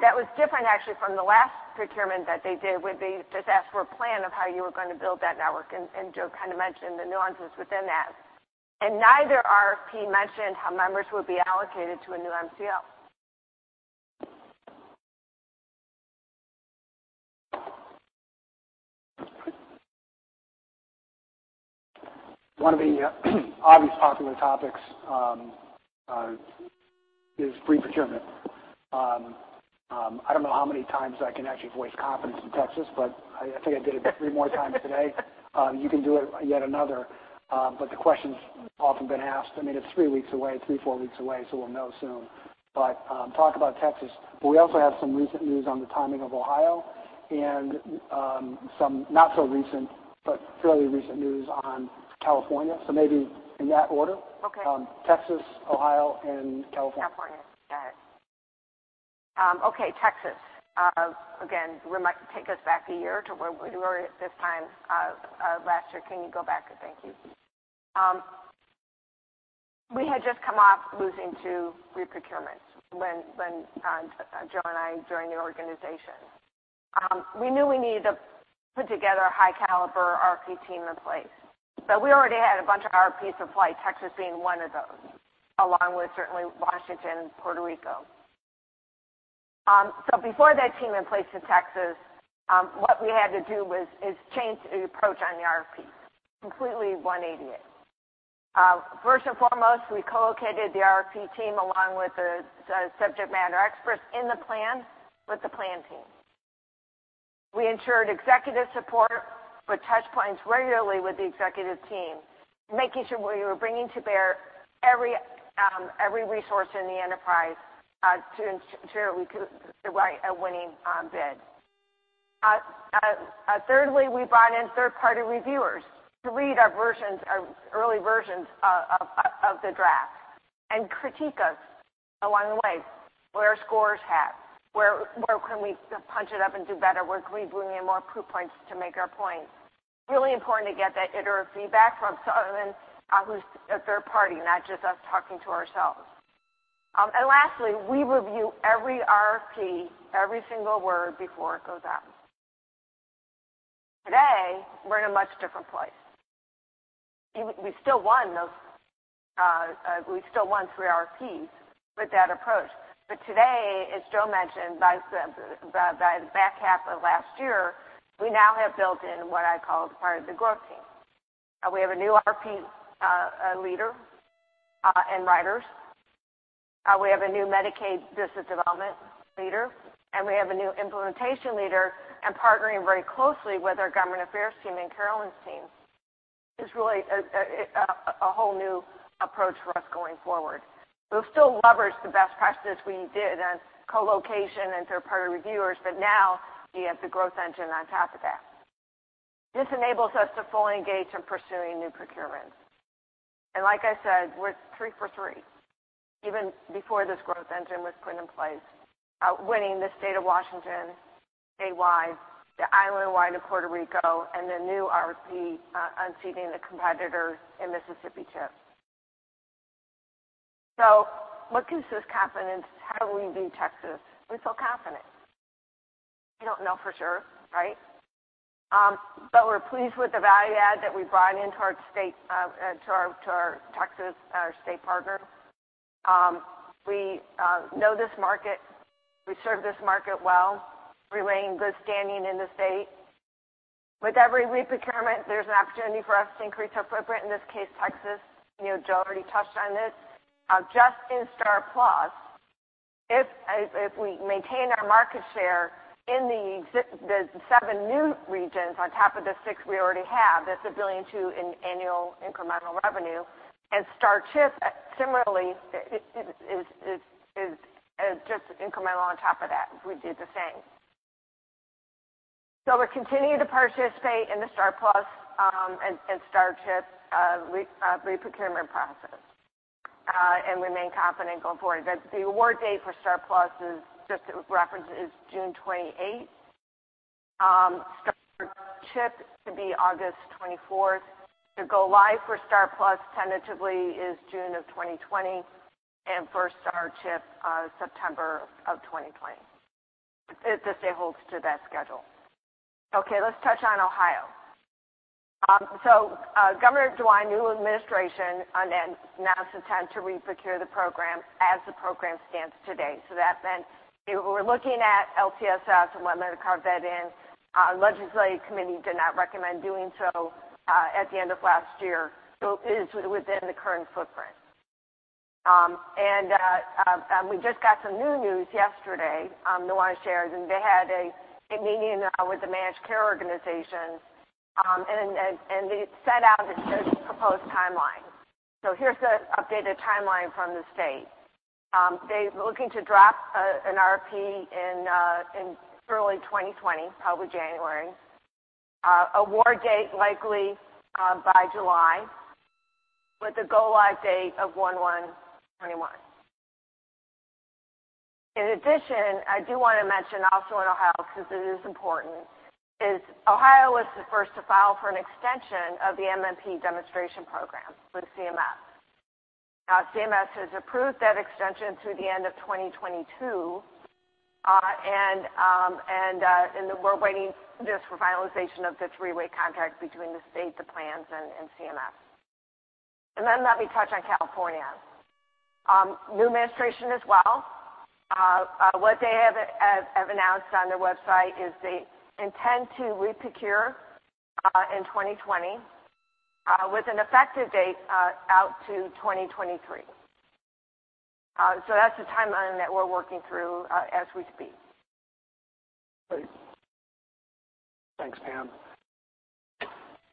That was different, actually, from the last procurement that they did, where they just asked for a plan of how you were going to build that network, and Joe kind of mentioned the nuances within that. Neither RFP mentioned how members would be allocated to a new MCO. One of the obvious popular topics is pre-procurement. I don't know how many times I can actually voice confidence in Texas, but I think I did it three more times today. You can do it yet another. The question's often been asked. It's three weeks away, three, four weeks away, we'll know soon. Talk about Texas, but we also have some recent news on the timing of Ohio, and some not so recent, but fairly recent news on California. Maybe in that order. Okay. Texas, Ohio, and California. California. Got it. Okay, Texas. Again, take us back a year to where we were at this time last year. Can you go back? Thank you. We had just come off losing two re-procurements when Joe and I joined the organization. We knew we needed to put together a high caliber RFP team in place, but we already had a bunch of RFPs in play, Texas being one of those, along with certainly Washington and Puerto Rico. Before that team in place in Texas, what we had to do was change the approach on the RFP, completely 180 it. First and foremost, we co-located the RFP team along with the subject matter experts in the plan with the plan team. We ensured executive support with touch points regularly with the executive team, making sure we were bringing to bear every resource in the enterprise to ensure we could write a winning bid. Thirdly, we brought in third-party reviewers to read our early versions of the draft and critique us along the way. Where are scores at? Where can we punch it up and do better? Where can we bring in more proof points to make our point? Really important to get that iterative feedback from someone who's a third party, not just us talking to ourselves. Lastly, we review every RFP, every single word before it goes out. Today, we're in a much different place. We still won three RFPs with that approach. Today, as Joe mentioned, by the back half of last year, we now have built in what I call part of the growth team. We have a new RFP leader and writers. We have a new Medicaid business development leader, and we have a new implementation leader and partnering very closely with our government affairs team and Carolyn's team. It's really a whole new approach for us going forward. We'll still leverage the best practices we did and co-location and third-party reviewers, but now we have the growth engine on top of that. This enables us to fully engage in pursuing new procurements. Like I said, we're three for three, even before this growth engine was put in place, winning the state of Washington statewide, the island-wide of Puerto Rico, and the new RFP, unseating the competitor in Mississippi CHIP. What gives us confidence? How do we view Texas? We feel confident. We don't know for sure, right? We're pleased with the value add that we brought in to our Texas state partner. We know this market. We serve this market well, we remain in good standing in the state. With every re-procurement, there's an opportunity for us to increase our footprint. In this case, Texas, Joe already touched on this. Just in STAR+PLUS, if we maintain our market share in the seven new regions on top of the six we already have, that's $1.2 billion in annual incremental revenue. STAR CHIP, similarly, is just incremental on top of that if we did the same. We're continuing to participate in the STAR+PLUS and STAR CHIP re-procurement process, and remain confident going forward. The award date for STAR+PLUS, just as reference, is June 28th. STAR CHIP to be August 24th. The go live for STAR+PLUS tentatively is June 2020, and for STAR CHIP, September 2020, if the state holds to that schedule. Okay, let's touch on Ohio. Governor DeWine, new administration, announced intent to re-procure the program as the program stands today. That meant they were looking at LTSS and whether to carve that in. Legislative committee did not recommend doing so at the end of last year. It is within the current footprint. We just got some new news yesterday, the one I shared, and they had a meeting with the managed care organization, and they set out a proposed timeline. Here's the updated timeline from the state. They're looking to drop an RFP in early 2020, probably January. Award date likely by July, with a go live date of 1/1/2021. Ohio was the first to file for an extension of the MMP demonstration program with CMS. Now CMS has approved that extension through the end of 2022, and we're waiting just for finalization of the three-way contract between the state, the plans, and CMS. Let me touch on California. New administration as well. What they have announced on their website is they intend to re-procure in 2020, with an effective date out to 2023. That's the timeline that we're working through as we speak. Great. Thanks, Pam.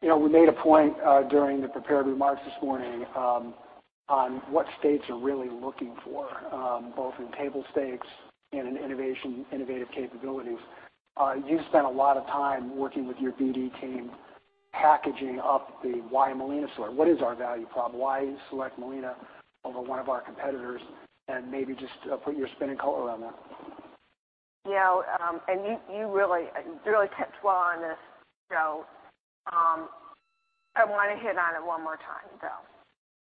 We made a point during the prepared remarks this morning on what states are really looking for, both in table stakes and in innovative capabilities. You spent a lot of time working with your BD team, packaging up the why Molina story. What is our value prop? Why select Molina over one of our competitors? Maybe just put your spinning color on that. You really touched well on this. I want to hit on it one more time, Joe.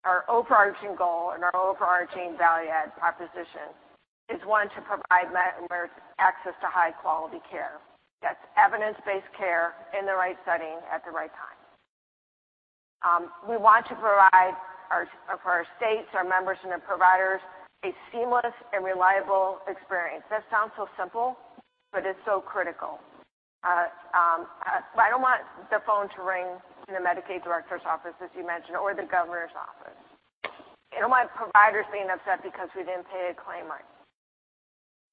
Our overarching goal and our overarching value add proposition is, one, to provide members access to high-quality care. That's evidence-based care in the right setting at the right time. We want to provide for our states, our members, and their providers, a seamless and reliable experience. That sounds so simple, but it's so critical. I don't want the phone to ring in a Medicaid director's office, as you mentioned, or the Governor's office. I don't want providers being upset because we didn't pay a claim right.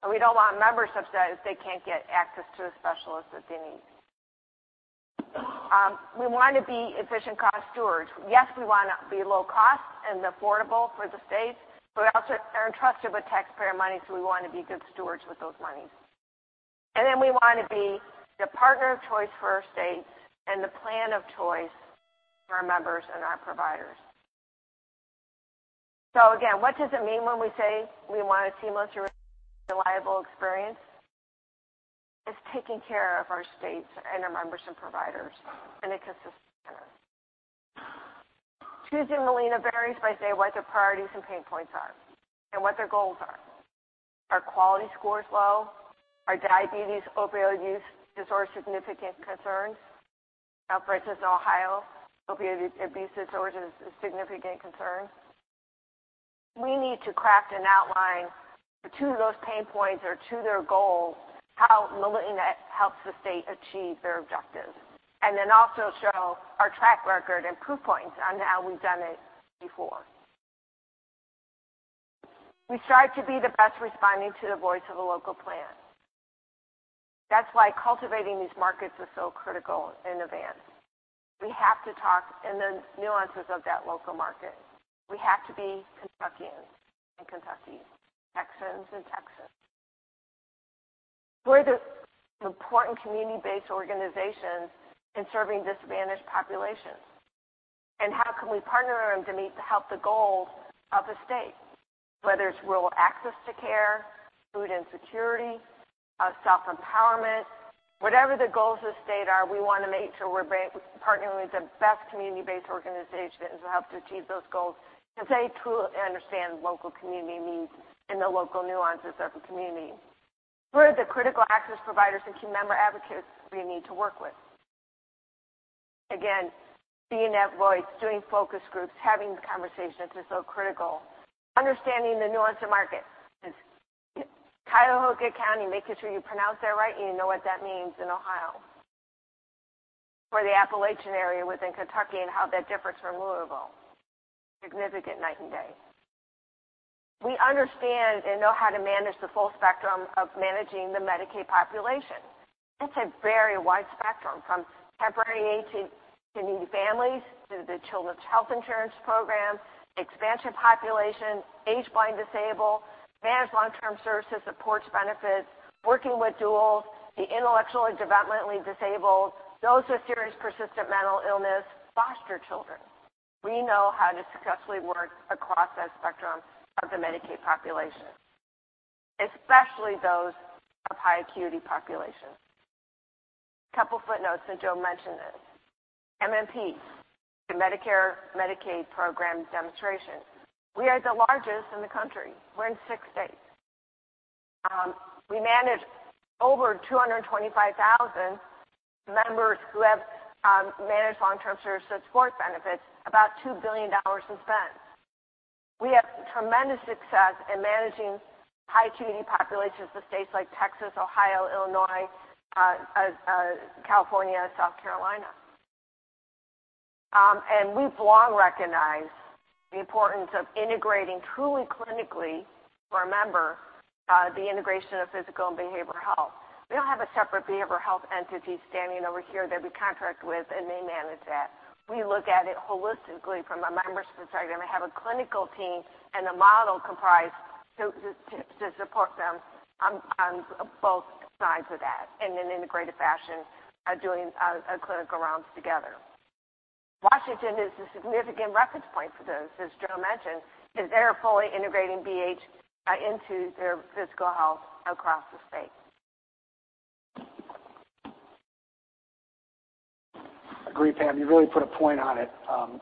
We don't want members upset if they can't get access to the specialists that they need. We want to be efficient cost stewards. We want to be low cost and affordable for the states, we also are entrusted with taxpayer money, we want to be good stewards with those monies. We want to be the partner of choice for our states and the plan of choice for our members and our providers. What does it mean when we say we want a seamless, reliable experience? It's taking care of our states and our members and providers in a consistent manner. Choosing Molina varies by state, what their priorities and pain points are, and what their goals are. Are quality scores low? Are diabetes, Opioid Use Disorder significant concerns? For instance, Ohio, Opioid Use Disorder is a significant concern. We need to craft an outline to those pain points or to their goals, how Molina helps the state achieve their objectives, also show our track record and proof points on how we've done it before. We strive to be the best responding to the voice of a local plan. That's why cultivating these markets is so critical in advance. We have to talk in the nuances of that local market. We have to be Kentuckians in Kentucky, Texans in Texas. Who are the important community-based organizations in serving disadvantaged populations? How can we partner them to help the goals of the state, whether it's rural access to care, food insecurity, self-empowerment. Whatever the goals of the state are, we want to make sure we're partnering with the best community-based organizations to help to achieve those goals, because they truly understand local community needs and the local nuances of the community. Who are the critical access providers and key member advocates we need to work with? Being that voice, doing focus groups, having the conversations is so critical. Understanding the nuance of markets. Cuyahoga County, making sure you pronounce that right, and you know what that means in Ohio. The Appalachian area within Kentucky and how that differs from Louisville. Significant night and day. We understand and know how to manage the full spectrum of managing the Medicaid population. That's a very wide spectrum, from temporary aid to needy families to the Children's Health Insurance Program, expansion population, Aged, Blind, Disabled, Managed Long-Term Services Supports benefits, working with dual, the intellectual or developmentally disabled, those with serious persistent mental illness, foster children. We know how to successfully work across that spectrum of the Medicaid population, especially those of high acuity populations. Couple footnotes, Joe mentioned this. MMP, the Medicare Medicaid Program demonstration. We are the largest in the country. We're in six states. We manage over 225,000 members who have Managed Long-Term Services Supports benefits, about $2 billion in spend. We have tremendous success in managing high acuity populations for states like Texas, Ohio, Illinois, California, South Carolina. We've long recognized the importance of integrating truly clinically for a member, the integration of physical and Behavioral Health. We don't have a separate behavioral health entity standing over here that we contract with and they manage that. We look at it holistically from a membership perspective. We have a clinical team and a model comprised to support them on both sides of that in an integrated fashion, doing clinical rounds together. Washington is a significant reference point for this, as Joe mentioned, because they're fully integrating BH into their physical health across the state. Agree, Pam. You really put a point on it.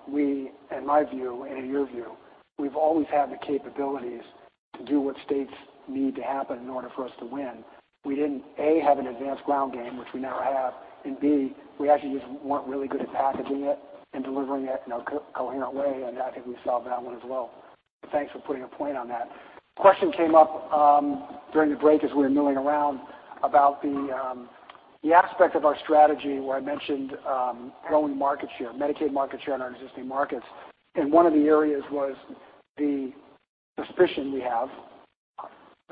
We, in my view, and in your view, we've always had the capabilities to do what states need to happen in order for us to win. We didn't, A, have an advanced ground game, which we now have, and B, we actually just weren't really good at packaging it and delivering it in a coherent way, and I think we solved that one as well. Thanks for putting a point on that. Question came up during the break as we were milling around about the aspect of our strategy where I mentioned growing market share, Medicaid market share in our existing markets. One of the areas was the suspicion we have,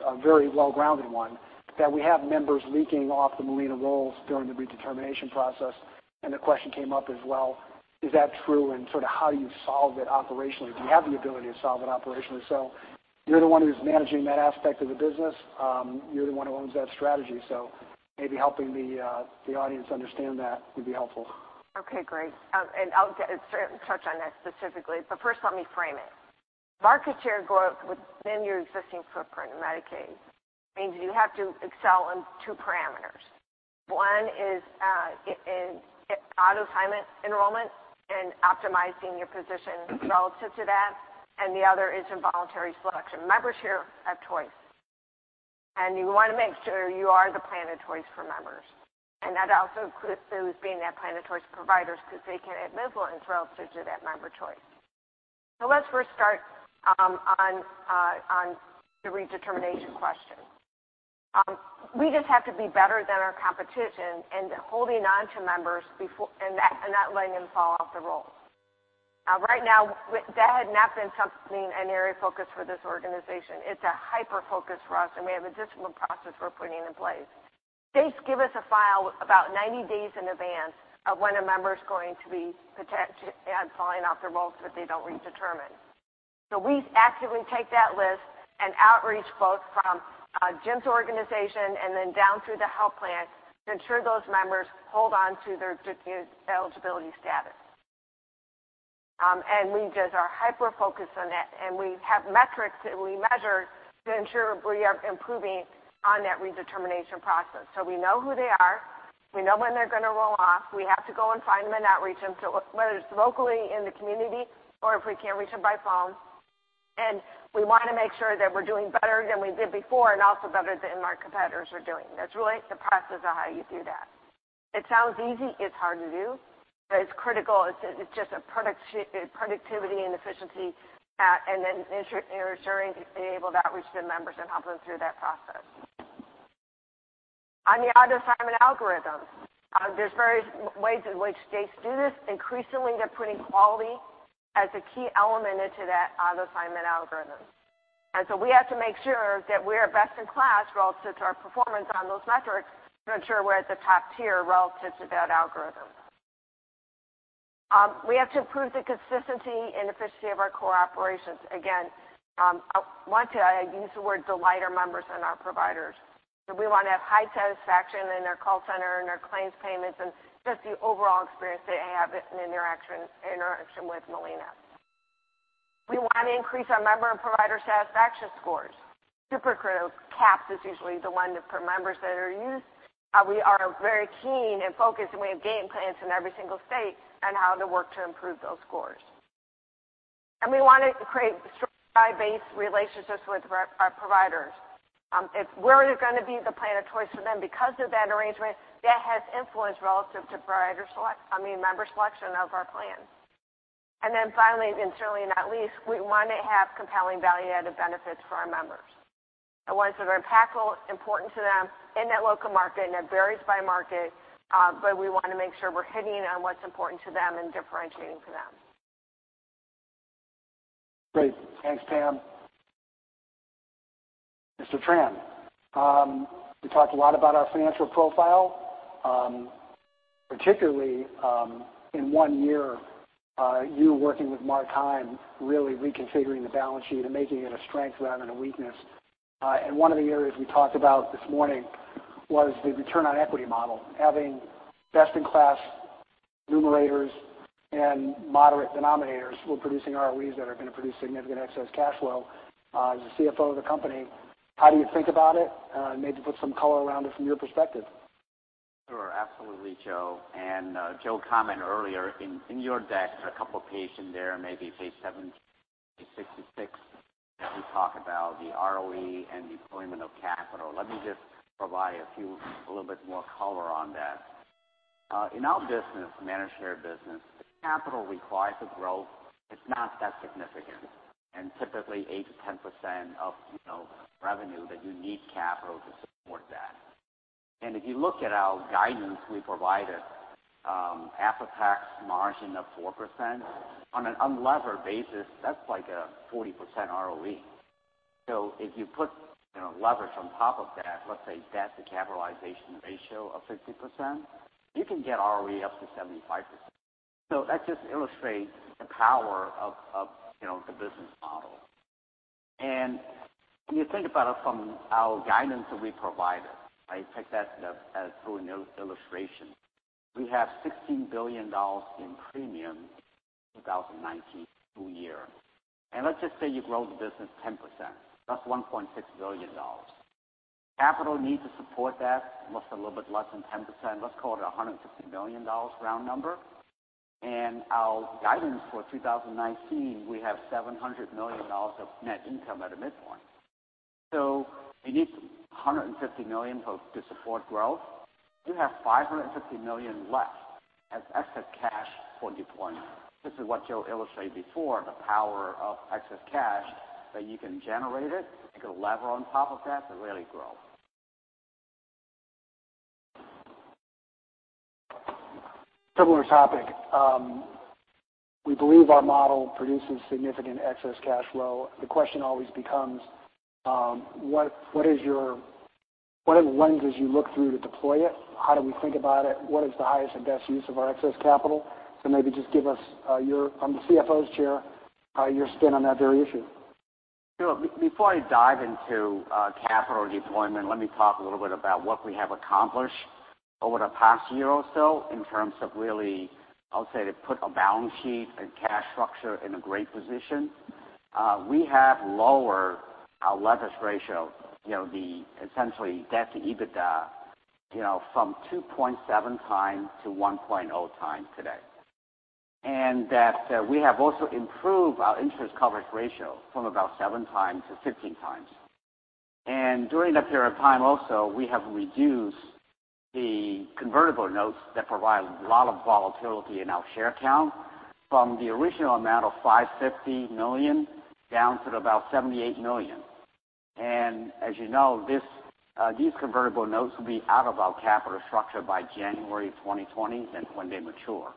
a very well-grounded one, that we have members leaking off the Molina rolls during the redetermination process. The question came up as well, is that true, and how do you solve it operationally? Do you have the ability to solve it operationally? You're the one who's managing that aspect of the business. You're the one who owns that strategy, maybe helping the audience understand that would be helpful. Okay, great. I'll touch on that specifically. First, let me frame it. Market share growth within your existing footprint in Medicaid means you have to excel in two parameters. One is in auto-assignment enrollment and optimizing your position relative to that, and the other is involuntary selection, member share of choice. You want to make sure you are the plan of choice for members. That also includes those being that plan of choice for providers because they can have influence relative to that member choice. Let's first start on the redetermination question. We just have to be better than our competition in holding onto members before, and not letting them fall off the roll. Right now, that had not been something, an area of focus for this organization. It's a hyper-focus for us, and we have a disciplined process we're putting in place. States give us a file about 90 days in advance of when a member's going to be falling off the rolls if they don't redetermine. We actively take that list and outreach, both from Jim's organization and then down through the health plan, to ensure those members hold onto their eligibility status. We just are hyper-focused on that, and we have metrics that we measure to ensure we are improving on that redetermination process. We know who they are. We know when they're going to roll off. We have to go and find them and outreach them to, whether it's locally in the community or if we can reach them by phone. We want to make sure that we're doing better than we did before and also better than our competitors are doing. That's really the process of how you do that. It sounds easy. It's hard to do, but it's critical. It's just a productivity and efficiency, and then ensuring you've been able to outreach to members and help them through that process. On the auto-assignment algorithm, there's various ways in which states do this. Increasingly, they're putting quality as a key element into that auto-assignment algorithm. We have to make sure that we're best in class relative to our performance on those metrics to ensure we're at the top tier relative to that algorithm. We have to improve the consistency and efficiency of our core operations. Again, I want to use the word delight our members and our providers. We want to have high satisfaction in their call center and their claims payments, and just the overall experience they have in interaction with Molina. We want to increase our member and provider satisfaction scores. Super critical. CAHPS is usually the one for members that are used. We are very keen and focused, and we have game plans in every single state on how to work to improve those scores. We want to create strong buy-based relationships with our providers. If we're going to be the plan of choice for them because of that arrangement, that has influence relative to member selection of our plan. Finally, and certainly not least, we want to have compelling value-added benefits for our members. The ones that are impactful, important to them in that local market, and that varies by market, but we want to make sure we're hitting on what's important to them and differentiating to them. Great. Thanks, Pam. Mr. Tran, we talked a lot about our financial profile. Particularly, in one year, you working with Mark Keim, really reconfiguring the balance sheet and making it a strength rather than a weakness. One of the areas we talked about this morning was the return on equity model. Having best-in-class numerators and moderate denominators, we're producing ROEs that are going to produce significant excess cash flow. As the CFO of the company, how do you think about it? Maybe put some color around it from your perspective. Sure. Absolutely, Joe. Joe commented earlier, in your deck, there are a couple pages in there, maybe page 70 to 66, as we talk about the ROE and deployment of capital. Let me just provide a few, a little bit more color on that. In our business, managed care business, the capital required for growth is not that significant. Typically 8%-10% of revenue that you need capital to support that. If you look at our guidance we provided, after-tax margin of 4%. On an unlevered basis, that's like a 40% ROE. If you put leverage on top of that, let's say debt to capitalization ratio of 50%, you can get ROE up to 75%. That just illustrates the power of the business model. When you think about it from our guidance that we provided, I take that as true illustration. We have $16 billion in premium 2019 full year. Let's just say you grow the business 10%, that's $1.6 billion. Capital need to support that, a little bit less than 10%, let's call it $150 million round number. Our guidance for 2019, we have $700 million of net income at a midpoint. You need $150 million to support growth. You have $550 million left as excess cash for deployment. This is what Joe illustrated before, the power of excess cash, that you can generate it and get a lever on top of that to really grow. Similar topic. We believe our model produces significant excess cash flow. The question always becomes: what are the lenses you look through to deploy it? How do we think about it? What is the highest and best use of our excess capital? Maybe just give us, from the CFO's chair, your spin on that very issue. Sure. Before I dive into capital deployment, let me talk a little bit about what we have accomplished over the past year or so in terms of really, I would say, to put a balance sheet and cash structure in a great position. We have lowered our leverage ratio, essentially, debt to EBITDA, from 2.7 times to 1.0 times today. That we have also improved our interest coverage ratio from about seven times to 15 times. During that period of time also, we have reduced the convertible notes that provide a lot of volatility in our share count from the original amount of $550 million, down to about $78 million. As you know, these convertible notes will be out of our capital structure by January 2020, that's when they mature.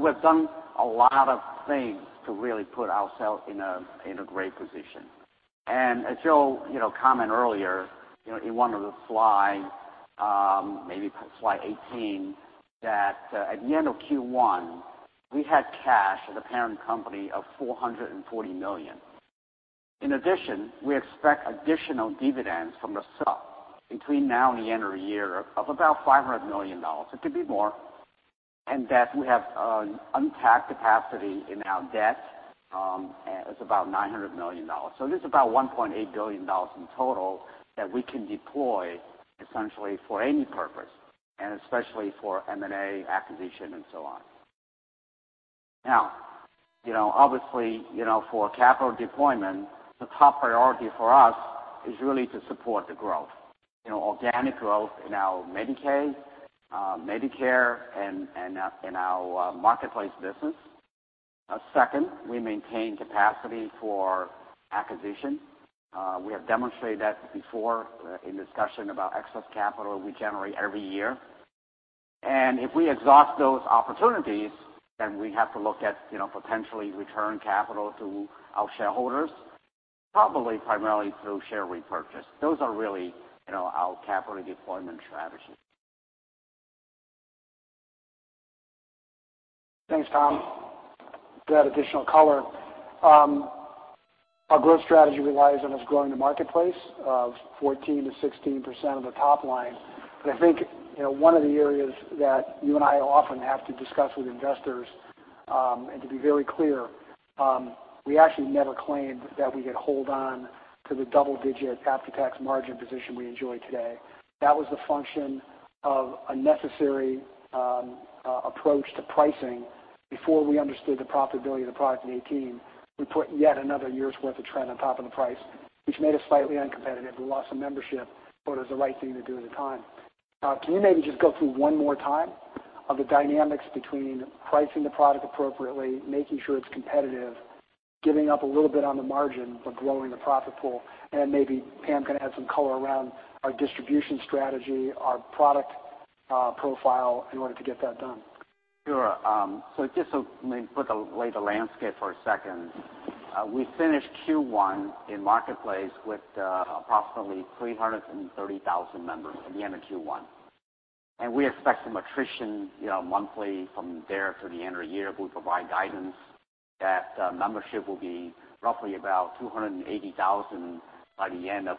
We've done a lot of things to really put ourselves in a great position. As Joe commented earlier, in one of the slides, maybe slide 18, that at the end of Q1, we had cash at the parent company of $440 million. In addition, we expect additional dividends from the sub between now and the end of the year of about $500 million. It could be more. That we have untapped capacity in our debt, and it's about $900 million. There's about $1.8 billion in total that we can deploy, essentially for any purpose, and especially for M&A acquisition and so on. Obviously, for capital deployment, the top priority for us is really to support the growth, organic growth in our Medicaid, Medicare, and our Marketplace business. Second, we maintain capacity for acquisition. We have demonstrated that before in discussion about excess capital we generate every year. If we exhaust those opportunities, we have to look at potentially return capital to our shareholders, probably primarily through share repurchase. Those are really our capital deployment strategies. Thanks, Tom, for that additional color. Our growth strategy relies on us growing the Marketplace of 14%-16% of the top line. I think one of the areas that you and I often have to discuss with investors, and to be very clear, we actually never claimed that we could hold on to the double-digit after-tax margin position we enjoy today. That was a function of a necessary approach to pricing before we understood the profitability of the product in 2018. We put yet another year's worth of trend on top of the price, which made us slightly uncompetitive. We lost some membership, but it was the right thing to do at the time. Can you maybe just go through one more time of the dynamics between pricing the product appropriately, making sure it's competitive, giving up a little bit on the margin, growing the profit pool, and maybe Pam can add some color around our distribution strategy, our product profile in order to get that done? Sure. Just so maybe lay the landscape for a second. We finished Q1 in Marketplace with approximately 330,000 members at the end of Q1. We expect some attrition monthly from there to the end of the year. We provide guidance that membership will be roughly about 280,000 by the end of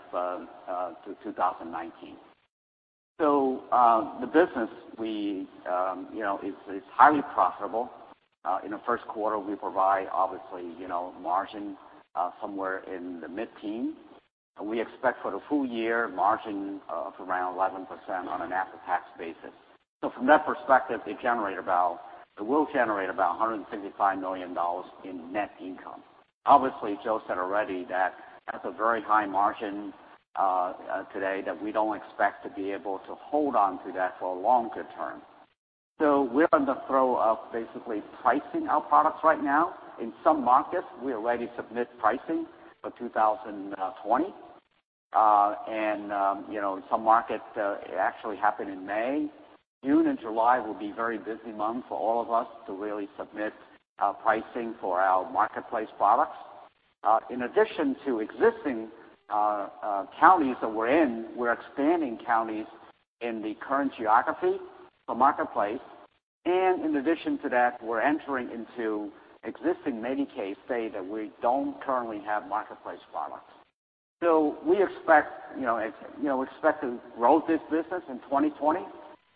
2019. The business is highly profitable. In the first quarter, we provide, obviously, margin somewhere in the mid-teen, and we expect for the full year margin of around 11% on an after-tax basis. From that perspective, it will generate about $165 million in net income. Obviously, Joe said already that that's a very high margin today that we don't expect to be able to hold on to that for a longer term. We're in the throe of basically pricing our products right now. In some markets, we already submit pricing for 2020. Some markets, it actually happened in May. June and July will be very busy months for all of us to really submit pricing for our Marketplace products. In addition to existing counties that we're in, we're expanding counties in the current geography for Marketplace, and in addition to that, we're entering into existing Medicaid states that we don't currently have Marketplace products. We expect to grow this business in 2020.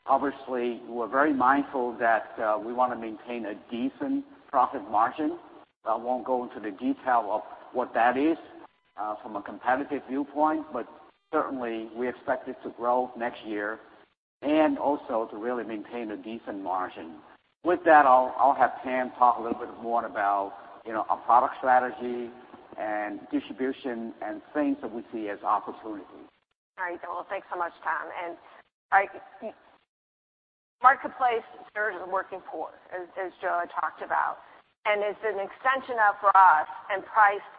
Obviously, we're very mindful that we want to maintain a decent profit margin. I won't go into the detail of what that is from a competitive viewpoint, but certainly, we expect it to grow next year and also to really maintain a decent margin. With that, I'll have Pam talk a little bit more about our product strategy and distribution and things that we see as opportunities. All right. Well, thanks so much, Tom. Marketplace serves the working poor, as Joe had talked about, and it's an extension for us and priced off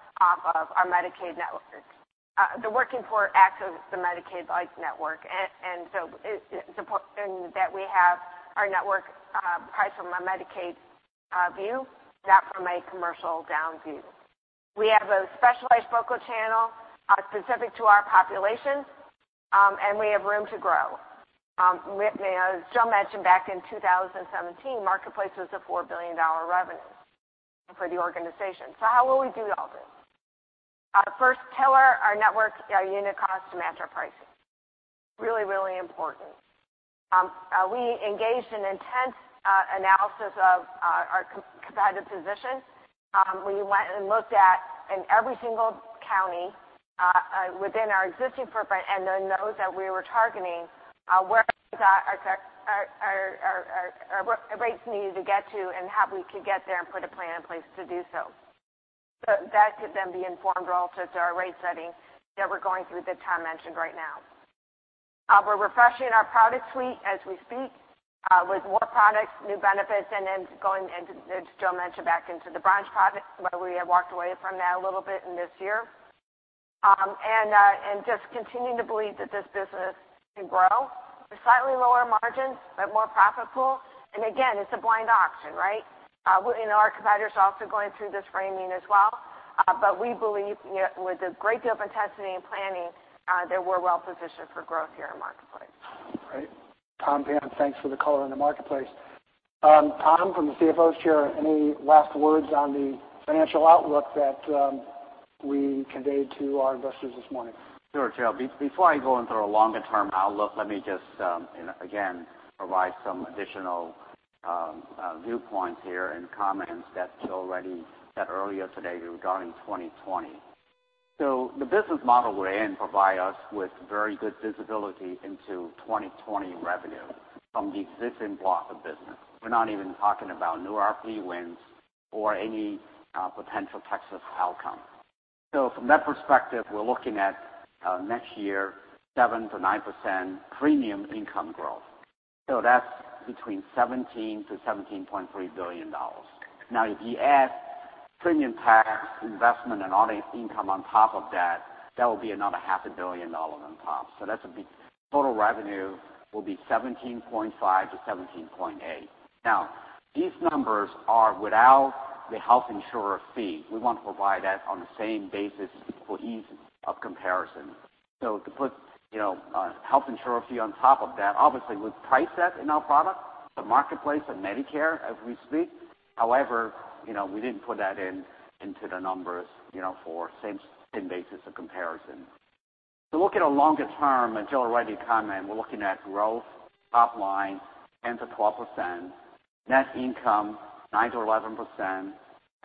of our Medicaid network. The working poor access the Medicaid-like network, it's important that we have our network priced from a Medicaid Our view, not from a commercial down view. We have a specialized vocal channel specific to our population, and we have room to grow. As Joe mentioned, back in 2017, Marketplace was a $4 billion revenue for the organization. How will we do all this? Our first pillar, our network, our unit costs to match our pricing. Really important. We engaged in intense analysis of our competitive position. We went and looked at, in every single county within our existing footprint and then those that we were targeting, where our rates needed to get to and how we could get there and put a plan in place to do so. That could then be informed also to our rate setting that we're going through that Tom mentioned right now. We're refreshing our product suite as we speak, with more products, new benefits, then going into, as Joe mentioned, back into the branch products, where we have walked away from that a little bit in this year. Just continuing to believe that this business can grow with slightly lower margins, but more profitable. Again, it's a blind auction, right? Our competitors are also going through this framing as well. We believe, with a great deal of intensity and planning, that we're well-positioned for growth here in Marketplace. Great. Tom, Pam, thanks for the color on the Marketplace. Tom, from the CFO's chair, any last words on the financial outlook that we conveyed to our investors this morning? Sure, Joe. Before I go into our longer-term outlook, let me just, again, provide some additional viewpoints here and comments that Joe already said earlier today regarding 2020. The business model we're in provides us with very good visibility into 2020 revenue from the existing block of business. We're not even talking about new RFP wins or any potential Texas outcome. From that perspective, we're looking at next year, 7%-9% premium income growth. That's between $17 billion-$17.3 billion. Now, if you add premium tax, investment, and all the income on top of that will be another half a billion dollars on top. Total revenue will be $17.5 billion-$17.8 billion. Now, these numbers are without the Health Insurer Fee. We want to provide that on the same basis for ease of comparison. To put a Health Insurer Fee on top of that, obviously, we price that in our product, the Marketplace and Medicare as we speak. However, we didn't put that into the numbers, for same basis of comparison. Look at a longer term, as Joe already commented, we're looking at growth, top line, 10%-12%, net income, 9%-11%,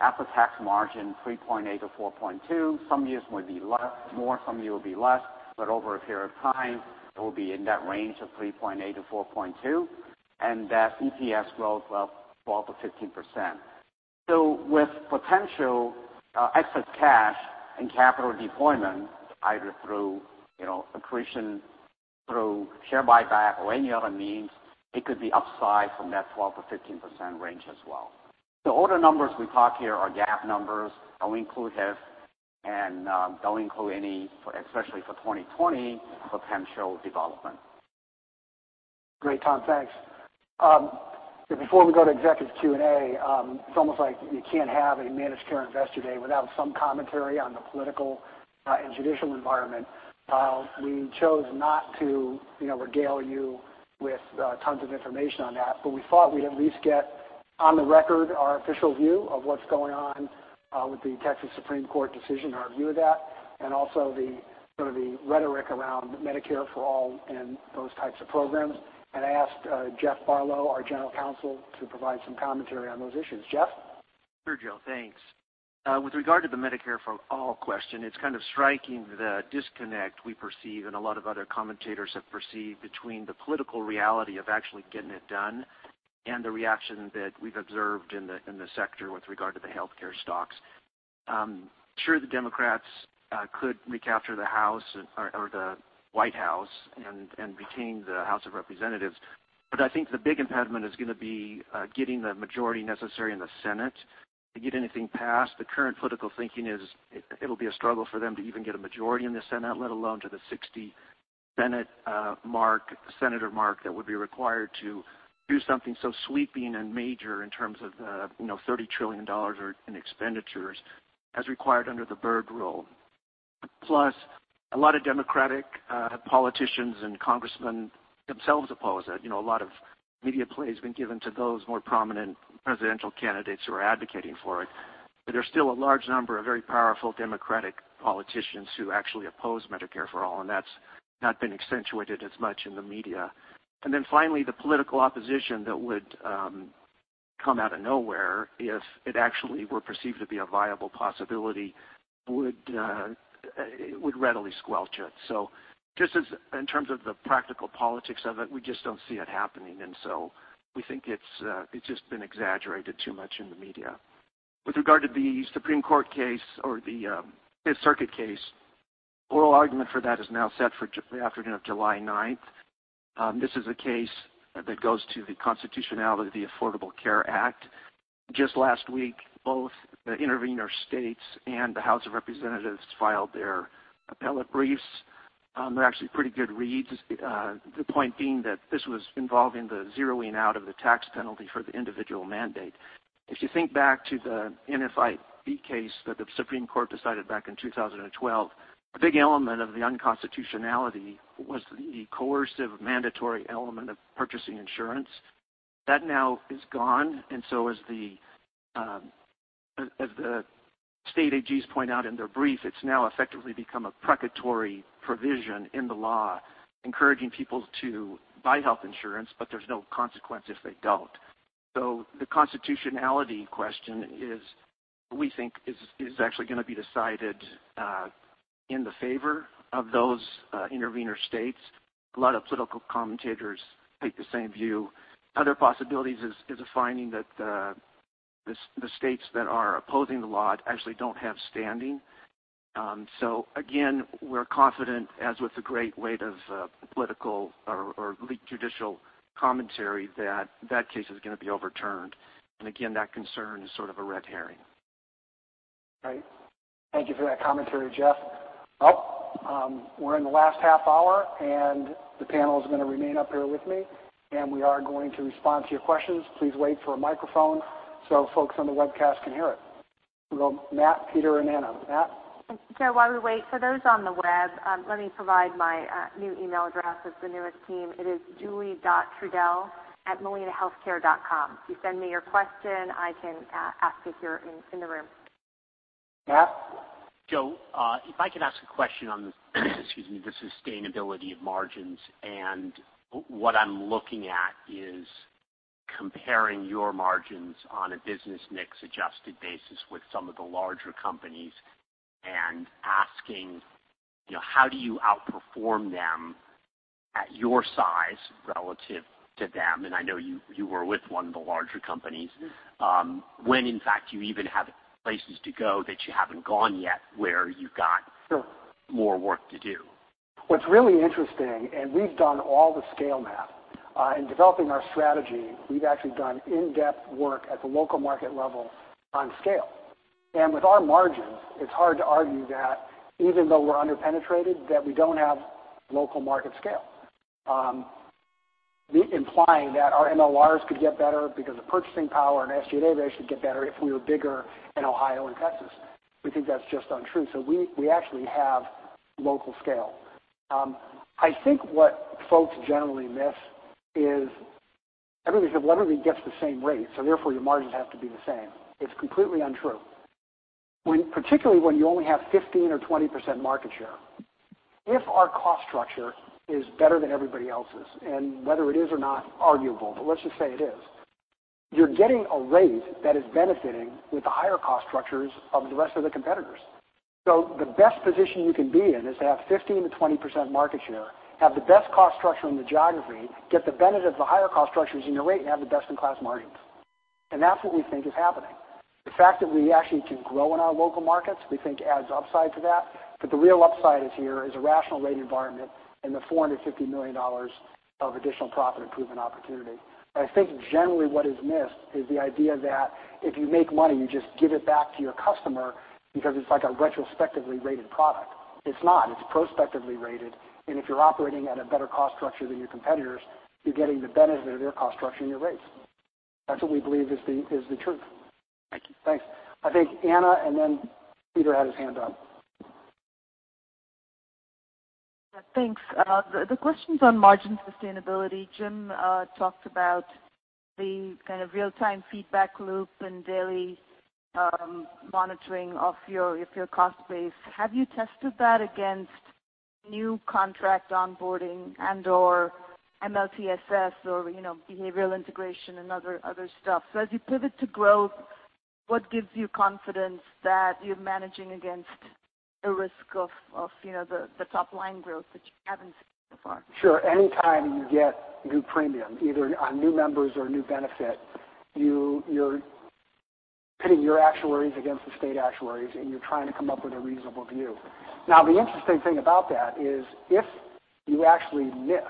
after-tax margin, 3.8%-4.2%. Some years might be more, some year it will be less, but over a period of time, it will be in that range of 3.8%-4.2%, and that EPS growth of 12%-15%. With potential excess cash and capital deployment, either through accretion, through share buyback or any other means, it could be upside from that 12%-15% range as well. All the numbers we talk here are GAAP numbers, all inclusive, and don't include any, especially for 2020, potential development. Great, Tom. Thanks. Before we go to executive Q&A, it's almost like you can't have a managed care investor day without some commentary on the political and judicial environment. We chose not to regale you with tons of information on that. We thought we'd at least get on the record our official view of what's going on with the Texas Supreme Court decision, our view of that, and also the sort of the rhetoric around Medicare for All and those types of programs. I asked Jeff Barlow, our general counsel, to provide some commentary on those issues. Jeff? Sure, Joe. Thanks. With regard to the Medicare for All question, it's kind of striking the disconnect we perceive and a lot of other commentators have perceived between the political reality of actually getting it done and the reaction that we've observed in the sector with regard to the healthcare stocks. Sure, the Democrats could recapture the House or the White House and retain the House of Representatives. I think the big impediment is going to be getting the majority necessary in the Senate to get anything passed. The current political thinking is it'll be a struggle for them to even get a majority in the Senate, let alone to the 60 Senate mark that would be required to do something so sweeping and major in terms of $30 trillion in expenditures as required under the Byrd Rule. A lot of Democratic politicians and congressmen themselves oppose it. A lot of media play has been given to those more prominent presidential candidates who are advocating for it. There's still a large number of very powerful Democratic politicians who actually oppose Medicare for All, and that's not been accentuated as much in the media. Finally, the political opposition that would come out of nowhere if it actually were perceived to be a viable possibility would readily squelch it. Just in terms of the practical politics of it, we just don't see it happening, and we think it's just been exaggerated too much in the media. With regard to the Supreme Court case or the Fifth Circuit case, oral argument for that is now set for the afternoon of July 9th. This is a case that goes to the constitutionality of the Affordable Care Act. Just last week, both the intervener states and the House of Representatives filed their appellate briefs. They're actually pretty good reads. The point being that this was involving the zeroing out of the tax penalty for the individual mandate. If you think back to the NFIB case that the Supreme Court decided back in 2012, a big element of the unconstitutionality was the coercive mandatory element of purchasing insurance. That now is gone, and as the state AGs point out in their brief, it's now effectively become a precatory provision in the law encouraging people to buy health insurance, but there's no consequence if they don't. The constitutionality question is, we think, is actually going to be decided in the favor of those intervener states. A lot of political commentators take the same view. Other possibilities is a finding that the states that are opposing the law actually don't have standing. Again, we're confident, as with the great weight of political or judicial commentary, that that case is going to be overturned. Again, that concern is sort of a red herring. Right. Thank you for that commentary, Jeff. Well, we're in the last half hour, the panel is going to remain up here with me, and we are going to respond to your questions. Please wait for a microphone folks on the webcast can hear it. We'll go Matt, Peter, and Anna. Matt? Joe, while we wait, for those on the web, let me provide my new email address with the newest team. It is Julie.Trudell@molinahealthcare.com. If you send me your question, I can ask it here in the room. Matt? Joe, if I could ask a question on the excuse me, the sustainability of margins, and what I'm looking at is comparing your margins on a business mix adjusted basis with some of the larger companies and asking how do you outperform them at your size relative to them, and I know you were with one of the larger companies, when in fact you even have places to go that you haven't gone yet where you've got- Sure more work to do. What's really interesting, and we've done all the scale map. In developing our strategy, we've actually done in-depth work at the local market level on scale. With our margins, it's hard to argue that even though we're under-penetrated, that we don't have local market scale. Me implying that our MLRs could get better because the purchasing power and SG&A ratio get better if we were bigger in Ohio and Texas. We think that's just untrue. We actually have local scale. I think what folks generally miss is everybody says, "Well, everybody gets the same rate, so therefore your margins have to be the same." It's completely untrue. Particularly when you only have 15% or 20% market share. If our cost structure is better than everybody else's, and whether it is or not arguable, but let's just say it is, you're getting a rate that is benefiting with the higher cost structures of the rest of the competitors. The best position you can be in is to have 15%-20% market share, have the best cost structure in the geography, get the benefit of the higher cost structures in your rate, and have the best-in-class margins. That's what we think is happening. The fact that we actually can grow in our local markets, we think adds upside to that. The real upside is here is a rational rate environment and the $450 million of additional profit improvement opportunity. I think generally what is missed is the idea that if you make money, you just give it back to your customer because it's like a retrospectively rated product. It's not. It's prospectively rated, and if you're operating at a better cost structure than your competitors, you're getting the benefit of their cost structure in your rates. That's what we believe is the truth. Thank you. Thanks. I think Anna, and then Peter had his hand up. Yeah, thanks. The questions on margin sustainability, Jim talked about the kind of real-time feedback loop and daily monitoring of your cost base. Have you tested that against new contract onboarding and/or MLTSS or behavioral integration and other stuff? As you pivot to growth, what gives you confidence that you're managing against the risk of the top-line growth that you haven't seen so far? Sure. Any time you get new premium, either on new members or new benefit, you're pitting your actuaries against the state actuaries, and you're trying to come up with a reasonable view. Now, the interesting thing about that is if you actually miss,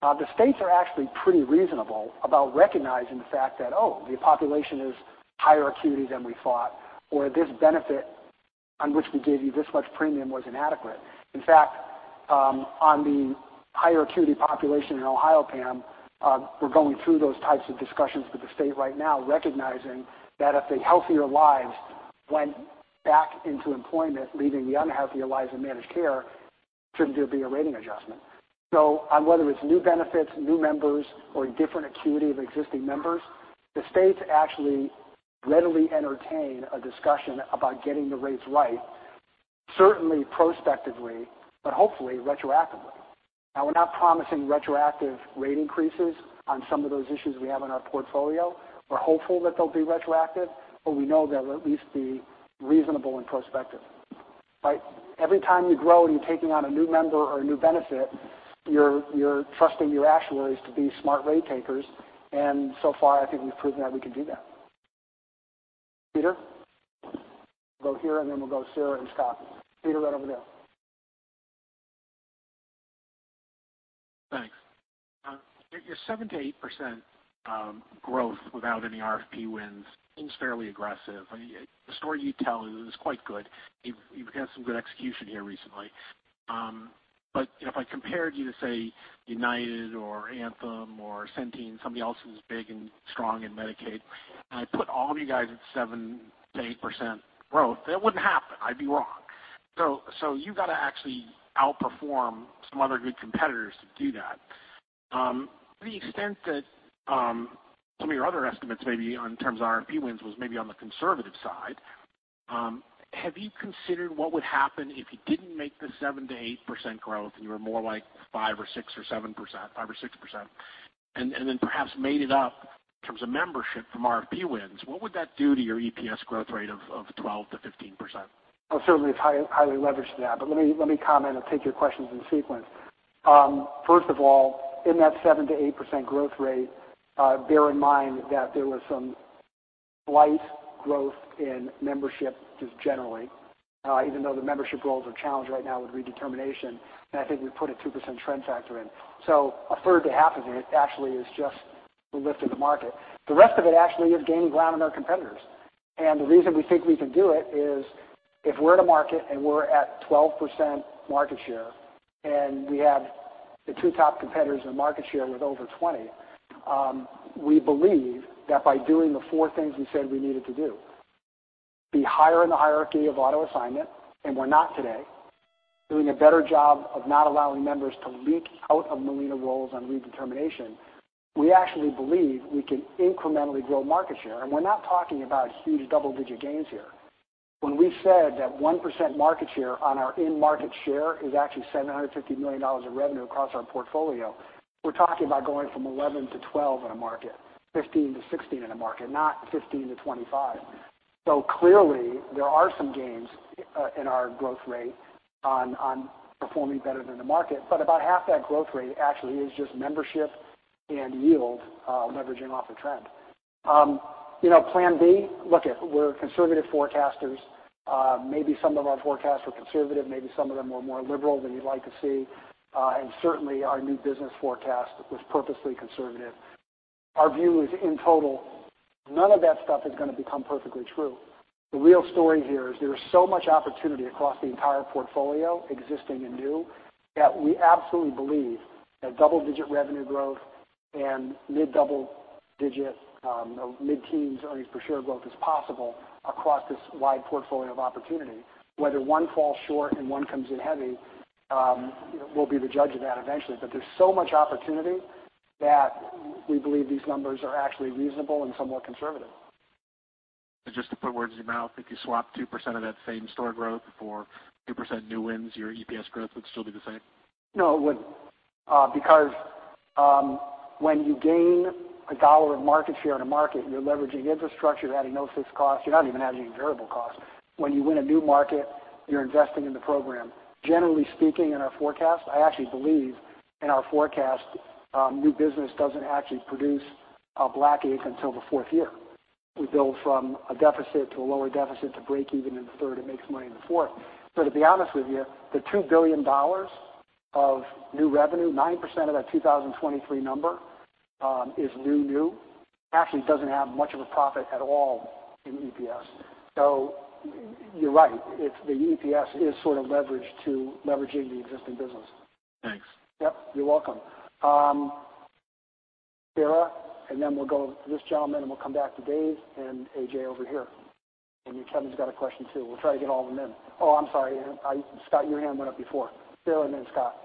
the states are actually pretty reasonable about recognizing the fact that, oh, the population is higher acuity than we thought, or this benefit on which we gave you this much premium was inadequate. In fact, on the higher acuity population in Ohio, Pam, we're going through those types of discussions with the state right now, recognizing that if the healthier lives went back into employment, leaving the unhealthier lives in managed care, shouldn't there be a rating adjustment? On whether it's new benefits, new members, or different acuity of existing members, the states actually readily entertain a discussion about getting the rates right, certainly prospectively, but hopefully retroactively. Now, we're not promising retroactive rate increases on some of those issues we have in our portfolio. We're hopeful that they'll be retroactive, but we know they'll at least be reasonable in prospective, right? Every time you grow and you're taking on a new member or a new benefit, you're trusting your actuaries to be smart rate takers, and so far, I think we've proven that we can do that. Peter? Go here, and then we'll go Sarah and Scott. Peter, right over there. Thanks. Your 7%-8% growth without any RFP wins seems fairly aggressive. The story you tell is quite good. You've had some good execution here recently. If I compared you to, say, United or Anthem or Centene, somebody else who's big and strong in Medicaid, and I put all of you guys at 7%-8% growth, that wouldn't happen. I'd be wrong. You've got to actually outperform some other good competitors to do that. To the extent that some of your other estimates, maybe in terms of RFP wins, was maybe on the conservative side, have you considered what would happen if you didn't make the 7%-8% growth, and you were more like 5% or 6% or 7%, 5% or 6%, and then perhaps made it up in terms of membership from RFP wins? What would that do to your EPS growth rate of 12%-15%? Well, certainly it's highly leveraged to that. Let me comment. I'll take your questions in sequence. First of all, in that 7%-8% growth rate, bear in mind that there was some slight growth in membership just generally, even though the membership rolls are challenged right now with redetermination, and I think we put a 2% trend factor in. A third to half of it actually is just the lift of the market. The rest of it actually is gaining ground on our competitors. The reason we think we can do it is if we're in a market and we're at 12% market share, and we have the two top competitors in the market share with over 20, we believe that by doing the four things we said we needed to do, be higher in the hierarchy of auto assignment, and we're not today, doing a better job of not allowing members to leak out of Molina rolls on redetermination, we actually believe we can incrementally grow market share. We're not talking about huge double-digit gains here. When we said that 1% market share on our in-market share is actually $750 million of revenue across our portfolio, we're talking about going from 11 to 12 in a market, 15 to 16 in a market, not 15 to 25. Clearly, there are some gains in our growth rate on performing better than the market. About half that growth rate actually is just membership and yield, leveraging off a trend. Plan B, look it, we're conservative forecasters. Maybe some of our forecasts were conservative, maybe some of them were more liberal than you'd like to see, and certainly our new business forecast was purposely conservative. Our view is, in total, none of that stuff is going to become perfectly true. The real story here is there is so much opportunity across the entire portfolio, existing and new, that we absolutely believe that double-digit revenue growth and mid-double digit, mid-teens earnings per share growth is possible across this wide portfolio of opportunity. Whether one falls short and one comes in heavy, we'll be the judge of that eventually. there's so much opportunity that we believe these numbers are actually reasonable and somewhat conservative. Just to put words in your mouth, if you swap 2% of that same store growth for 2% new wins, your EPS growth would still be the same? No, it wouldn't. When you gain $1 of market share in a market, you're leveraging infrastructure, you're adding no fixed costs, you're not even adding any variable costs. When you win a new market, you're investing in the program. Generally speaking, in our forecast, I actually believe in our forecast, new business doesn't actually produce a black ink until the fourth year. We build from a deficit to a lower deficit to breakeven in the third and make some money in the fourth. To be honest with you, the $2 billion of new revenue, 9% of that 2023 number is new, actually doesn't have much of a profit at all in EPS. You're right. The EPS is sort of leveraged to leveraging the existing business. Thanks. Yep, you're welcome. Sarah, then we'll go to this gentleman, and we'll come back to Dave and AJ over here. Kevin's got a question, too. We'll try to get all of them in. Oh, I'm sorry, Scott, your hand went up before. Sarah, then Scott.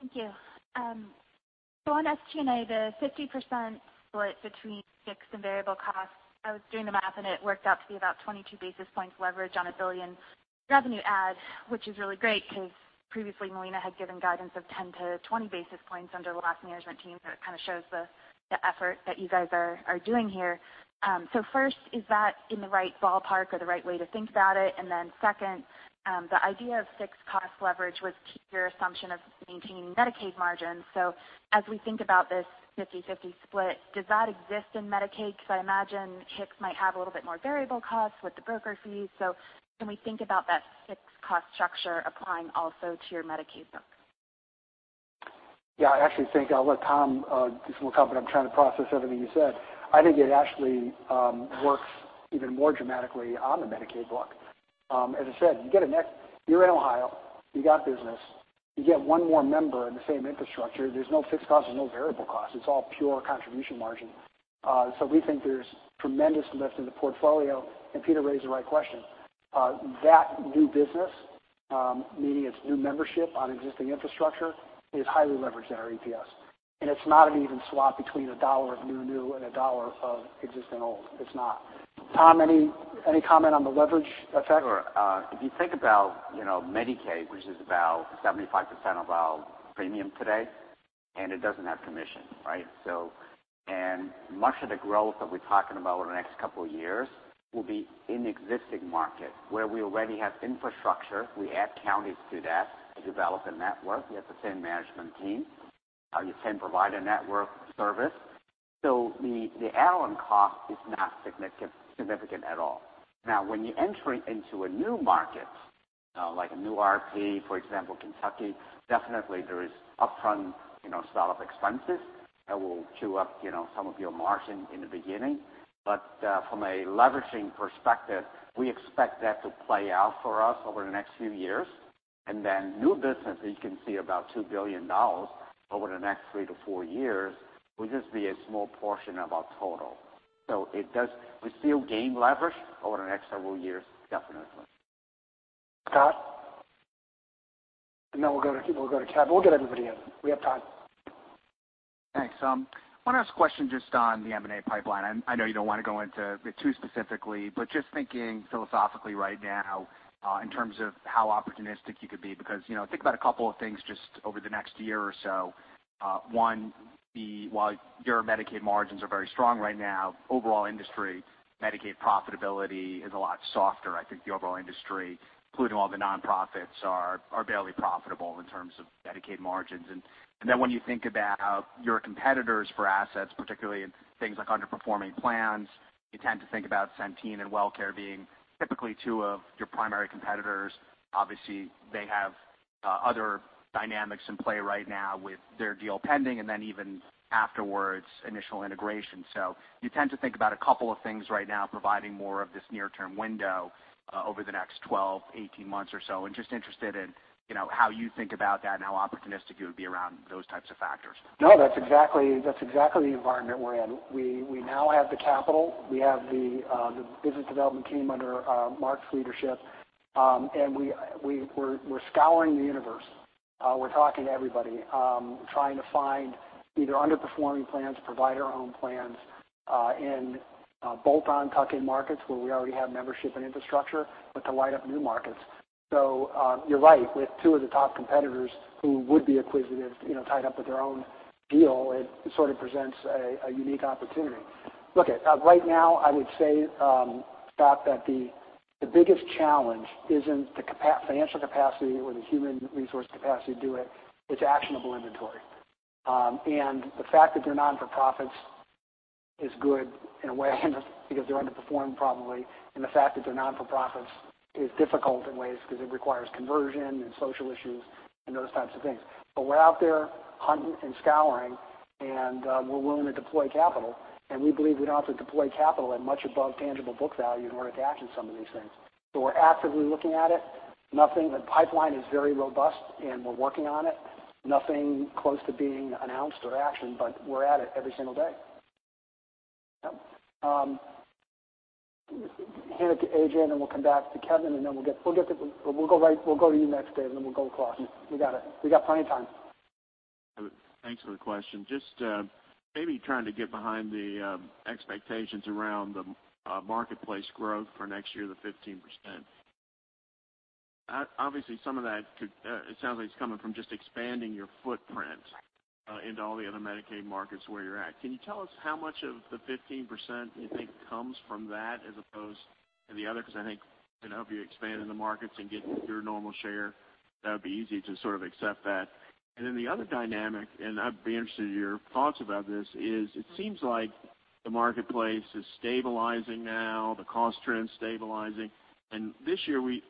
Thank you. On SG&A, the 50% split between fixed and variable costs, I was doing the math, and it worked out to be about 22 basis points leverage on a $1 billion revenue add, which is really great because previously Molina had given guidance of 10-20 basis points under the last management team. It kind of shows the effort that you guys are doing here. First, is that in the right ballpark or the right way to think about it? Second, the idea of fixed cost leverage was your assumption of maintaining Medicaid margins. As we think about this 50/50 split, does that exist in Medicaid? Because I imagine HIPAA might have a little bit more variable costs with the broker fees. Can we think about that fixed cost structure applying also to your Medicaid book? I actually think I'll let Tom. This is Tom, but I'm trying to process everything you said. I think it actually works even more dramatically on the Medicaid book. As I said, you're in Ohio, you got business, you get one more member in the same infrastructure, there's no fixed cost, there's no variable cost. It's all pure contribution margin. We think there's tremendous lift in the portfolio, and Peter raised the right question. That new business, meaning it's new membership on existing infrastructure, is highly leveraged in our EPS, and it's not an even swap between $1 of new and $1 of existing old. It's not. Tom, any comment on the leverage effect? Sure. If you think about Medicaid, which is about 75% of our premium today, it doesn't have commission, right? Much of the growth that we're talking about over the next couple of years will be in existing market where we already have infrastructure. We add counties to that to develop a network. We have the same management team. You can provide a network service. The add-on cost is not significant at all. Now, when you enter into a new market, like a new RFP, for example, Kentucky, definitely there is upfront startup expenses that will chew up some of your margin in the beginning. From a leveraging perspective, we expect that to play out for us over the next few years, and then new business, as you can see, about $2 billion over the next three to four years, will just be a small portion of our total. We still gain leverage over the next several years, definitely. Scott? Then we'll go to Kevin. We'll get everybody in. We have time. Thanks. I want to ask a question just on the M&A pipeline. I know you don't want to go into it too specifically, just thinking philosophically right now, in terms of how opportunistic you could be, because think about a couple of things just over the next year or so. One, while your Medicaid margins are very strong right now, overall industry Medicaid profitability is a lot softer. I think the overall industry, including all the nonprofits, are barely profitable in terms of Medicaid margins. When you think about your competitors for assets, particularly in things like underperforming plans, you tend to think about Centene and WellCare being typically two of your primary competitors. Obviously, they have other dynamics in play right now with their deal pending and then even afterwards, initial integration. You tend to think about a couple of things right now, providing more of this near-term window over the next 12, 18 months or so. Just interested in how you think about that and how opportunistic you would be around those types of factors. No, that's exactly the environment we're in. We now have the capital. We have the business development team under Mark's leadership, we're scouring the universe. We're talking to everybody, trying to find either underperforming plans, provider-owned plans in bolt-on tuck-in markets where we already have membership and infrastructure, to light up new markets. You're right. With two of the top competitors who would be acquisitive tied up with their own deal, it sort of presents a unique opportunity. Look, right now, I would say, Scott, that the biggest challenge isn't the financial capacity or the human resource capacity to do it's actionable inventory. The fact that they're not-for-profits is good in a way because they're underperforming probably, and the fact that they're not-for-profits is difficult in ways because it requires conversion and social issues and those types of things. We're out there hunting and scouring, and we're willing to deploy capital, and we believe we don't have to deploy capital at much above tangible book value in order to action some of these things. We're actively looking at it. The pipeline is very robust and we're working on it. Nothing close to being announced or actioned, but we're at it every single day. Hand it to AJ, and then we'll come back to Kevin, and then we'll go to you next, Dave, and then we'll go across. We got it. We got plenty of time. Thanks for the question. Maybe trying to get behind the expectations around the marketplace growth for next year, the 15%. Obviously, some of that could, it sounds like it's coming from just expanding your footprint into all the other Medicaid markets where you're at. Can you tell us how much of the 15% you think comes from that as opposed to the other? Because I think if you expand in the markets and get your normal share, that would be easy to sort of accept that. The other dynamic, and I'd be interested in your thoughts about this, is it seems like the marketplace is stabilizing now, the cost trend's stabilizing. This year, we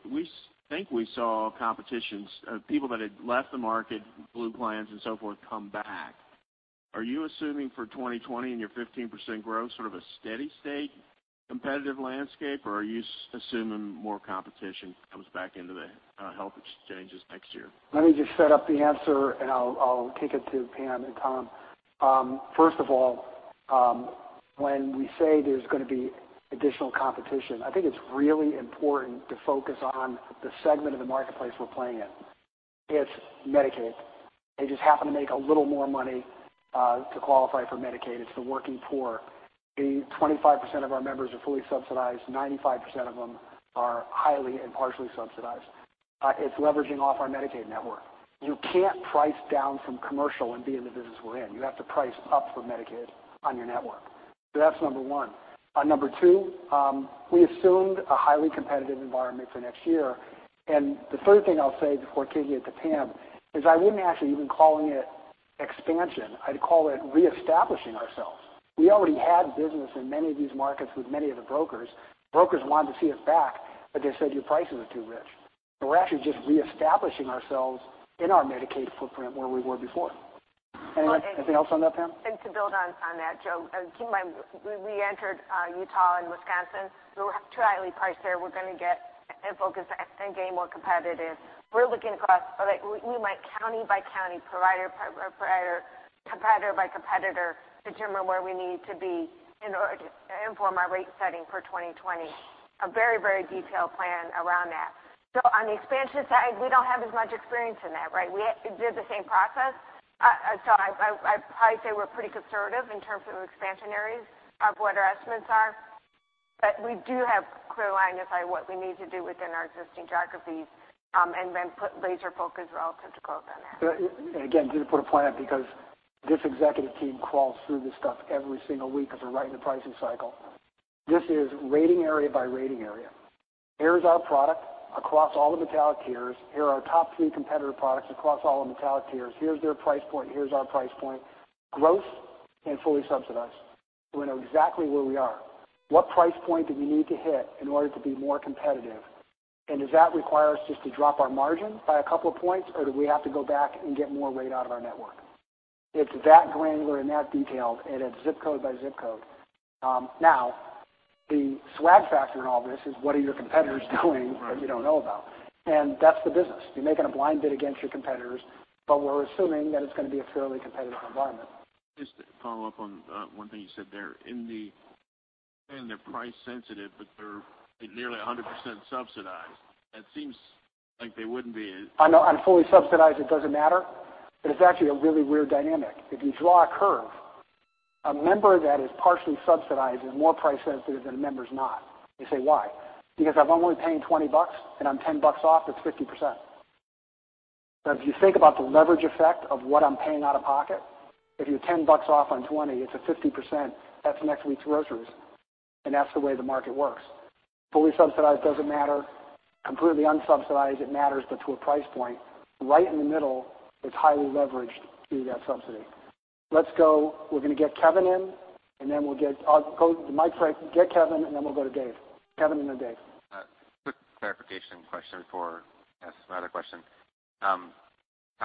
think we saw competitions. People that had left the market, Blue plans and so forth, come back. Are you assuming for 2020 and your 15% growth sort of a steady state competitive landscape, or are you assuming more competition comes back into the health exchanges next year? Let me just set up the answer, and I'll kick it to Pam and Tom. First of all, when we say there's going to be additional competition, I think it's really important to focus on the segment of the marketplace we're playing in. It's Medicaid. They just happen to make a little more money, to qualify for Medicaid. It's the working poor. 25% of our members are fully subsidized, 95% of them are highly and partially subsidized. It's leveraging off our Medicaid network. You can't price down from commercial and be in the business we're in. You have to price up for Medicaid on your network. That's number one. Number two, we assumed a highly competitive environment for next year, the third thing I'll say before kicking it to Pam is I wouldn't actually even calling it expansion. I'd call it reestablishing ourselves. We already had business in many of these markets with many of the brokers. Brokers wanted to see us back, but they said your prices are too rich. We're actually just reestablishing ourselves in our Medicaid footprint where we were before. Anything else on that, Pam? To build on that, Joe, keep in mind, we reentered Utah and Wisconsin. We were too highly priced there. We're going to get focused and gain more competitive. We're looking across county by county, competitor by competitor, determine where we need to be in order to inform our rate setting for 2020. A very detailed plan around that. On the expansion side, we don't have as much experience in that, right? We did the same process. I'd probably say we're pretty conservative in terms of expansion areas of what our estimates are. We do have clear line of sight of what we need to do within our existing geographies, and then put laser focus relative to growth on that. Again, just to put a point on it, because this executive team crawls through this stuff every single week as we're right in the pricing cycle. This is rating area by rating area. Here's our product across all the metallic tiers. Here are our top three competitor products across all the metallic tiers. Here's their price point. Here's our price point, gross and fully subsidized. We know exactly where we are. What price point do we need to hit in order to be more competitive? Does that require us just to drop our margin by a couple of points, or do we have to go back and get more weight out of our network? It's that granular and that detailed, and it's zip code by zip code. Now, the swag factor in all this is what are your competitors doing that you don't know about? That's the business. You're making a blind bid against your competitors, we're assuming that it's going to be a fairly competitive environment. Just to follow up on one thing you said there. In the end, they're price sensitive, but they're nearly 100% subsidized. That seems like they wouldn't be- I know. On fully subsidized, it doesn't matter. It's actually a really weird dynamic. If you draw a curve, a member that is partially subsidized is more price sensitive than a member who's not. You say, "Why?" Because if I'm only paying $20 and I'm $10 off, it's 50%. If you think about the leverage effect of what I'm paying out of pocket, if you're $10 off on $20, it's a 50%. That's next week's groceries. That's the way the market works. Fully subsidized doesn't matter. Completely unsubsidized, it matters, but to a price point. Right in the middle, it's highly leveraged to that subsidy. Let's go. We're going to get Kevin in, and then I'll go to Mike, get Kevin, and then we'll go to Dave. Kevin, and then Dave. A quick clarification question before I ask my other question. Tom,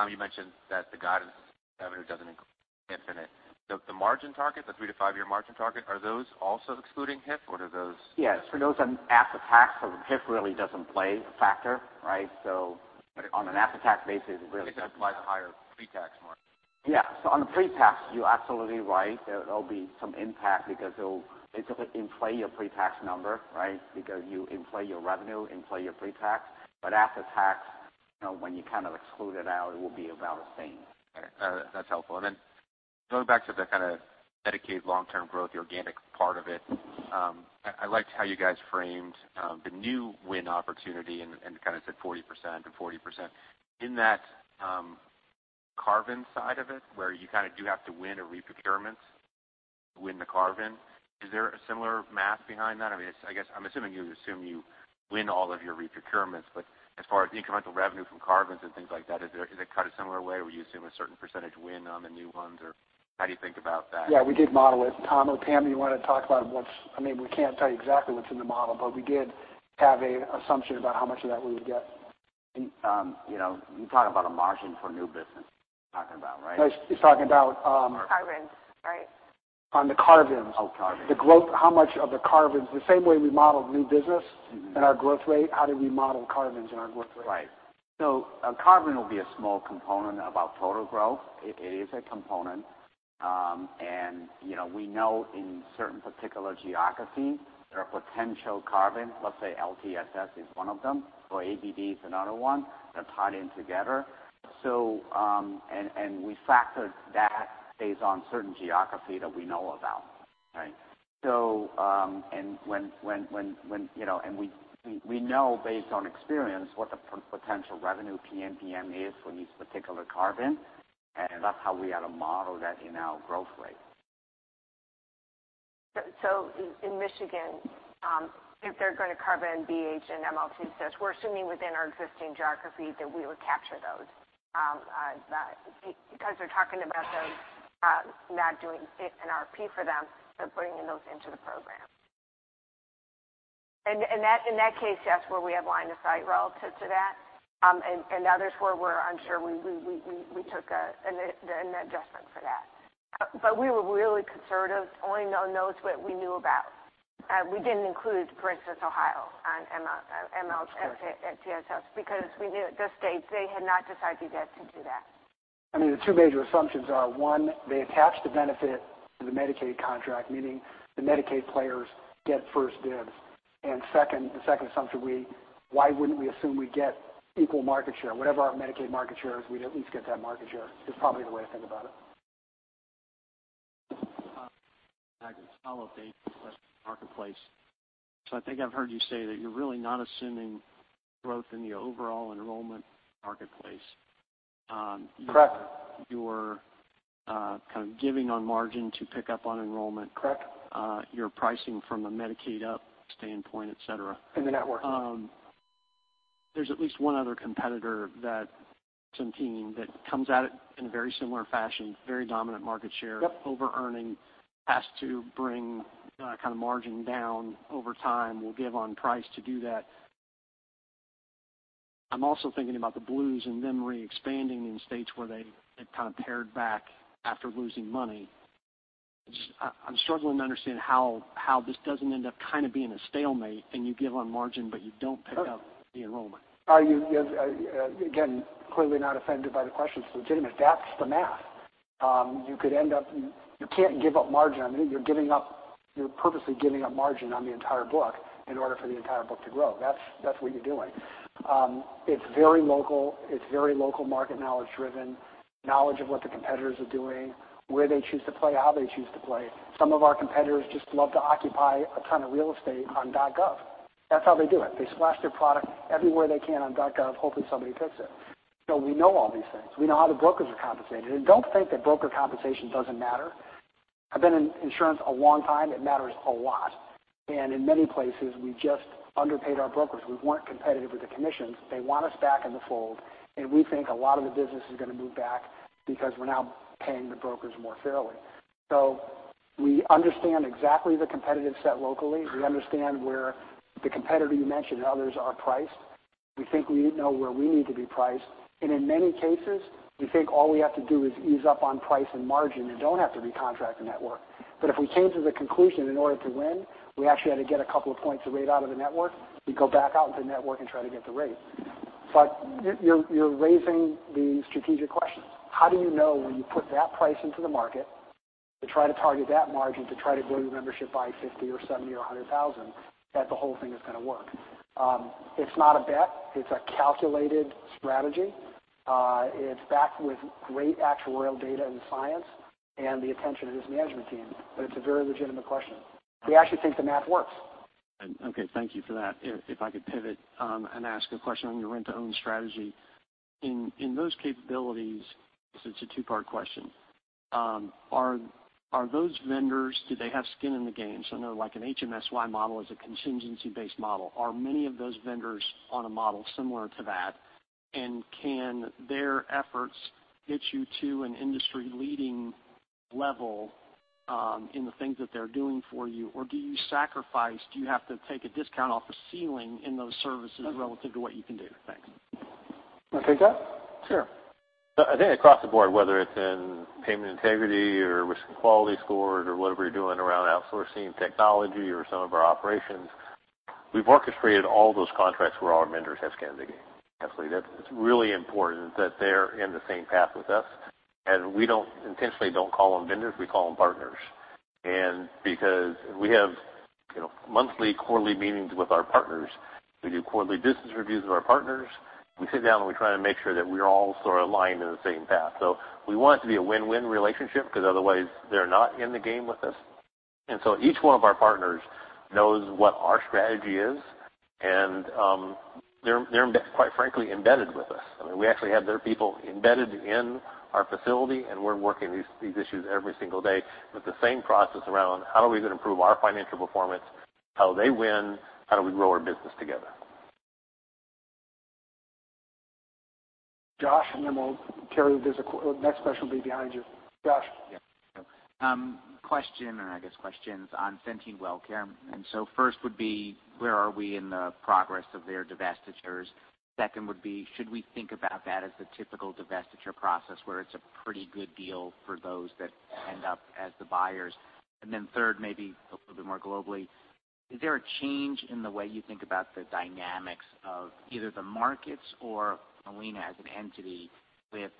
you mentioned that the guidance revenue doesn't include HIF. The margin target, the 3-5-year margin target, are those also excluding HIF, or do those- Yes. For those on after-tax, HIF really doesn't play a factor, right? On an after-tax basis, it really doesn't. I guess that applies to higher pre-tax margin. On the pre-tax, you're absolutely right. There'll be some impact because it'll inflate your pre-tax number, right? Because you inflate your revenue, inflate your pre-tax. After-tax, when you kind of exclude it out, it will be about the same. Okay. That's helpful. Going back to the kind of dedicated long-term growth, the organic part of it, I liked how you guys framed the new win opportunity and kind of said 40% or 40%. In that carve-in side of it, where you kind of do have to win a re-procurement to win the carve-in, is there a similar math behind that? I guess I'm assuming you assume you win all of your re-procurements, as far as the incremental revenue from carve-ins and things like that, is it kind of similar way where you assume a certain percentage win on the new ones? Or how do you think about that? Yeah, we did model it. Tom or Pam, you want to talk about? We can't tell you exactly what's in the model, we did have an assumption about how much of that we would get. You talk about a margin for new business. You're talking about, right? He's talking about. Carve-ins. Right. On the carve-ins. Oh, carve-ins. How much of the carve-ins, the same way we modeled new business and our growth rate, how do we model carve-ins in our growth rate? Right. A carve-in will be a small component of our total growth. It is a component. We know in certain particular geographies, there are potential carve-ins. Let's say LTSS is one of them, or ABD is another one. They're tied in together. We factored that based on certain geographies that we know about, right? We know based on experience what the potential revenue PNPM is for these particular carve-ins, and that's how we ought to model that in our growth rate. In Michigan, if they're going to carve-in BH and MLTSS, we're assuming within our existing geography that we would capture those. Because they're talking about those, not doing an RFP for them, but bringing those into the program. In that case, that's where we have line of sight relative to that. Others where we're unsure, we took an adjustment for that. We were really conservative, only on those what we knew about. We didn't include, for instance, Ohio on MLTSS, because we knew at this stage, they had not decided yet to do that. The two major assumptions are, one, they attach the benefit to the Medicaid contract, meaning the Medicaid players get first dibs. Second, the second assumption, why wouldn't we assume we get equal market share? Whatever our Medicaid market share is, we'd at least get that market share, is probably the way to think about it. I can follow up a question on the marketplace. I think I've heard you say that you're really not assuming growth in the overall enrollment marketplace. Correct. You're kind of giving on margin to pick up on enrollment. Correct. You're pricing from a Medicaid up standpoint, et cetera. In the network. There's at least one other competitor that comes out in a very similar fashion, very dominant market share. Yep. Over-earning has to bring kind of margin down over time. We'll give on price to do that. I'm also thinking about the blues and them re-expanding in states where they had kind of pared back after losing money. I'm struggling to understand how this doesn't end up kind of being a stalemate and you give on margin, but you don't pick up the enrollment. Clearly not offended by the question. It's legitimate. That's the math. You can't give up margin on it. You're purposely giving up margin on the entire book in order for the entire book to grow. That's what you're doing. It's very local. It's very local market knowledge driven, knowledge of what the competitors are doing, where they choose to play, how they choose to play. Some of our competitors just love to occupy a ton of real estate on .gov. That's how they do it. They splash their product everywhere they can on .gov, hoping somebody picks it. We know all these things. We know how the brokers are compensated. Don't think that broker compensation doesn't matter. I've been in insurance a long time. It matters a lot. In many places, we've just underpaid our brokers. We weren't competitive with the commissions. They want us back in the fold, we think a lot of the business is going to move back because we're now paying the brokers more fairly. We understand exactly the competitive set locally. We understand where the competitor you mentioned and others are priced. We think we know where we need to be priced. In many cases, we think all we have to do is ease up on price and margin and don't have to recontract the network. If we came to the conclusion in order to win, we actually had to get a couple of points of rate out of the network, we'd go back out into network and try to get the rate. You're raising the strategic questions. How do you know when you put that price into the market to try to target that margin, to try to grow your membership by 50 or 70 or 100,000, that the whole thing is going to work? It's not a bet. It's a calculated strategy. It's backed with great actuarial data and science and the attention of this management team. It's a very legitimate question. We actually think the math works. Okay. Thank you for that. If I could pivot and ask a question on your rent-to-own strategy. In those capabilities, this is a two-part question. Are those vendors, do they have skin in the game? I know like an HMS model is a contingency-based model. Are many of those vendors on a model similar to that? Can their efforts get you to an industry-leading level in the things that they're doing for you, or do you sacrifice? Do you have to take a discount off a ceiling in those services relative to what you can do? Thanks. Want to take that? Sure. I think across the board, whether it's in payment integrity or risk and quality scores or whatever you're doing around outsourcing technology or some of our operations, we've orchestrated all those contracts where our vendors have skin in the game. Absolutely. It's really important that they're in the same path with us, and we intentionally don't call them vendors, we call them partners. Because we have monthly, quarterly meetings with our partners, we do quarterly business reviews with our partners. We sit down, and we try to make sure that we're all sort of aligned in the same path. So we want it to be a win-win relationship, because otherwise they're not in the game with us. So each one of our partners knows what our strategy is, and they're quite frankly, embedded with us. I mean, we actually have their people embedded in our facility, and we're working these issues every single day with the same process around how are we going to improve our financial performance, how they win, how do we grow our business together? Josh, then we'll Carol. There's a next question will be behind you. Josh? Yeah. Question, or I guess questions on Centene. So first would be, where are we in the progress of their divestitures? Second would be, should we think about that as the typical divestiture process where it's a pretty good deal for those that end up as the buyers? Then third, maybe a little bit more globally, is there a change in the way you think about the dynamics of either the markets or Molina as an entity with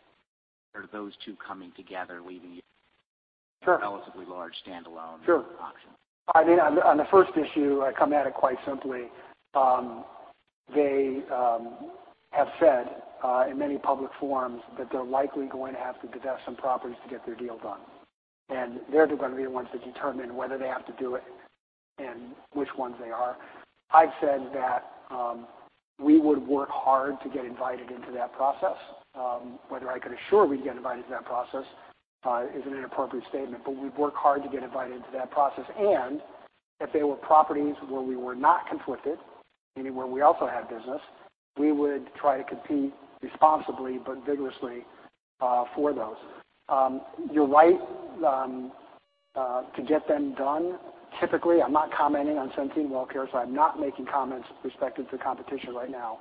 those two coming together, leaving. Sure a relatively large standalone- Sure auction? On the first issue, I come at it quite simply. They have said in many public forums that they're likely going to have to divest some properties to get their deals on. They're going to be the ones that determine whether they have to do it and which ones they are. I've said that we would work hard to get invited into that process. Whether I could assure we'd get invited to that process is an inappropriate statement. We'd work hard to get invited into that process. If there were properties where we were not conflicted, meaning where we also had business, we would try to compete responsibly but vigorously for those. You're right. To get them done, typically, I'm not commenting on Centene, so I'm not making comments respective to competition right now.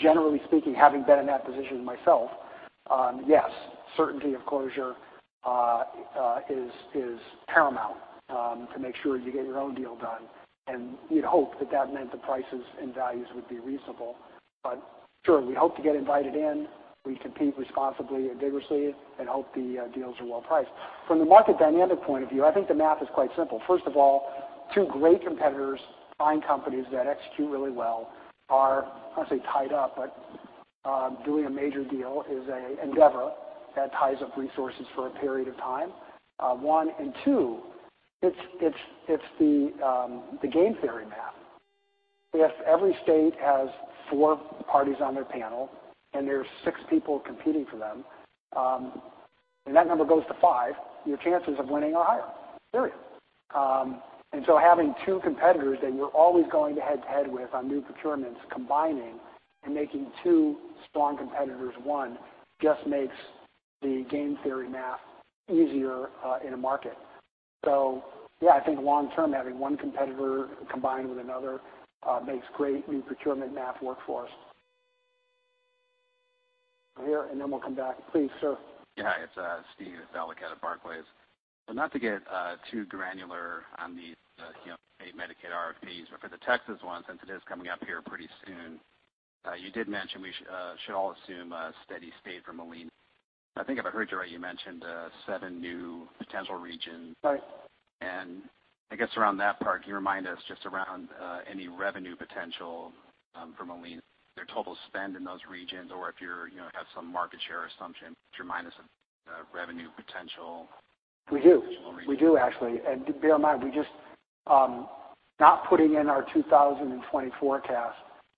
Generally speaking, having been in that position myself, yes, certainty of closure is paramount to make sure you get your own deal done. You'd hope that that meant the prices and values would be reasonable. Sure, we hope to get invited in. We compete responsibly and vigorously and hope the deals are well priced. From the market dynamic point of view, I think the math is quite simple. First of all, two great competitors, fine companies that execute really well are, I won't say tied up, but doing a major deal is an endeavor that ties up resources for a period of time, one. Two, it's the game theory math. If every state has four parties on their panel and there's six people competing for them and that number goes to five, your chances of winning are higher, period. Having two competitors that you're always going head to head with on new procurements combining and making two strong competitors one just makes the game theory math easier in a market. Yeah, I think long term, having one competitor combine with another makes great new procurement math work for us. Here, and then we'll come back. Please, sir. Yeah, it's Steve Adalikaze at Barclays. Not to get too granular on the Medicaid RFPs, but for the Texas one, since it is coming up here pretty soon, you did mention we should all assume a steady state for Molina. I think if I heard you right, you mentioned seven new potential regions. Right. I guess around that part, can you remind us just around any revenue potential from Molina, their total spend in those regions? If you have some market share assumption, could you remind us of revenue potential? We do. We do, actually. Bear in mind, we just not putting in our 2020 forecast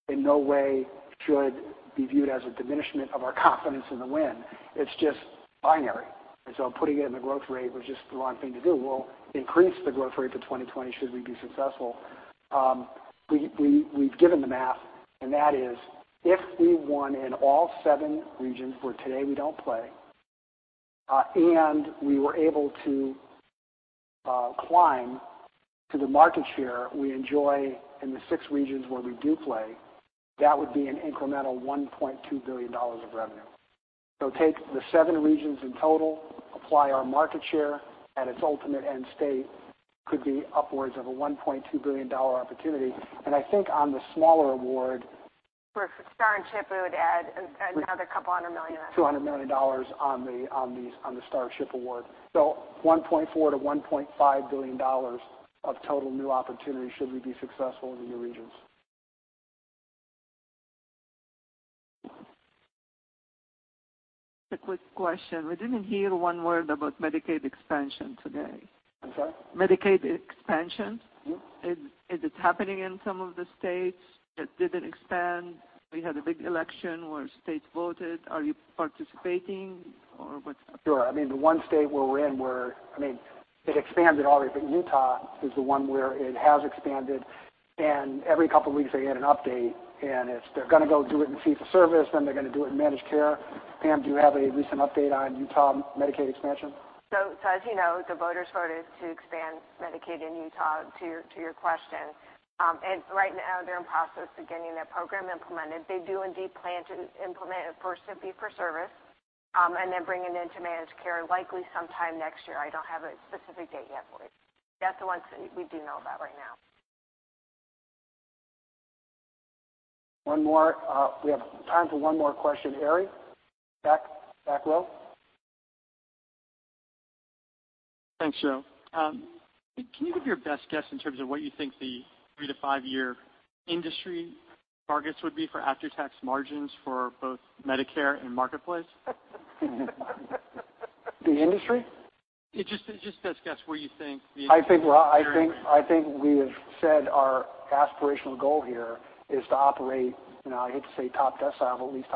in no way should be viewed as a diminishment of our confidence in the win. It's just binary, putting it in the growth rate was just the wrong thing to do. We'll increase the growth rate to 2020 should we be successful. We've given the math, if we won in all seven regions where today we don't play, and we were able to climb to the market share we enjoy in the six regions where we do play, that would be an incremental $1.2 billion of revenue. Take the seven regions in total, apply our market share at its ultimate end state, could be upwards of a $1.2 billion opportunity. I think on the smaller award- For STAR and CHIP, it would add another couple hundred million. $200 million on the STAR CHIP Award. $1.4 billion-$1.5 billion of total new opportunity should we be successful in the new regions. A quick question. We didn't hear one word about Medicaid expansion today. I'm sorry? Medicaid expansion. Yes. Is it happening in some of the states that didn't expand? We had a big election where states voted. Are you participating, or what's happening? Sure. The one state where we're in, it expanded already. Utah is the one where it has expanded, and every couple of weeks they get an update. If they're going to go do it in fee-for-service, they're going to do it in managed care. Pam, do you have a recent update on Utah Medicaid expansion? As you know, the voters voted to expand Medicaid in Utah to your question. Right now they're in the process of getting their program implemented. They do indeed plan to implement it first in fee-for-service, and then bring it into managed care likely sometime next year. I don't have a specific date yet. That's the one we do know about right now. One more. We have time for one more question. Harry, back row. Thanks, Joe. Can you give your best guess in terms of what you think the 3-5 year industry targets would be for after-tax margins for both Medicare and Marketplace? The industry? Yeah, just best guess where you think the industry- I think we have said our aspirational goal here is to operate, I hate to say top decile, but at least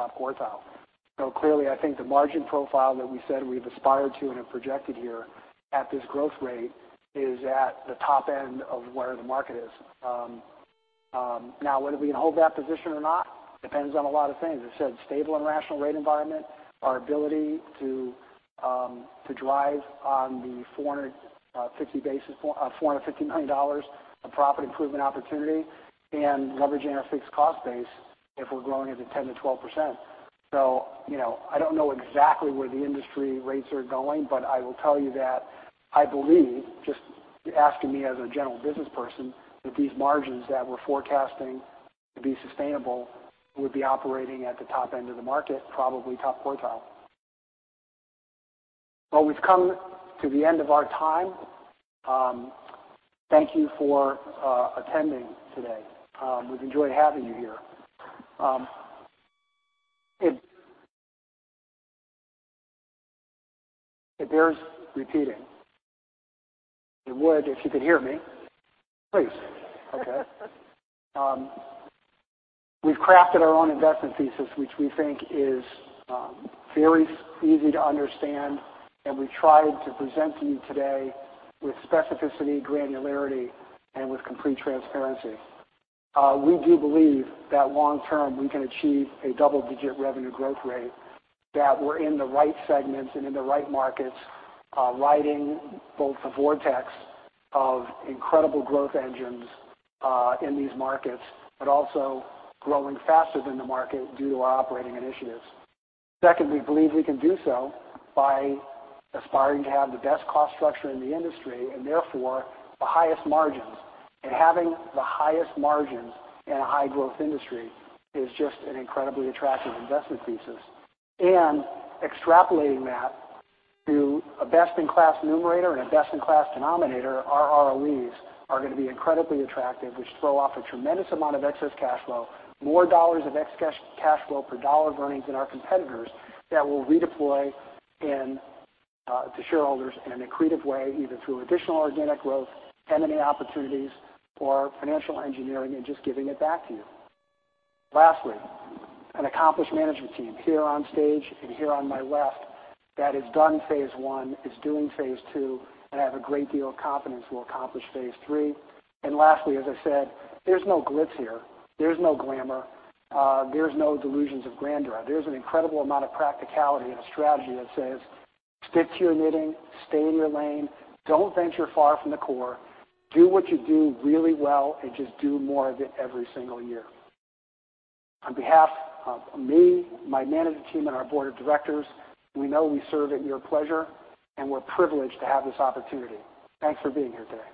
top quartile. Clearly, I think the margin profile that we said we've aspired to and have projected here at this growth rate is at the top end of where the market is. Now, whether we can hold that position or not depends on a lot of things. As I said, stable and rational rate environment, our ability to drive on the $450 million of profit improvement opportunity, and leveraging our fixed cost base if we're growing it at 10%-12%. I don't know exactly where the industry rates are going, but I will tell you that I believe, just asking me as a general business person, that these margins that we're forecasting to be sustainable would be operating at the top end of the market, probably top quartile. We've come to the end of our time. Thank you for attending today. We've enjoyed having you here. If it bears repeating. It would if you could hear me, please. We've crafted our own investment thesis, which we think is very easy to understand, and we tried to present to you today with specificity, granularity, and with complete transparency. We do believe that long term, we can achieve a double-digit revenue growth rate, that we're in the right segments and in the right markets, riding both the vortex of incredible growth engines in these markets, but also growing faster than the market due to our operating initiatives. Second, we believe we can do so by aspiring to have the best cost structure in the industry, and therefore the highest margins. Having the highest margins in a high-growth industry is just an incredibly attractive investment thesis. Extrapolating that to a best-in-class numerator and a best-in-class denominator, our ROEs are going to be incredibly attractive, which throw off a tremendous amount of excess cash flow, more dollars of excess cash flow per dollar of earnings than our competitors that we'll redeploy to shareholders in an accretive way, either through additional organic growth, M&A opportunities, or financial engineering and just giving it back to you. Lastly, an accomplished management team here on stage and here on my left that has done phase I, is doing phase II, and I have a great deal of confidence will accomplish phase III. Lastly, as I said, there's no glitz here. There's no glamour. There's no delusions of grandeur. There's an incredible amount of practicality and a strategy that says, "Stick to your knitting, stay in your lane. Don't venture far from the core. Do what you do really well and just do more of it every single year." On behalf of me, my management team, and our board of directors, we know we serve at your pleasure and we're privileged to have this opportunity. Thanks for being here today.